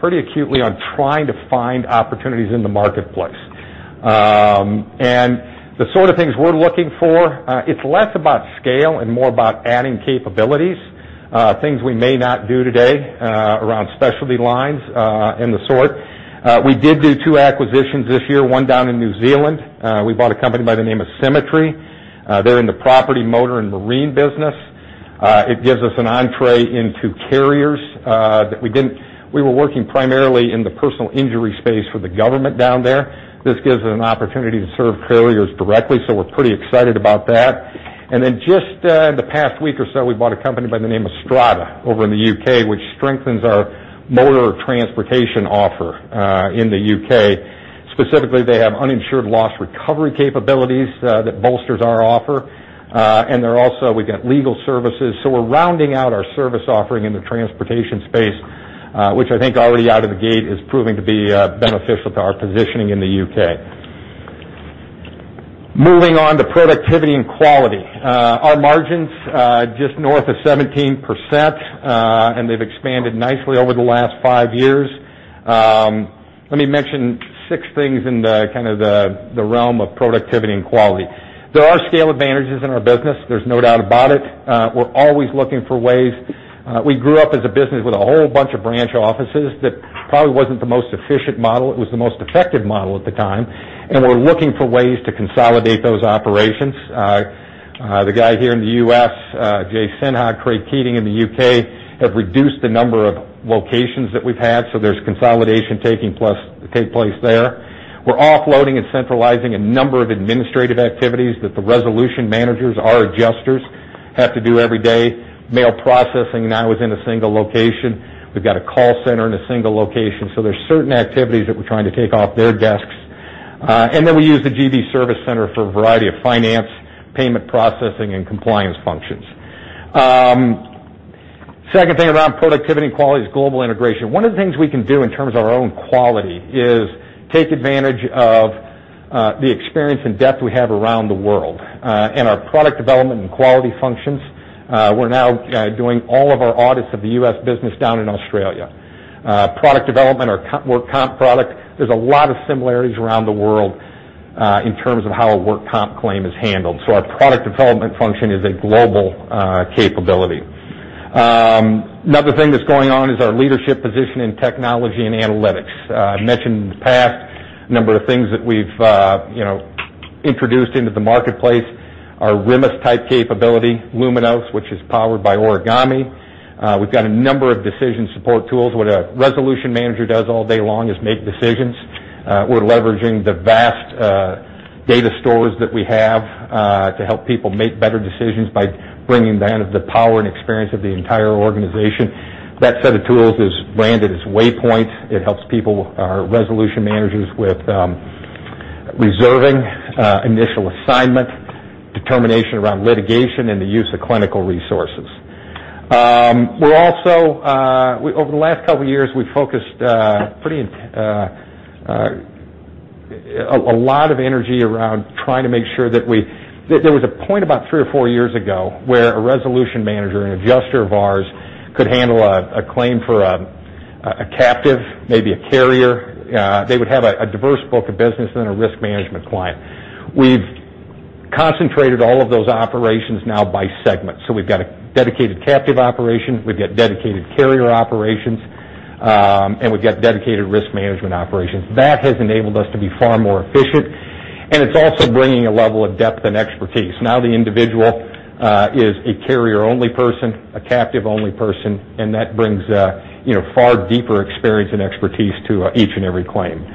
S13: pretty acutely on trying to find opportunities in the marketplace. The sort of things we're looking for, it's less about scale and more about adding capabilities, things we may not do today around specialty lines and the sort. We did do 2 acquisitions this year, one down in New Zealand. We bought a company by the name of Symmetry. They're in the property, motor, and marine business. It gives us an entrée into carriers that we didn't. We were working primarily in the personal injury space for the government down there. This gives us an opportunity to serve carriers directly, so we're pretty excited about that. Just in the past week or so, we bought a company by the name of Strada over in the U.K., which strengthens our motor transportation offer in the U.K. Specifically, they have uninsured loss recovery capabilities that bolsters our offer. They're also, we get legal services. We're rounding out our service offering in the transportation space, which I think already out of the gate is proving to be beneficial to our positioning in the U.K. Moving on to productivity and quality. Our margins, just north of 17%, they've expanded nicely over the last five years. Let me mention six things in the kind of the realm of productivity and quality. There are scale advantages in our business. There's no doubt about it. We're always looking for ways. We grew up as a business with a whole bunch of branch offices. That probably wasn't the most efficient model. It was the most effective model at the time, and we're looking for ways to consolidate those operations. The guy here in the U.S., Ajay Sinha, Craig Keating in the U.K., have reduced the number of locations that we've had, so there's consolidation taking place there. We're offloading and centralizing a number of administrative activities that the resolution managers, our adjusters, have to do every day. Mail processing now is in a single location. We've got a call center in a single location. There's certain activities that we're trying to take off their desks. We use the GB Service Center for a variety of finance, payment processing, and compliance functions. Second thing around productivity and quality is global integration. One of the things we can do in terms of our own quality is take advantage of the experience and depth we have around the world. In our product development and quality functions, we're now doing all of our audits of the U.S. business down in Australia. Product development, our work comp product, there's a lot of similarities around the world in terms of how a work comp claim is handled. Our product development function is a global capability. Another thing that's going on is our leadership position in technology and analytics. I mentioned in the past, a number of things that we've introduced into the marketplace, our RMIS type capability, Luminos, which is powered by Origami. We've got a number of decision support tools. What a resolution manager does all day long is make decisions. We're leveraging the vast data stores that we have to help people make better decisions by bringing that of the power and experience of the entire organization. That set of tools is branded as Waypoint. It helps people, our resolution managers, with reserving, initial assignment, determination around litigation, and the use of clinical resources. Over the last couple of years, we've focused a lot of energy around trying to make sure that There was a point about three or four years ago where a resolution manager and adjuster of ours could handle a claim for a captive, maybe a carrier. They would have a diverse book of business and a risk management client. We've concentrated all of those operations now by segment. We've got a dedicated captive operation, we've got dedicated carrier operations, and we've got dedicated risk management operations. That has enabled us to be far more efficient, and it's also bringing a level of depth and expertise. Now the individual is a carrier only person, a captive only person, and that brings far deeper experience and expertise to each and every claim.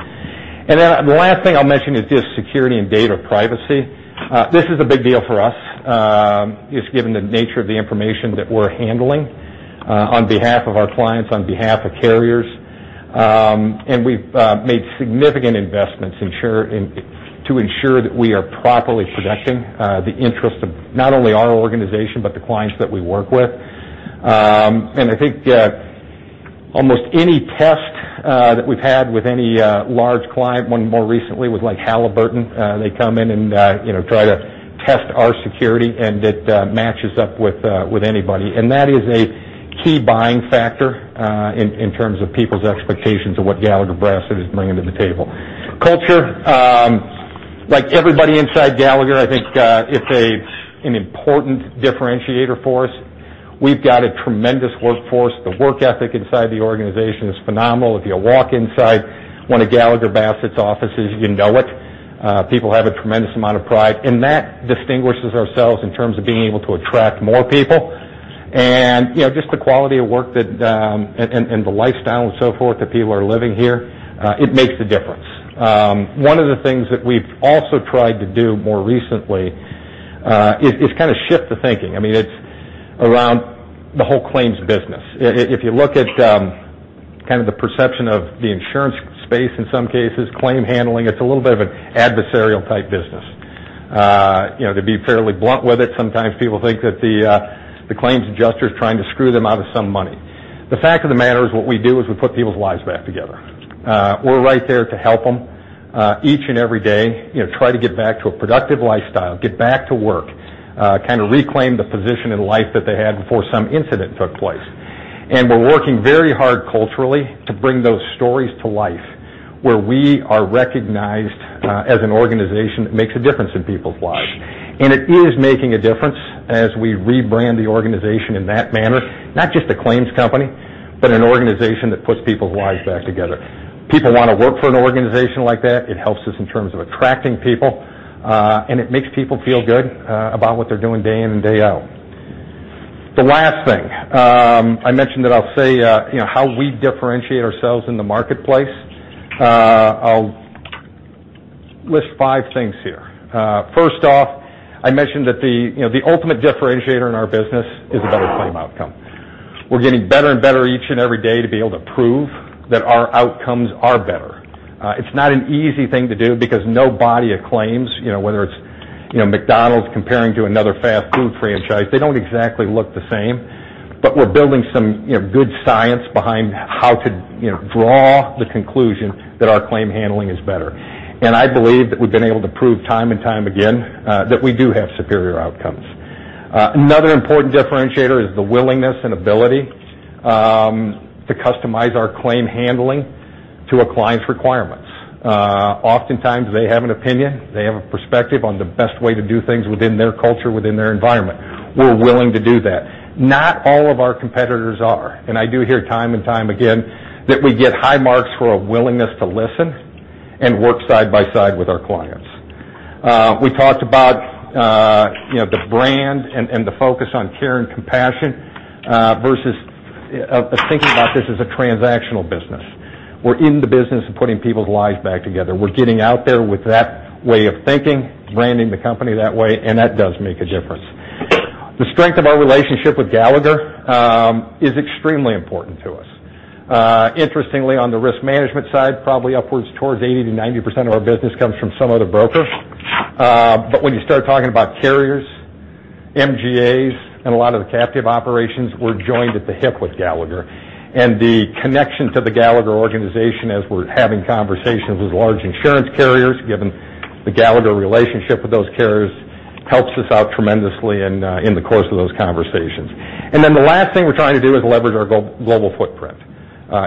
S13: The last thing I'll mention is just security and data privacy. This is a big deal for us, just given the nature of the information that we're handling on behalf of our clients, on behalf of carriers. We've made significant investments to ensure that we are properly protecting the interest of not only our organization, but the clients that we work with. I think almost any test that we've had with any large client, one more recently with Halliburton, they come in and try to test our security, and it matches up with anybody. That is a key buying factor in terms of people's expectations of what Gallagher Bassett is bringing to the table. Culture. Like everybody inside Gallagher, I think it's an important differentiator for us. We've got a tremendous workforce. The work ethic inside the organization is phenomenal. If you walk inside one of Gallagher Bassett's offices, you know it. People have a tremendous amount of pride, and that distinguishes ourselves in terms of being able to attract more people. Just the quality of work and the lifestyle and so forth that people are living here, it makes a difference. One of the things that we've also tried to do more recently, it's kind of shift the thinking. It's around the whole claims business. If you look at kind of the perception of the insurance space, in some cases, claim handling, it's a little bit of an adversarial type business. To be fairly blunt with it, sometimes people think that the claims adjuster is trying to screw them out of some money. The fact of the matter is what we do is we put people's lives back together. We're right there to help them each and every day, try to get back to a productive lifestyle, get back to work, kind of reclaim the position in life that they had before some incident took place. We're working very hard culturally to bring those stories to life, where we are recognized as an organization that makes a difference in people's lives. It is making a difference as we rebrand the organization in that manner, not just a claims company, but an organization that puts people's lives back together. People want to work for an organization like that. It helps us in terms of attracting people, and it makes people feel good about what they're doing day in and day out. The last thing I mentioned that I'll say how we differentiate ourselves in the marketplace. I'll list five things here. First off, I mentioned that the ultimate differentiator in our business is a better claim outcome. We're getting better and better each and every day to be able to prove that our outcomes are better. It's not an easy thing to do because nobody claims, whether it's McDonald's comparing to another fast food franchise, they don't exactly look the same, but we're building some good science behind how to draw the conclusion that our claim handling is better. I believe that we've been able to prove time and time again that we do have superior outcomes. Another important differentiator is the willingness and ability to customize our claim handling to a client's requirements. Oftentimes, they have an opinion, they have a perspective on the best way to do things within their culture, within their environment. We're willing to do that. Not all of our competitors are. I do hear time and time again that we get high marks for a willingness to listen and work side by side with our clients. We talked about the brand and the focus on care and compassion versus thinking about this as a transactional business. We're in the business of putting people's lives back together. We're getting out there with that way of thinking, branding the company that way, and that does make a difference. The strength of our relationship with Gallagher is extremely important to us. Interestingly, on the risk management side, probably upwards towards 80%-90% of our business comes from some other broker. When you start talking about carriers, MGAs, and a lot of the captive operations, we're joined at the hip with Gallagher, and the connection to the Gallagher organization as we're having conversations with large insurance carriers, given the Gallagher relationship with those carriers helps us out tremendously in the course of those conversations. Then the last thing we're trying to do is leverage our global footprint.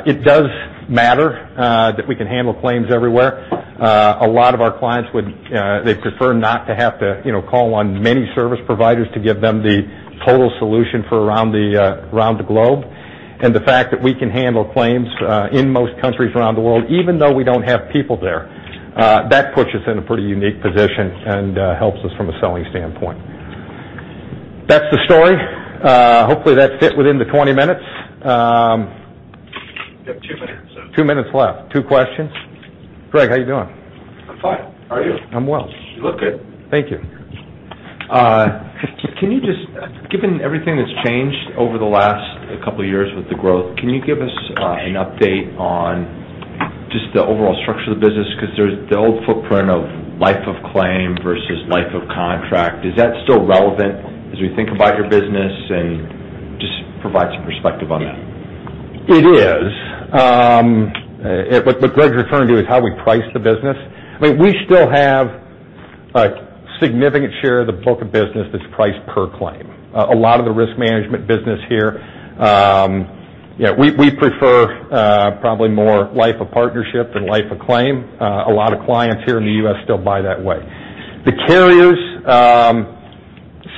S13: It does matter that we can handle claims everywhere. A lot of our clients, they prefer not to have to call on many service providers to give them the total solution for around the globe. The fact that we can handle claims in most countries around the world, even though we don't have people there, that puts us in a pretty unique position and helps us from a selling standpoint. That's the story. Hopefully, that fit within the 20 minutes.
S3: You have two minutes.
S13: Two minutes left. Two questions. Greg, how are you doing?
S3: I'm fine. How are you?
S13: I'm well.
S3: You look good.
S13: Thank you.
S3: Given everything that's changed over the last couple of years with the growth, can you give us an update on just the overall structure of the business? Because there's the old footprint of life of claim versus life of contract. Is that still relevant as we think about your business? Just provide some perspective on that.
S13: It is. What Greg's referring to is how we price the business. We still have a significant share of the book of business that's priced per claim. A lot of the risk management business here, we prefer probably more life of partnership than life of claim. A lot of clients here in the U.S. still buy that way. The carriers,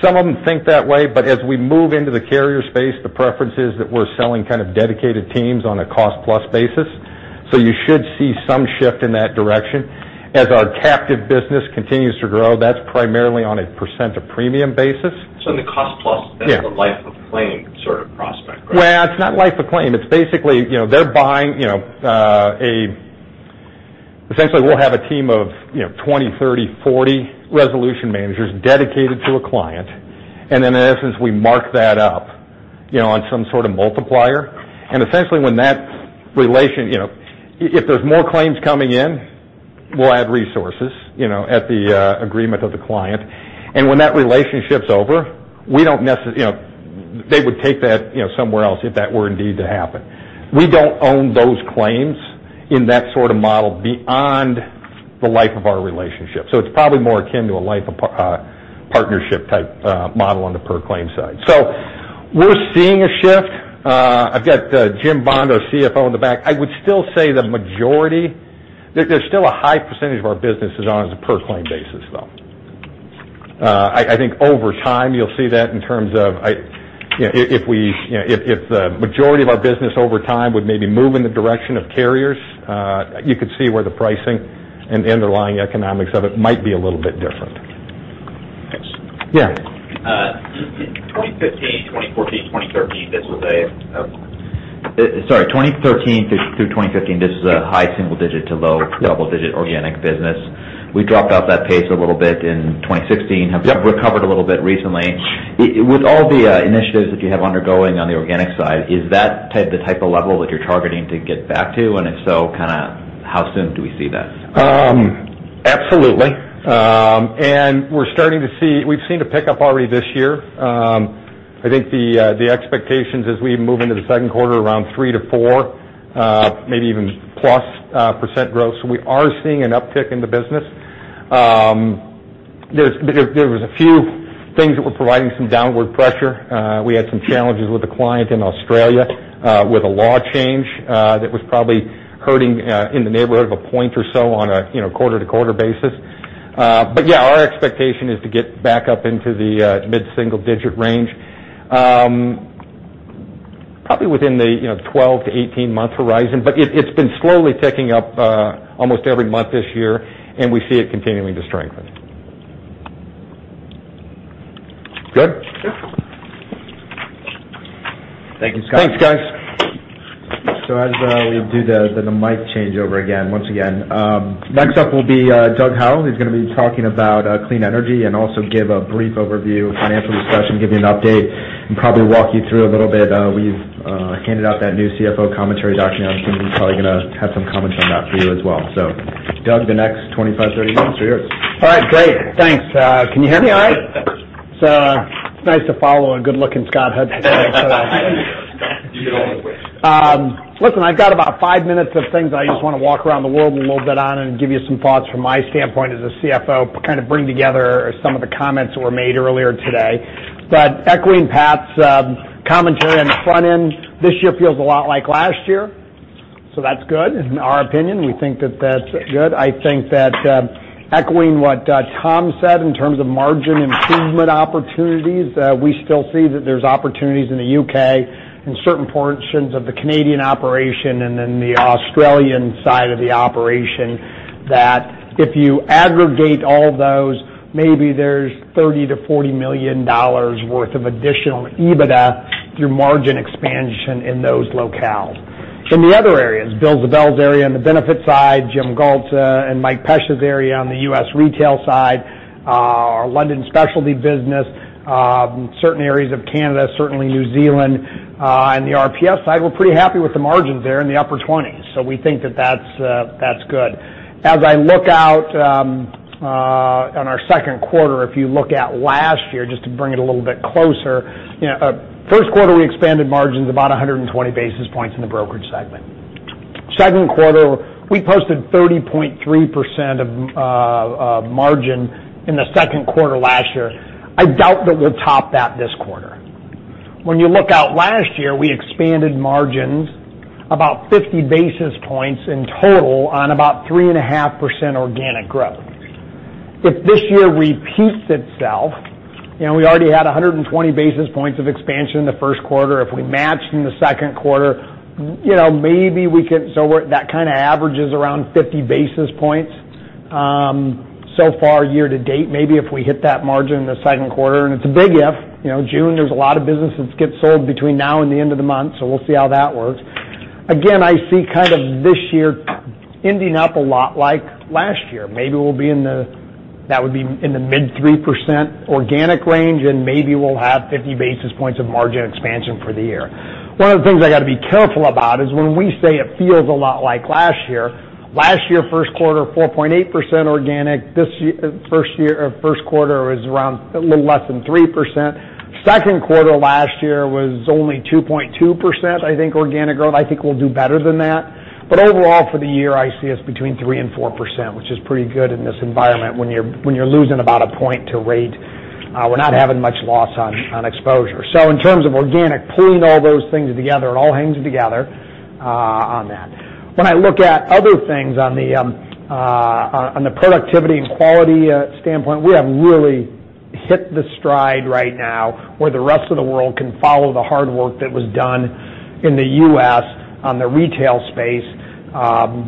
S13: some of them think that way, but as we move into the carrier space, the preference is that we're selling kind of dedicated teams on a cost-plus basis. You should see some shift in that direction. As our captive business continues to grow, that's primarily on a % of premium basis.
S3: In the cost plus-
S13: Yeah.
S3: That's the life of claim sort of prospect, right?
S13: Well, it's not life of claim. It's basically, they're buying a essentially, we'll have a team of 20, 30, 40 resolution managers dedicated to a client, and then in essence, we mark that up on some sort of multiplier. Essentially, if there's more claims coming in, we'll add resources at the agreement of the client, and when that relationship's over, they would take that somewhere else if that were indeed to happen. We don't own those claims in that sort of model beyond the life of our relationship. It's probably more akin to a life of partnership type model on the per claim side. We're seeing a shift. I've got Jim Bond, our CFO, in the back. I would still say the majority that there's still a high % of our business is on as a per claim basis, though. I think over time you'll see that in terms of if the majority of our business over time would maybe move in the direction of carriers, you could see where the pricing and underlying economics of it might be a little bit different.
S3: Thanks.
S13: Yeah.
S3: In 2015, 2014, 2013 Sorry, 2013 through 2015, this is a high single digit to low double digit organic business. We dropped off that pace a little bit in 2016.
S13: Yep.
S3: Have recovered a little bit recently. With all the initiatives that you have undergoing on the organic side, is that the type of level that you're targeting to get back to? If so, how soon do we see that?
S13: Absolutely. We've seen a pickup already this year. I think the expectations as we move into the second quarter, around 3% to 4%, maybe even plus percent growth. We are seeing an uptick in the business. There was a few things that were providing some downward pressure. We had some challenges with a client in Australia, with a law change, that was probably hurting in the neighborhood of one point or so on a quarter-to-quarter basis. Yeah, our expectation is to get back up into the mid-single digit range, probably within the 12 to 18 month horizon. It's been slowly ticking up almost every month this year, and we see it continuing to strengthen. Good?
S3: Sure. Thank you, Scott.
S13: Thanks, guys.
S1: As we do the mic change over again, once again. Next up will be Doug Howell, who's going to be talking about clean energy and also give a brief overview, financial discussion, give you an update, and probably walk you through a little bit. We've handed out that new CFO commentary document, I'm assuming he's probably going to have some comments on that for you as well. Doug, the next 25, 30 minutes are yours.
S14: All right. Great. Thanks. Can you hear me all right?
S1: Yes.
S14: It's nice to follow a good-looking Scott Hudson.
S1: You get all the questions.
S14: Listen, I've got about five minutes of things I just want to walk around the world a little bit on and give you some thoughts from my standpoint as a CFO, kind of bring together some of the comments that were made earlier today. Echoing Pat's commentary on the front end, this year feels a lot like last year, so that's good. In our opinion, we think that that's good. I think that echoing what Tom said in terms of margin improvement opportunities, we still see that there's opportunities in the U.K. and certain portions of the Canadian operation, and then the Australian side of the operation, that if you aggregate all those, maybe there's $30 million-$40 million worth of additional EBITDA through margin expansion in those locales. From the other areas, Bill Ziebell's area on the benefit side, Jim Gault and Mike Pesch's area on the U.S. retail side, our London specialty business, certain areas of Canada, certainly New Zealand, and the RPS side, we're pretty happy with the margins there in the upper 20s. We think that that's good. As I look out on our second quarter, if you look at last year, just to bring it a little bit closer. First quarter, we expanded margins about 120 basis points in the brokerage segment. Second quarter, we posted 30.3% of margin in the second quarter last year. I doubt that we'll top that this quarter. When you look out last year, we expanded margins about 50 basis points in total on about 3.5% organic growth. If this year repeats itself, we already had 120 basis points of expansion in the first quarter. If we match in the second quarter, that kind of averages around 50 basis points so far year-to-date. Maybe if we hit that margin in the second quarter, and it's a big if. June, there's a lot of businesses get sold between now and the end of the month, so we'll see how that works. Again, I see this year ending up a lot like last year. That would be in the mid 3% organic range, and maybe we'll have 50 basis points of margin expansion for the year. One of the things I got to be careful about is when we say it feels a lot like last year. Last year, first quarter, 4.8% organic. First quarter was around a little less than 3%. Second quarter last year was only 2.2%, I think, organic growth. I think we'll do better than that. Overall, for the year, I see us between 3% and 4%, which is pretty good in this environment when you're losing about a point to rate. We're not having much loss on exposure. In terms of organic, pulling all those things together, it all hangs together on that. When I look at other things on the productivity and quality standpoint, we have really hit the stride right now where the rest of the world can follow the hard work that was done in the U.S. on the retail space,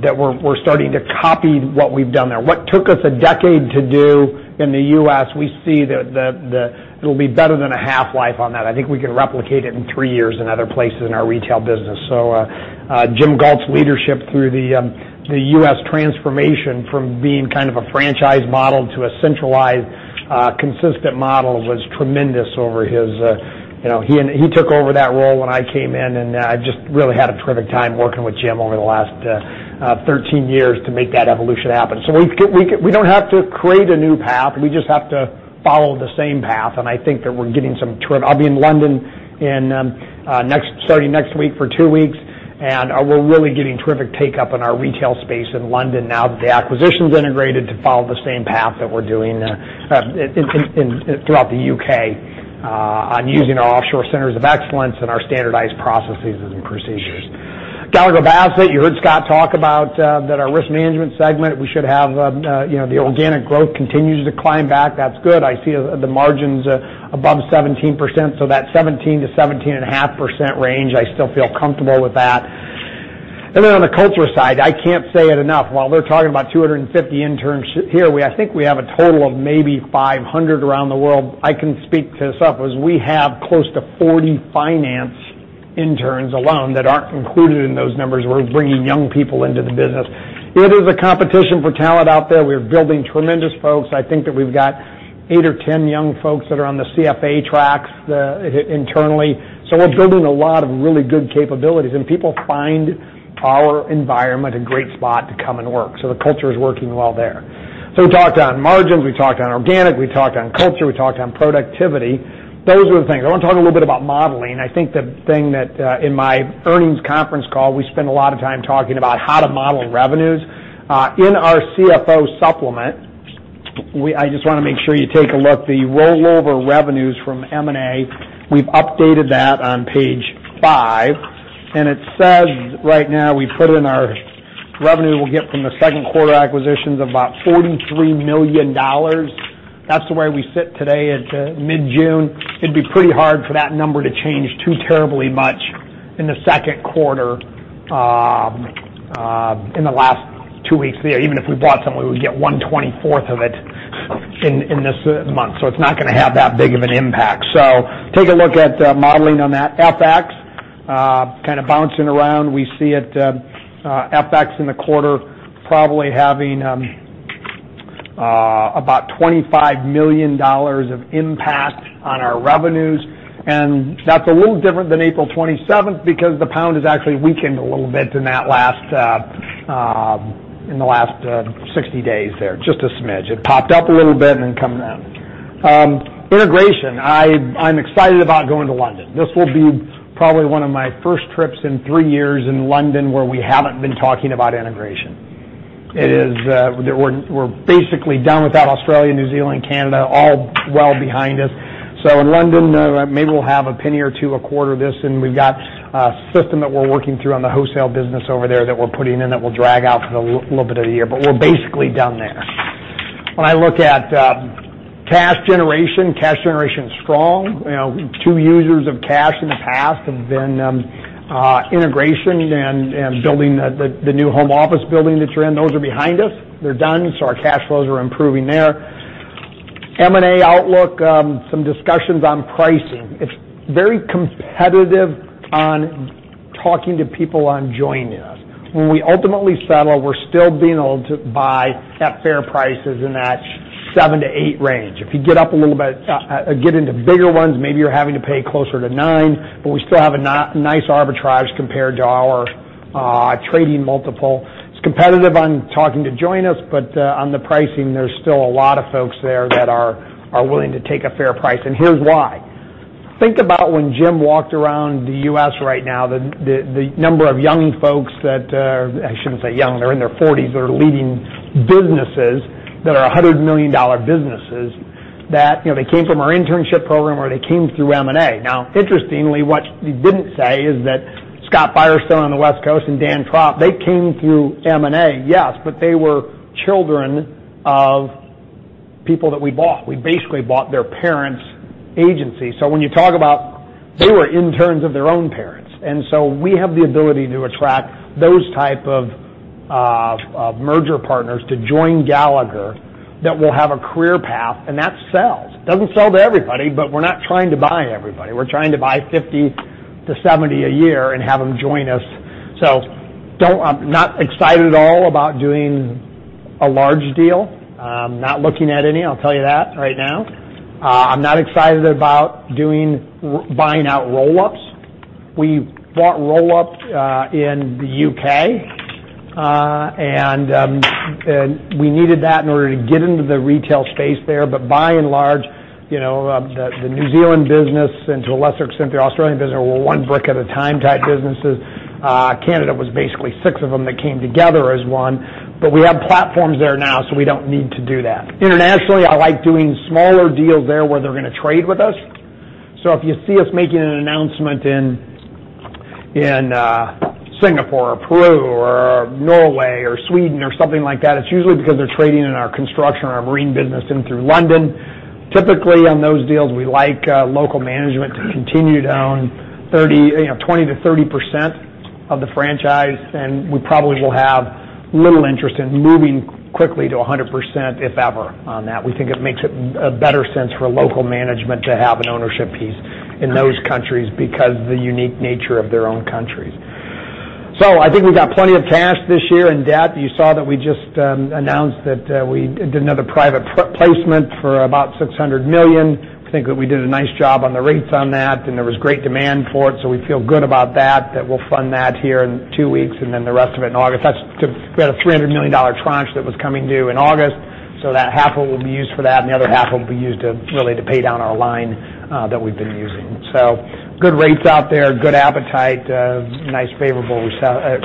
S14: that we're starting to copy what we've done there. What took us a decade to do in the U.S., we see that it'll be better than a half-life on that. I think we can replicate it in three years in other places in our retail business. Jim Gault's leadership through the U.S. transformation from being kind of a franchise model to a centralized, consistent model was tremendous over his. He took over that role when I came in, and I've just really had a terrific time working with Jim over the last 13 years to make that evolution happen. We don't have to create a new path. We just have to follow the same path, and I think that we're getting some. I'll be in London starting next week for two weeks, and we're really getting terrific take-up in our retail space in London now that the acquisition's integrated to follow the same path that we're doing throughout the U.K. on using our offshore centers of excellence and our standardized processes and procedures. Gallagher Bassett, you heard Scott talk about that our risk management segment, the organic growth continues to climb back. That's good. I see the margins above 17%, so that 17%-17.5% range, I still feel comfortable with that. On the culture side, I can't say it enough. While we're talking about 250 interns here, I think we have a total of maybe 500 around the world. I can speak to this up as we have close to 40 finance interns alone that aren't included in those numbers. We're bringing young people into the business. It is a competition for talent out there. We're building tremendous folks. I think that we've got eight or 10 young folks that are on the CFA tracks internally. We're building a lot of really good capabilities, and people find our environment a great spot to come and work. The culture is working well there. We talked on margins, we talked on organic, we talked on culture, we talked on productivity. Those are the things. I want to talk a little bit about modeling. I think the thing that, in my earnings conference call, we spend a lot of time talking about how to model revenues. In our CFO supplement, I just want to make sure you take a look, the rollover revenues from M&A, we've updated that on page five, and it says right now we put in our revenue we'll get from the second quarter acquisitions about $43 million. That's the way we sit today at mid-June. It'd be pretty hard for that number to change too terribly much in the second quarter, in the last two weeks there. Even if we bought something, we would get one 24th of it in this month. It's not going to have that big of an impact. Take a look at modeling on that FX kind of bouncing around. We see it, FX in the quarter probably having about $25 million of impact on our revenues, and that's a little different than April 27th because the pound has actually weakened a little bit in the last 60 days there. Just a smidge. It popped up a little bit and then come down. Integration. I'm excited about going to London. This will be probably one of my first trips in three years in London where we haven't been talking about integration. We're basically done with that Australia, New Zealand, Canada, all well behind us. In London, maybe we'll have a penny or two a quarter this, and we've got a system that we're working through on the wholesale business over there that we're putting in that will drag out for the little bit of the year. We're basically done there. When I look at cash generation, cash generation is strong. Two users of cash in the past have been integration and building the new home office building that you're in. Those are behind us. They're done. Our cash flows are improving there. M&A outlook, some discussions on pricing. It's very competitive on talking to people on joining us. When we ultimately settle, we're still being able to buy at fair prices in that seven to eight range. If you get up a little bit, get into bigger ones, maybe you're having to pay closer to nine, but we still have a nice arbitrage compared to our trading multiple. It's competitive on talking to join us, but on the pricing, there's still a lot of folks there that are willing to take a fair price, and here's why. Think about when Jim walked around the U.S. right now, the number of young folks that I shouldn't say young, they're in their 40s. They're leading businesses that are $100 million businesses, that they came from our internship program, or they came through M&A. Now, interestingly, what he didn't say is that Scott Firestone on the West Coast and Dan Tropp, they came through M&A, yes, but they were children of people that we bought. We basically bought their parents' agency. When you talk about they were interns of their own parents. We have the ability to attract those type of merger partners to join Gallagher that will have a career path, and that sells. It doesn't sell to everybody, but we're not trying to buy everybody. We're trying to buy 50 to 70 a year and have them join us. I'm not excited at all about doing a large deal. I'm not looking at any, I'll tell you that right now. I'm not excited about buying out roll-ups. We bought roll-up in the U.K., and we needed that in order to get into the retail space there. By and large, the New Zealand business, and to a lesser extent, the Australian business, were one brick at a time type businesses. Canada was basically six of them that came together as one. We have platforms there now, we don't need to do that. Internationally, I like doing smaller deals there where they're going to trade with us. If you see us making an announcement in Singapore or Peru or Norway or Sweden or something like that, it's usually because they're trading in our construction or our marine business in through London. Typically, on those deals, we like local management to continue to own 20%-30% of the franchise, and we probably will have little interest in moving quickly to 100%, if ever, on that. We think it makes a better sense for local management to have an ownership piece in those countries because of the unique nature of their own countries. I think we got plenty of cash this year and debt. You saw that we just announced that we did another private placement for about $600 million. I think that we did a nice job on the rates on that, and there was great demand for it, we feel good about that we'll fund that here in two weeks, the rest of it in August. We had a $300 million tranche that was coming due in August, that half will be used for that, and the other half will be used really to pay down our line that we've been using. Good rates out there, good appetite, nice favorable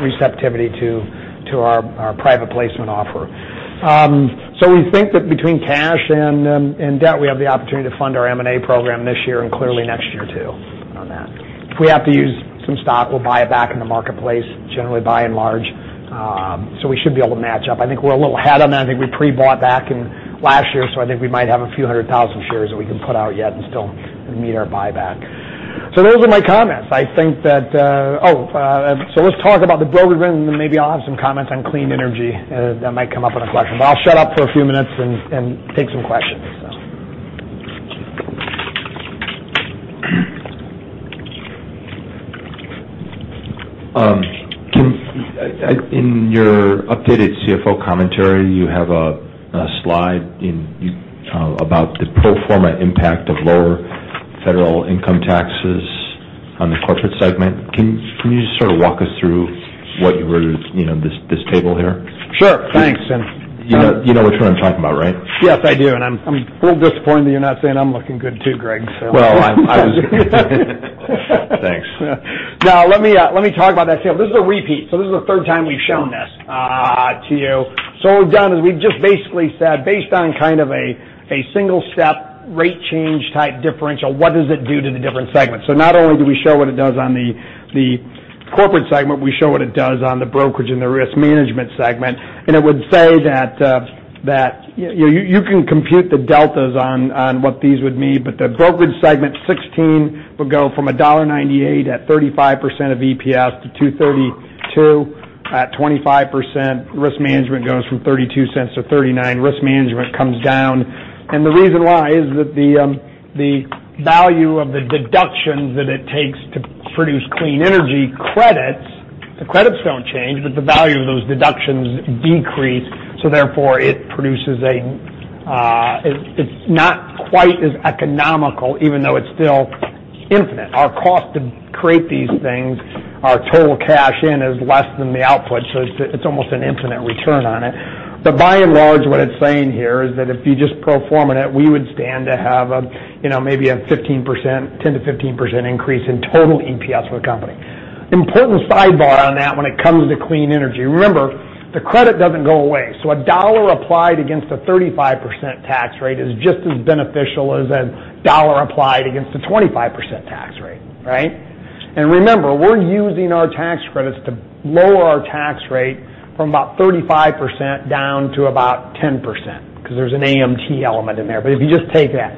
S14: receptivity to our private placement offer. We think that between cash and debt, we have the opportunity to fund our M&A program this year and clearly next year too on that. If we have to use some stock, we'll buy it back in the marketplace, generally, by and large. We should be able to match up. I think we're a little ahead on that. I think we pre-bought back in last year, I think we might have a few hundred thousand shares that we can put out yet and still meet our buyback. Those are my comments. Let's talk about the brokerage business, and then maybe I'll have some comments on clean energy that might come up in a question. I'll shut up for a few minutes and take some questions.
S3: In your updated CFO commentary, you have a slide about the pro forma impact of lower federal income taxes on the corporate segment. Can you just sort of walk us through this table here?
S14: Sure. Thanks.
S3: You know which one I'm talking about, right?
S14: Yes, I do, and I'm a little disappointed that you're not saying I'm looking good too, Greg.
S3: Thanks.
S14: Let me talk about that table. This is a repeat. This is the third time we've shown this to you. What we've done is we've just basically said, based on kind of a single step rate change type differential, what does it do to the different segments? Not only do we show what it does on the corporate segment, we show what it does on the brokerage and the Risk Management segment. It would say that you can compute the deltas on what these would mean, the brokerage segment 16 would go from $1.98 at 35% of EPS to $2.32 at 25%. Risk Management goes from $0.32 to $0.39. Risk Management comes down. The reason why is that the value of the deductions that it takes to produce clean energy credits, the credits don't change, but the value of those deductions decrease, so therefore it's not quite as economical, even though it's still infinite. Our cost to create these things, our total cash in is less than the output, so it's almost an infinite return on it. By and large, what it's saying here is that if you just pro forma net, we would stand to have maybe a 10%-15% increase in total EPS for the company. Important sidebar on that when it comes to clean energy. Remember, the credit doesn't go away. So a dollar applied against a 35% tax rate is just as beneficial as a dollar applied against a 25% tax rate. Right? Remember, we're using our tax credits to lower our tax rate from about 35% down to about 10%, because there's an AMT element in there. If you just take that.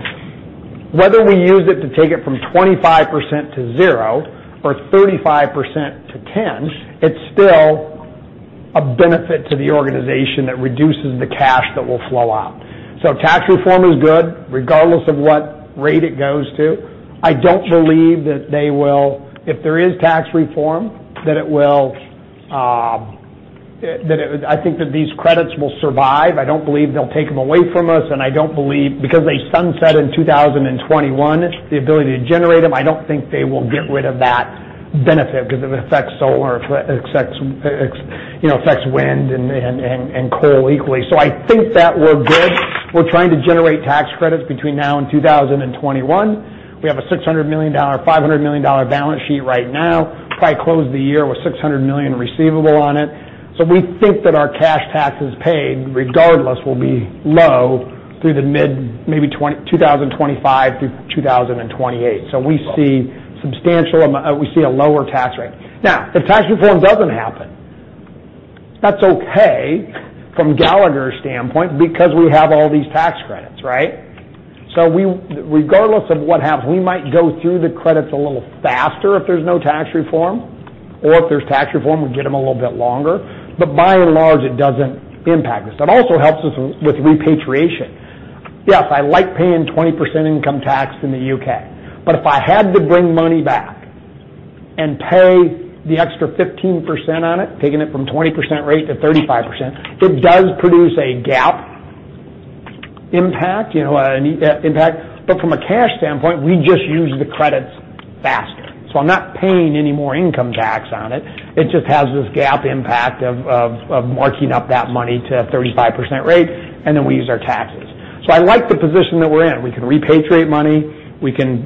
S14: Whether we use it to take it from 25% to zero or 35% to 10, it's still a benefit to the organization that reduces the cash that will flow out. So tax reform is good, regardless of what rate it goes to. I don't believe that if there is tax reform, that I think that these credits will survive. I don't believe they'll take them away from us, and I don't believe because they sunset in 2021, the ability to generate them, I don't think they will get rid of that benefit because it affects solar, it affects wind, and coal equally. So I think that we're good. We're trying to generate tax credits between now and 2021. We have a $500 million balance sheet right now. Probably close the year with a $600 million receivable on it. So we think that our cash taxes paid, regardless, will be low through the mid maybe 2025 through 2028. So we see a lower tax rate. Now, if tax reform doesn't happen, that's okay from Gallagher's standpoint because we have all these tax credits. Right? So regardless of what happens, we might go through the credits a little faster if there's no tax reform, or if there's tax reform, we get them a little bit longer. By and large, it doesn't impact us. It also helps us with repatriation. Yes, I like paying 20% income tax in the U.K., but if I had to bring money back and pay the extra 15% on it, taking it from 20% rate to 35%, it does produce a GAAP impact. From a cash standpoint, we just use the credits faster. So I'm not paying any more income tax on it. It just has this GAAP impact of marking up that money to a 35% rate, and then we use our taxes. So I like the position that we're in. We can repatriate money. We can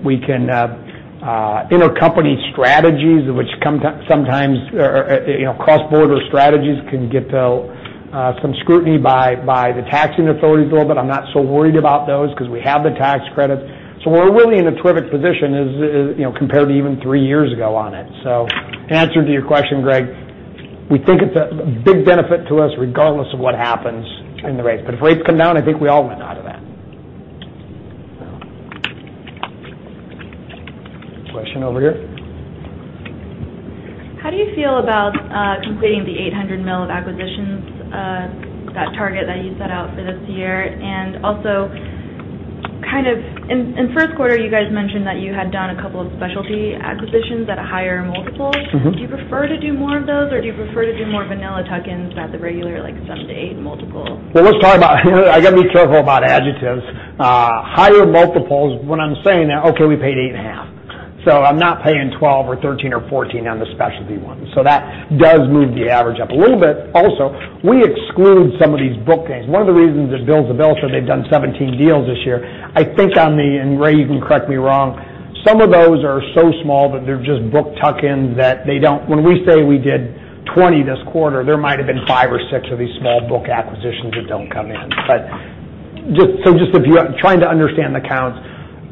S14: intercompany strategies, which sometimes cross-border strategies can get some scrutiny by the taxing authorities a little bit. I'm not so worried about those because we have the tax credits. So we're really in a terrific position compared to even three years ago on it. So in answer to your question, Greg, we think it's a big benefit to us regardless of what happens in the rates. If rates come down, I think we all win out of that. Question over here.
S4: How do you feel about completing the $800 million of acquisitions, that target that you set out for this year? In first quarter, you guys mentioned that you had done a couple of specialty acquisitions at a higher multiple. Do you prefer to do more of those, or do you prefer to do more vanilla tuck-ins at the regular like 7x-8x multiple?
S14: Well, let's talk about here, I got to be careful about adjectives. Higher multiples, when I'm saying that, okay, we paid 8.5x. I'm not paying 12 or 13 or 14 on the specialty ones. That does move the average up a little bit. Also, we exclude some of these book gains. One of the reasons that Bill said they've done 17 deals this year, I think on the, and Ray, you can correct me wrong, some of those are so small that they're just book tuck in. When we say we did 20 this quarter, there might've been five or six of these small book acquisitions that don't come in. Just if you are trying to understand the counts,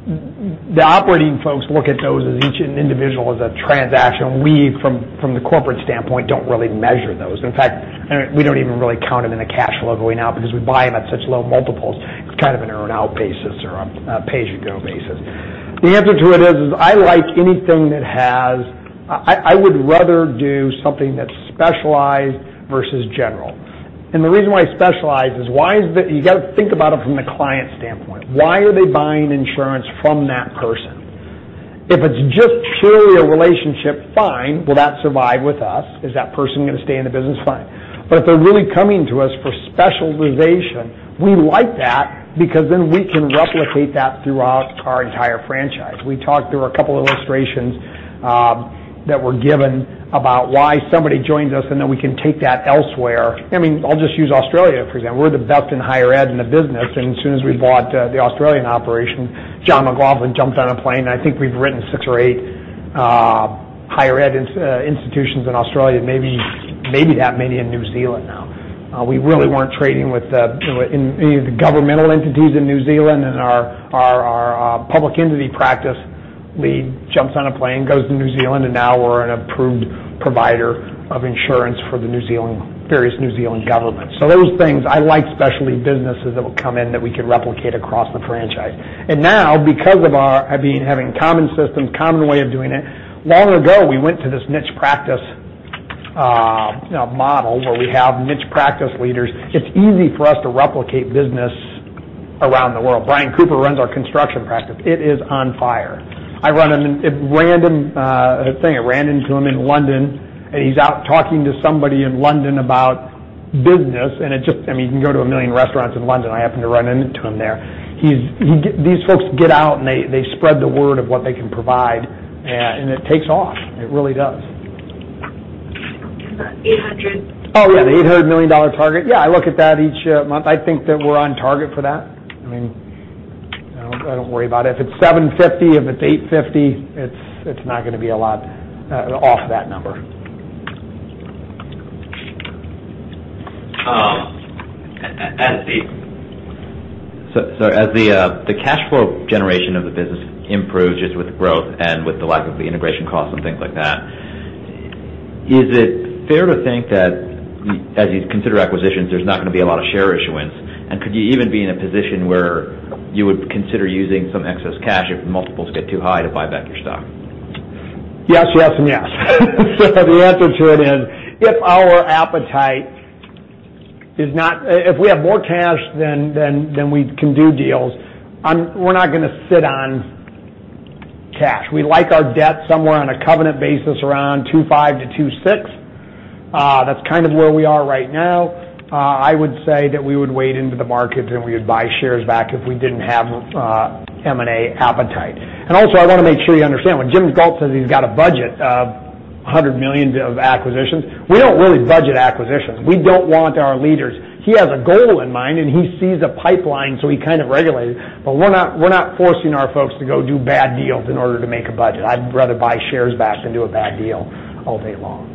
S14: the operating folks look at those as each individual as a transaction. We, from the corporate standpoint, don't really measure those. In fact, we don't even really count them in the cash flow going out because we buy them at such low multiples. It's kind of an earn-out basis or a pay-as-you-go basis. The answer to it is, I would rather do something that's specialized versus general. The reason why specialized is you got to think about it from the client standpoint. Why are they buying insurance from that person? If it's just purely a relationship, fine. Will that survive with us? Is that person going to stay in the business? Fine. If they're really coming to us for specialization, we like that because then we can replicate that throughout our entire franchise. We talked through a couple illustrations that were given about why somebody joins us, then we can take that elsewhere. I'll just use Australia, for example. We're the best in higher ed in the business. As soon as we bought the Australian operation, John McLaughlin jumped on a plane, I think we've written six or eight higher ed institutions in Australia, maybe that many in New Zealand now. We really weren't trading with any of the governmental entities in New Zealand. Our public entity practice lead jumps on a plane, goes to New Zealand, and now we're an approved provider of insurance for the various New Zealand governments. Those things, I like specialty businesses that will come in that we can replicate across the franchise. Now, because of our having common systems, common way of doing it, long ago, we went to this niche practice model where we have niche practice leaders. It's easy for us to replicate business around the world. Brian Cooper runs our construction practice. It is on fire. I ran into him in London. He's out talking to somebody in London about business. You can go to 1 million restaurants in London. I happen to run into him there. These folks get out, they spread the word of what they can provide, and it takes off. It really does.
S4: The $800-
S14: Yeah, the $800 million target. I look at that each month. I think that we're on target for that. I don't worry about it. If it's 750, if it's 850, it's not going to be a lot off that number.
S3: As the cash flow generation of the business improves just with growth and with the lack of the integration costs and things like that, is it fair to think that as you consider acquisitions, there's not going to be a lot of share issuance? Could you even be in a position where you would consider using some excess cash if multiples get too high to buy back your stock?
S14: Yes, yes, and yes. The answer to it is, if we have more cash than we can do deals, we're not going to sit on cash. We like our debt somewhere on a covenant basis around 2.5-2.6. That's kind of where we are right now. I would say that we would wade into the market, and we would buy shares back if we didn't have M&A appetite. Also, I want to make sure you understand. When Jim Gault says he's got a budget of $100 million of acquisitions, we don't really budget acquisitions. He has a goal in mind, and he sees a pipeline, so he kind of regulates it. We're not forcing our folks to go do bad deals in order to make a budget. I'd rather buy shares back than do a bad deal all day long.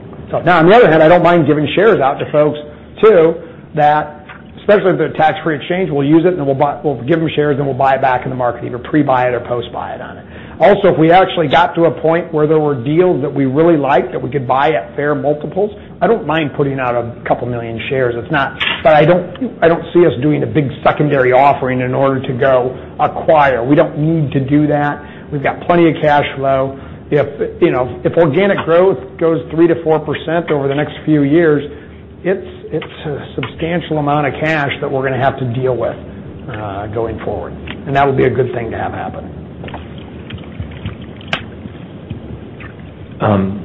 S14: Now, on the other hand, I don't mind giving shares out to folks too that, especially if they're tax-free exchange, we'll use it, and we'll give them shares, then we'll buy it back in the market, either pre-buy it or post-buy it on it. If we actually got to a point where there were deals that we really liked that we could buy at fair multiples, I don't mind putting out a couple million shares. I don't see us doing a big secondary offering in order to go acquire. We don't need to do that. We've got plenty of cash flow. If organic growth goes 3%-4% over the next few years, it's a substantial amount of cash that we're going to have to deal with going forward, and that would be a good thing to have happen.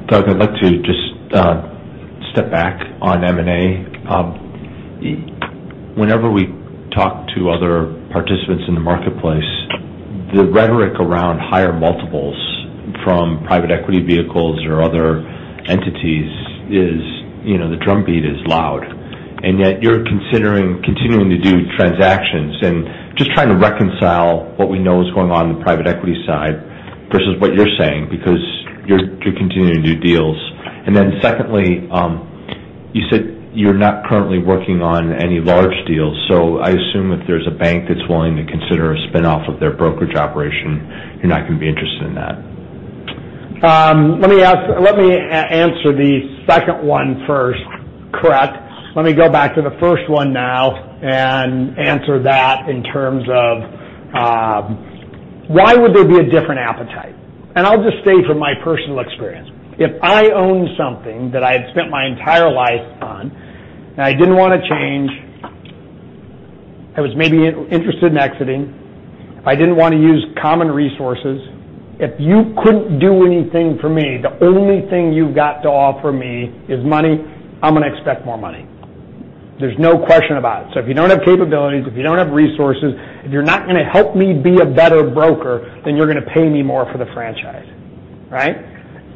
S3: Doug, I'd like to just step back on M&A. Whenever we talk to other participants in the marketplace, the rhetoric around higher multiples from private equity vehicles or other entities is the drumbeat is loud. Yet you're considering continuing to do transactions and just trying to reconcile what we know is going on in the private equity side versus what you're saying because you're continuing to do deals. Then secondly, you said you're not currently working on any large deals, I assume if there's a bank that's willing to consider a spin-off of their brokerage operation, you're not going to be interested in that.
S14: Let me answer the second one first. Correct. Let me go back to the first one now and answer that in terms of why would there be a different appetite? I'll just say from my personal experience. If I owned something that I had spent my entire life on, and I didn't want to change, I was maybe interested in exiting. If I didn't want to use common resources, if you couldn't do anything for me, the only thing you've got to offer me is money, I'm going to expect more money. There's no question about it. If you don't have capabilities, if you don't have resources, if you're not going to help me be a better broker, then you're going to pay me more for the franchise. Right?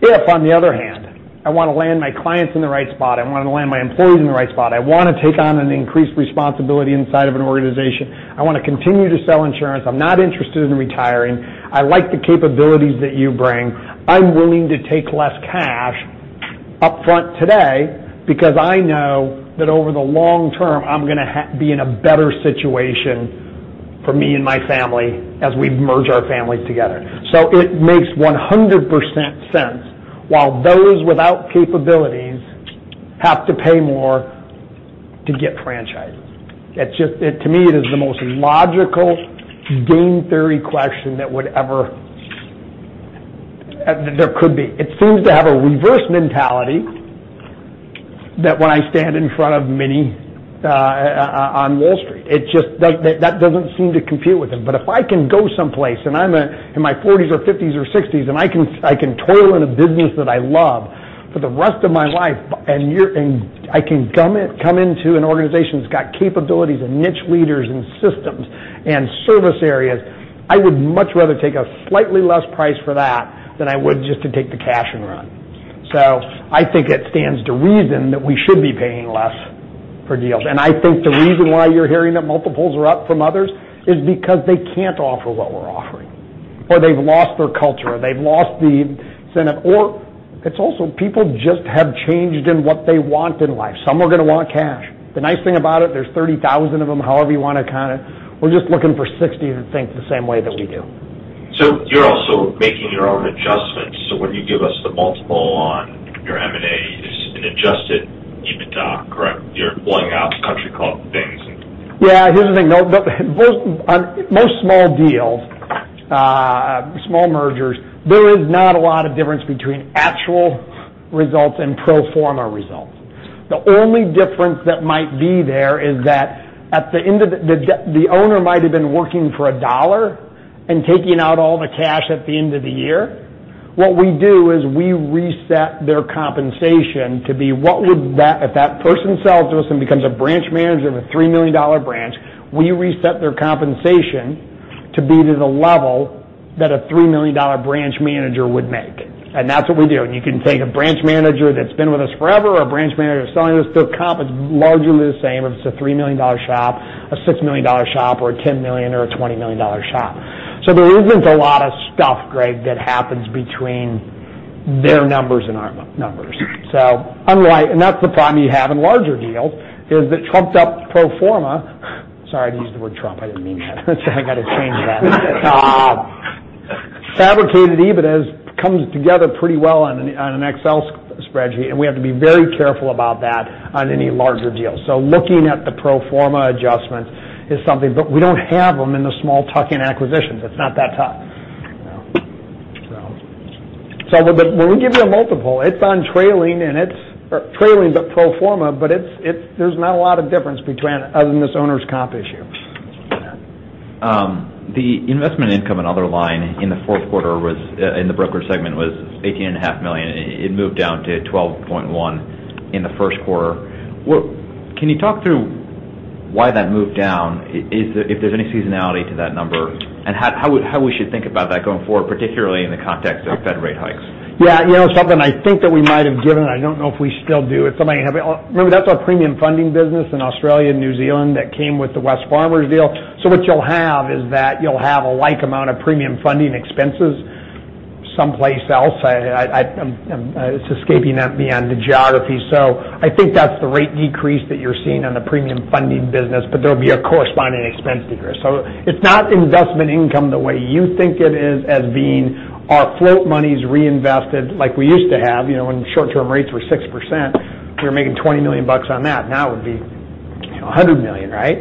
S14: If, on the other hand, I want to land my clients in the right spot, I want to land my employees in the right spot, I want to take on an increased responsibility inside of an organization, I want to continue to sell insurance, I'm not interested in retiring, I like the capabilities that you bring, I'm willing to take less cash upfront today because I know that over the long term, I'm going to be in a better situation for me and my family as we merge our families together. It makes 100% sense while those without capabilities have to pay more to get franchises. To me, it is the most logical game theory question that there could be. It seems to have a reverse mentality that when I stand in front of many on Wall Street, that doesn't seem to compute with them. If I can go someplace, and I'm in my 40s or 50s or 60s, and I can toil in a business that I love for the rest of my life, and I can come into an organization that's got capabilities and niche leaders and systems and service areas, I would much rather take a slightly less price for that than I would just to take the cash and run. I think it stands to reason that we should be paying less for deals. I think the reason why you're hearing that multiples are up from others is because they can't offer what we're offering, or they've lost their culture, or they've lost the scent. It's also people just have changed in what they want in life. Some are going to want cash. The nice thing about it, there's 30,000 of them, however you want to count it. We're just looking for 60 that think the same way that we do.
S3: You're also making your own adjustments. When you give us the multiple on your M&A is an adjusted EBITDA, correct? You're pulling out country club things and.
S14: Yeah. Here's the thing, though. Most small deals, small mergers, there is not a lot of difference between actual results and pro forma results. The only difference that might be there is that the owner might have been working for a dollar and taking out all the cash at the end of the year. What we do is we reset their compensation to be if that person sells to us and becomes a branch manager of a $3 million branch, we reset their compensation to be to the level that a $3 million branch manager would make. That's what we do. You can take a branch manager that's been with us forever or a branch manager who's selling this to a comp, it's largely the same, if it's a $3 million shop, a $6 million shop, or a $10 million or a $20 million shop. There isn't a lot of stuff, Greg, that happens between their numbers and our numbers. That's the problem you have in larger deals, is the trumped up pro forma. Sorry to use the word trump. I didn't mean that. I got to change that. Fabricated EBITDAs comes together pretty well on an Excel spreadsheet, and we have to be very careful about that on any larger deal. Looking at the pro forma adjustments is something, but we don't have them in the small tuck-in acquisitions. It's not that tough. When we give you a multiple, it's on trailing, but pro forma, but there's not a lot of difference between it other than this owner's comp issue.
S8: The investment income and other line in the fourth quarter in the brokerage segment was $18.5 million. It moved down to $12.1 million in the first quarter. Can you talk through why that moved down? If there's any seasonality to that number and how we should think about that going forward, particularly in the context of Fed rate hikes?
S14: Yeah. Something I think that we might have given, I don't know if we still do. Remember, that's our premium funding business in Australia and New Zealand that came with the Wesfarmers deal. What you'll have is that you'll have a like amount of premium funding expenses someplace else. It's escaping me on the geography. I think that's the rate decrease that you're seeing on the premium funding business, but there'll be a corresponding expense decrease. It's not investment income the way you think it is as being our float money's reinvested like we used to have. When short-term rates were 6%, we were making $20 million on that. Now it would be $100 million, right?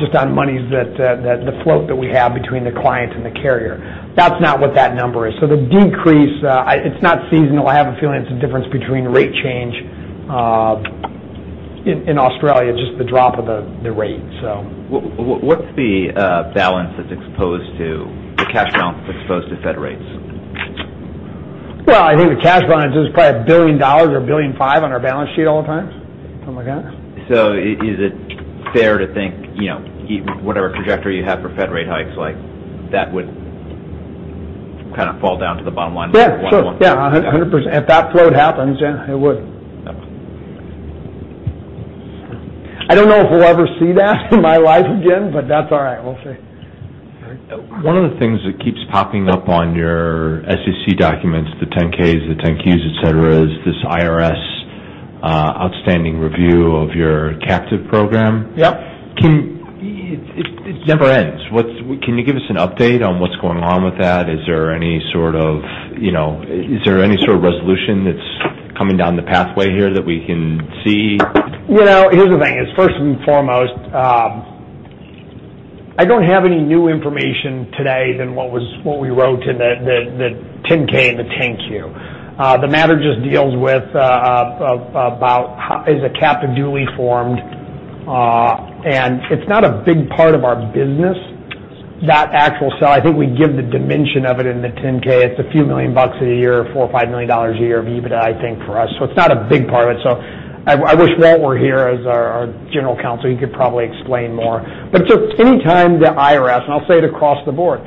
S14: Just on monies that the float that we have between the client and the carrier. That's not what that number is. The decrease, it's not seasonal. I have a feeling it's a difference between rate change in Australia, just the drop of the rate.
S8: What's the balance that's exposed to the cash balance that's exposed to Fed rates?
S14: Well, I think the cash balance is probably $1 billion or $1.5 billion on our balance sheet all the time. Something like that.
S8: Is it fair to think whatever trajectory you have for Fed rate hikes, like that would kind of fall down to the bottom line?
S14: Yeah. Sure. Yeah, 100%. If that float happens, yeah, it would.
S8: Okay.
S14: I don't know if we'll ever see that in my life again, but that's all right. We'll see.
S8: All right.
S3: One of the things that keeps popping up on your SEC documents, the 10-Ks, the 10-Qs, et cetera, is this IRS outstanding review of your captive program.
S14: Yep.
S3: It never ends. Can you give us an update on what's going on with that? Is there any sort of resolution that's coming down the pathway here that we can see?
S14: Here's the thing is, first and foremost, I don't have any new information today than what we wrote in the 10-K and the 10-Q. The matter just deals with about is a captive duly formed. It's not a big part of our business, that actual sell. I think we give the dimension of it in the 10-K. It's a few million bucks a year, $4 or $5 million a year of EBITDA, I think, for us. It's not a big part of it. I wish Walt were here as our general counsel. He could probably explain more. Just anytime the IRS, and I'll say it across the board,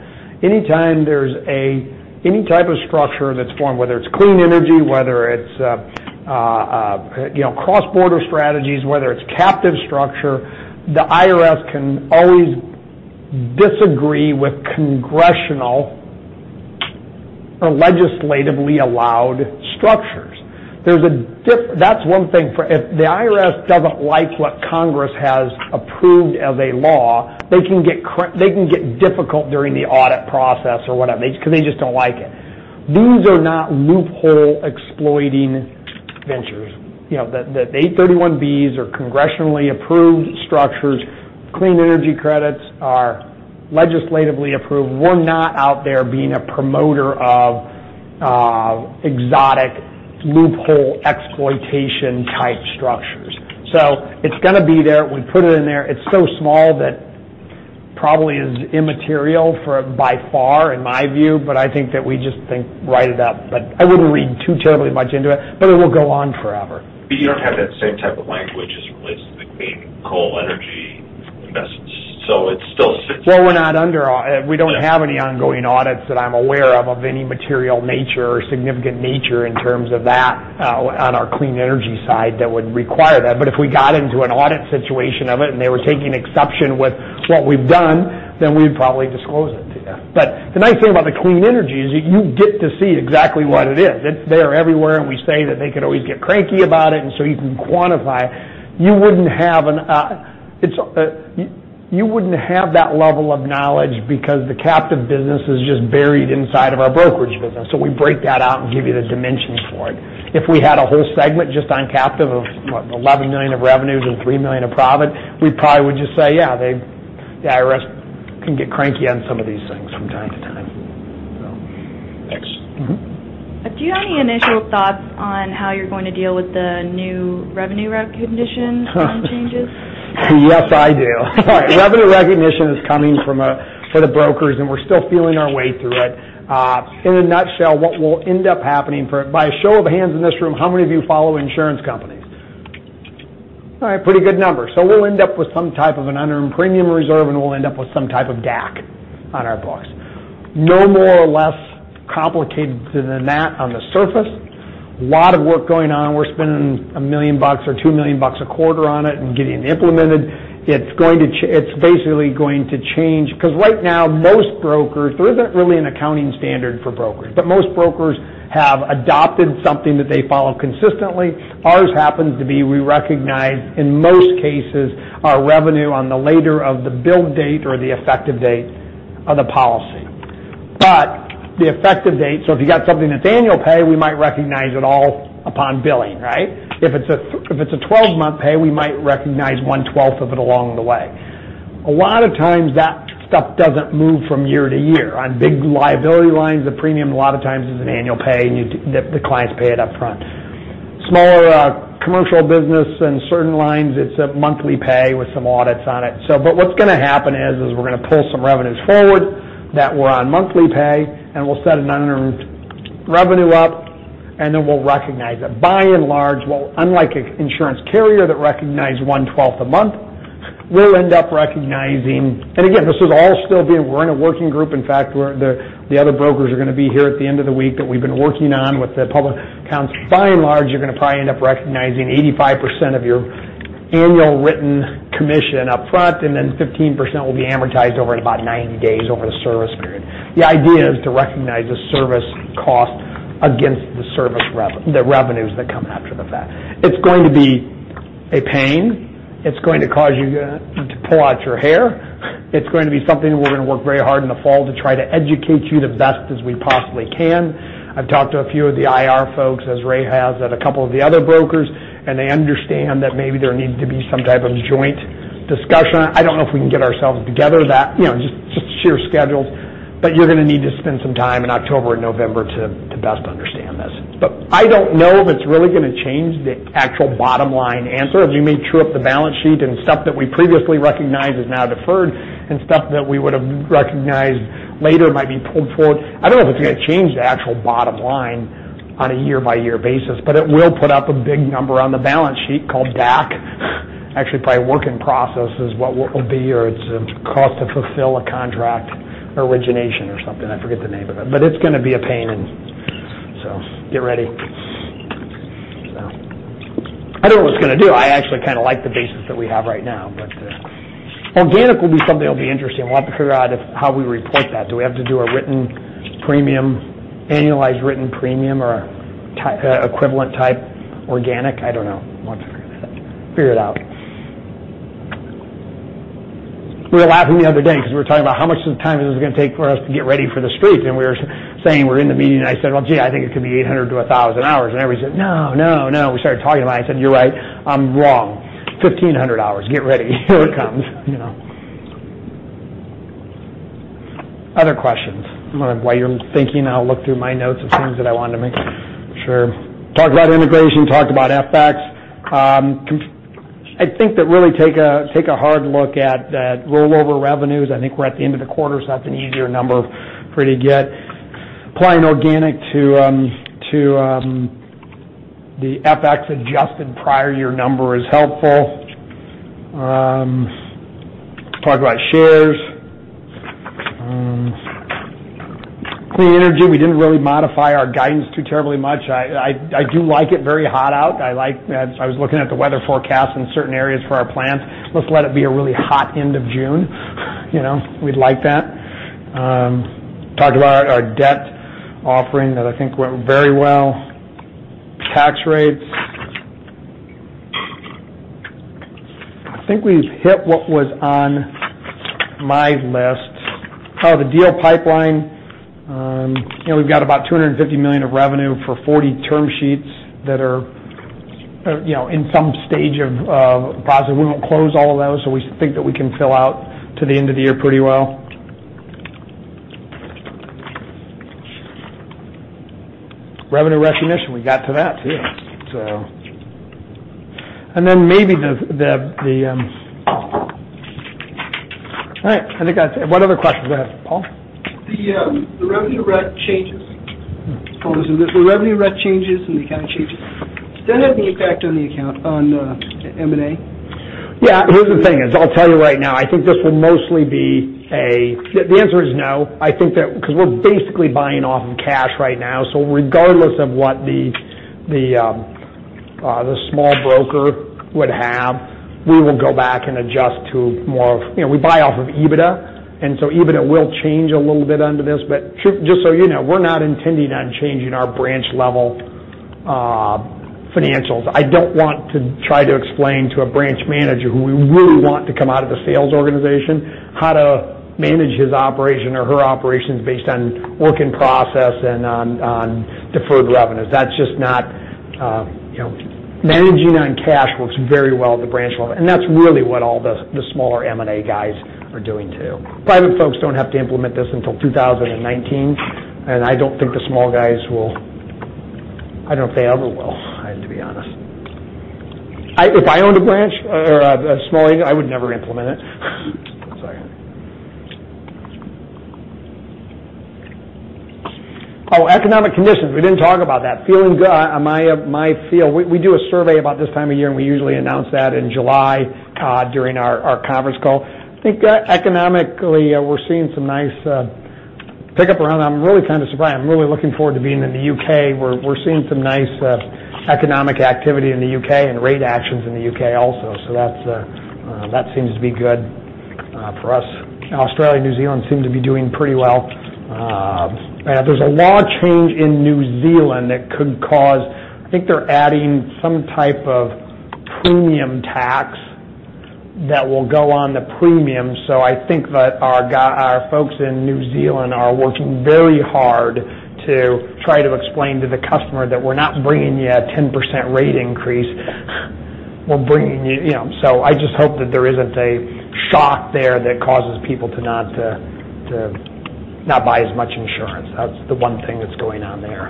S14: anytime there's any type of structure that's formed, whether it's clean energy, whether it's cross-border strategies, whether it's captive structure, the IRS can always disagree with congressional or legislatively allowed structures. That's one thing. If the IRS doesn't like what Congress has approved as a law, they can get difficult during the audit process or whatever, because they just don't like it. These are not loophole exploiting ventures. The 831s are congressionally approved structures. Clean energy credits are legislatively approved. We're not out there being a promoter of exotic loophole exploitation type structures. It's going to be there. We put it in there. It's so small that probably is immaterial for, by far, in my view. I think that we just think write it up. I wouldn't read too terribly much into it, but it will go on forever.
S3: You don't have that same type of language as relates to the clean coal energy investments, so it's still sitting.
S14: We don't have any ongoing audits that I'm aware of any material nature or significant nature in terms of that on our clean energy side that would require that. If we got into an audit situation of it, and they were taking exception with what we've done, then we'd probably disclose it. Yeah. The nice thing about the clean energy is that you get to see exactly what it is. It's there everywhere, and we say that they could always get cranky about it, and so you can quantify. You wouldn't have that level of knowledge because the captive business is just buried inside of our brokerage business. We break that out and give you the dimensions for it. If we had a whole segment just on captive of what? $11 million of revenues and $3 million of profit, we probably would just say, yeah, the IRS can get cranky on some of these things from time to time.
S3: Thanks.
S4: Do you have any initial thoughts on how you're going to deal with the new revenue recognition plan changes?
S14: Yes, I do. Revenue recognition is coming for the brokers, and we're still feeling our way through it. In a nutshell, what will end up happening for By a show of hands in this room, how many of you follow insurance companies? All right, pretty good number. We'll end up with some type of an unearned premium reserve, and we'll end up with some type of DAC on our books. No more or less complicated than that on the surface. Lot of work going on. We're spending $1 million or $2 million a quarter on it and getting it implemented. It's basically going to change, because right now most brokers, there isn't really an accounting standard for brokers. Most brokers have adopted something that they follow consistently. Ours happens to be, we recognize, in most cases, our revenue on the later of the billed date or the effective date of the policy. The effective date, if you got something that's annual pay, we might recognize it all upon billing, right? If it's a 12-month pay, we might recognize one twelfth of it along the way. A lot of times, that stuff doesn't move from year to year. On big liability lines, the premium a lot of times is an annual pay, and the clients pay it up front. Smaller commercial business and certain lines, it's a monthly pay with some audits on it. What's going to happen is, we're going to pull some revenues forward that were on monthly pay, and we'll set an unearned revenue up, and then we'll recognize it. By and large, unlike an insurance carrier that recognize one twelfth a month, we'll end up recognizing We're in a working group. In fact, the other brokers are going to be here at the end of the week that we've been working on with the public accountants. By and large, you're going to probably end up recognizing 85% of your annual written commission up front, and then 15% will be amortized over at about 90 days over the service period. The idea is to recognize the service cost against the revenues that come after the fact. It's going to be a pain. It's going to cause you to pull out your hair. It's going to be something that we're going to work very hard in the fall to try to educate you the best as we possibly can. I've talked to a few of the IR folks, as Ray has, at a couple of the other brokers, they understand that maybe there needs to be some type of joint discussion. I don't know if we can get ourselves together that, just sheer schedules. You're going to need to spend some time in October and November to best understand this. I don't know if it's really going to change the actual bottom line answer. As you may true up the balance sheet and stuff that we previously recognized is now deferred, and stuff that we would have recognized later might be pulled forward. I don't know if it's going to change the actual bottom line on a year-by-year basis, but it will put up a big number on the balance sheet called DAC. Actually, probably work in process is what will be, or it's cost to fulfill a contract, origination or something. I forget the name of it. It's going to be a pain. Get ready. I don't know what it's going to do. I actually kind of like the basis that we have right now. Organic will be something that'll be interesting. We'll have to figure out how we report that. Do we have to do a annualized written premium or equivalent type organic? I don't know. We'll have to figure it out. We were laughing the other day because we were talking about how much time is this going to take for us to get ready for the streets. We were saying we're in the meeting. I said, "Well, gee, I think it could be 800 to 1,000 hours." Everybody said, "No, no." We started talking about it. I said, "You're right. I'm wrong. 1,500 hours. Get ready. Here it comes." Other questions? While you're thinking, I'll look through my notes of things that I wanted to make sure. Talked about integration, talked about FX. I think really take a hard look at rollover revenues. I think we're at the end of the quarter. That's an easier number for you to get. Applying organic to the FX adjusted prior year number is helpful. Talked about shares. Clean energy, we didn't really modify our guidance too terribly much. I do like it very hot out. I was looking at the weather forecast in certain areas for our plants. Let's let it be a really hot end of June. We'd like that. Talked about our debt offering that I think went very well. Tax rates I think we've hit what was on my list. Probably the deal pipeline. We've got about $250 million of revenue for 40 term sheets that are in some stage of processing. We won't close all of those. We think that we can fill out to the end of the year pretty well. Revenue recognition, we got to that too. All right. I think that's it. What other questions are there, Paul?
S5: The revenue rec changes. Paul, is it the revenue rec changes and the account changes, does that have any effect on the account on M&A?
S14: Yeah. Here's the thing is, I'll tell you right now, I think this will mostly be. The answer is no. I think that because we're basically buying off of cash right now, regardless of what the small broker would have, we will go back and adjust to more of. We buy off of EBITDA, and so EBITDA will change a little bit under this. Just so you know, we're not intending on changing our branch level financials. I don't want to try to explain to a branch manager who we really want to come out of the sales organization how to manage his operation or her operations based on work in process and on deferred revenues. Managing on cash works very well at the branch level, and that's really what all the smaller M&A guys are doing, too. Private folks don't have to implement this until 2019, and I don't think the small guys will. I don't know if they ever will, to be honest. If I owned a branch or a small agent, I would never implement it. Sorry. Economic conditions, we didn't talk about that. Feeling good on my feel. We do a survey about this time of year, and we usually announce that in July during our conference call. I think economically, we're seeing some nice pickup around. I'm really kind of surprised. I'm really looking forward to being in the U.K., where we're seeing some nice economic activity in the U.K. and rate actions in the U.K. also. That seems to be good for us. Australia and New Zealand seem to be doing pretty well. There's a law change in New Zealand that could. I think they're adding some type of premium tax that will go on the premium. I think that our folks in New Zealand are working very hard to try to explain to the customer that we're not bringing you a 10% rate increase. I just hope that there isn't a shock there that causes people to not buy as much insurance. That's the one thing that's going on there.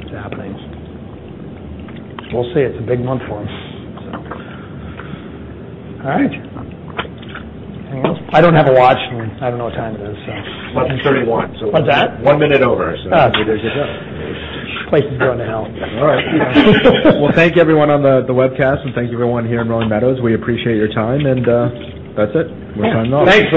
S14: It's happening. We'll see. It's a big month for us. All right. Anyone else? I don't have a watch, and I don't know what time it is.
S1: 11:31.
S14: What's that?
S1: One minute over. You did a good job.
S14: Clay can run now.
S1: All right. Well, thank you everyone on the webcast, and thank you everyone here in Rolling Meadows. We appreciate your time, and that's it. We are timing out.
S14: Thanks.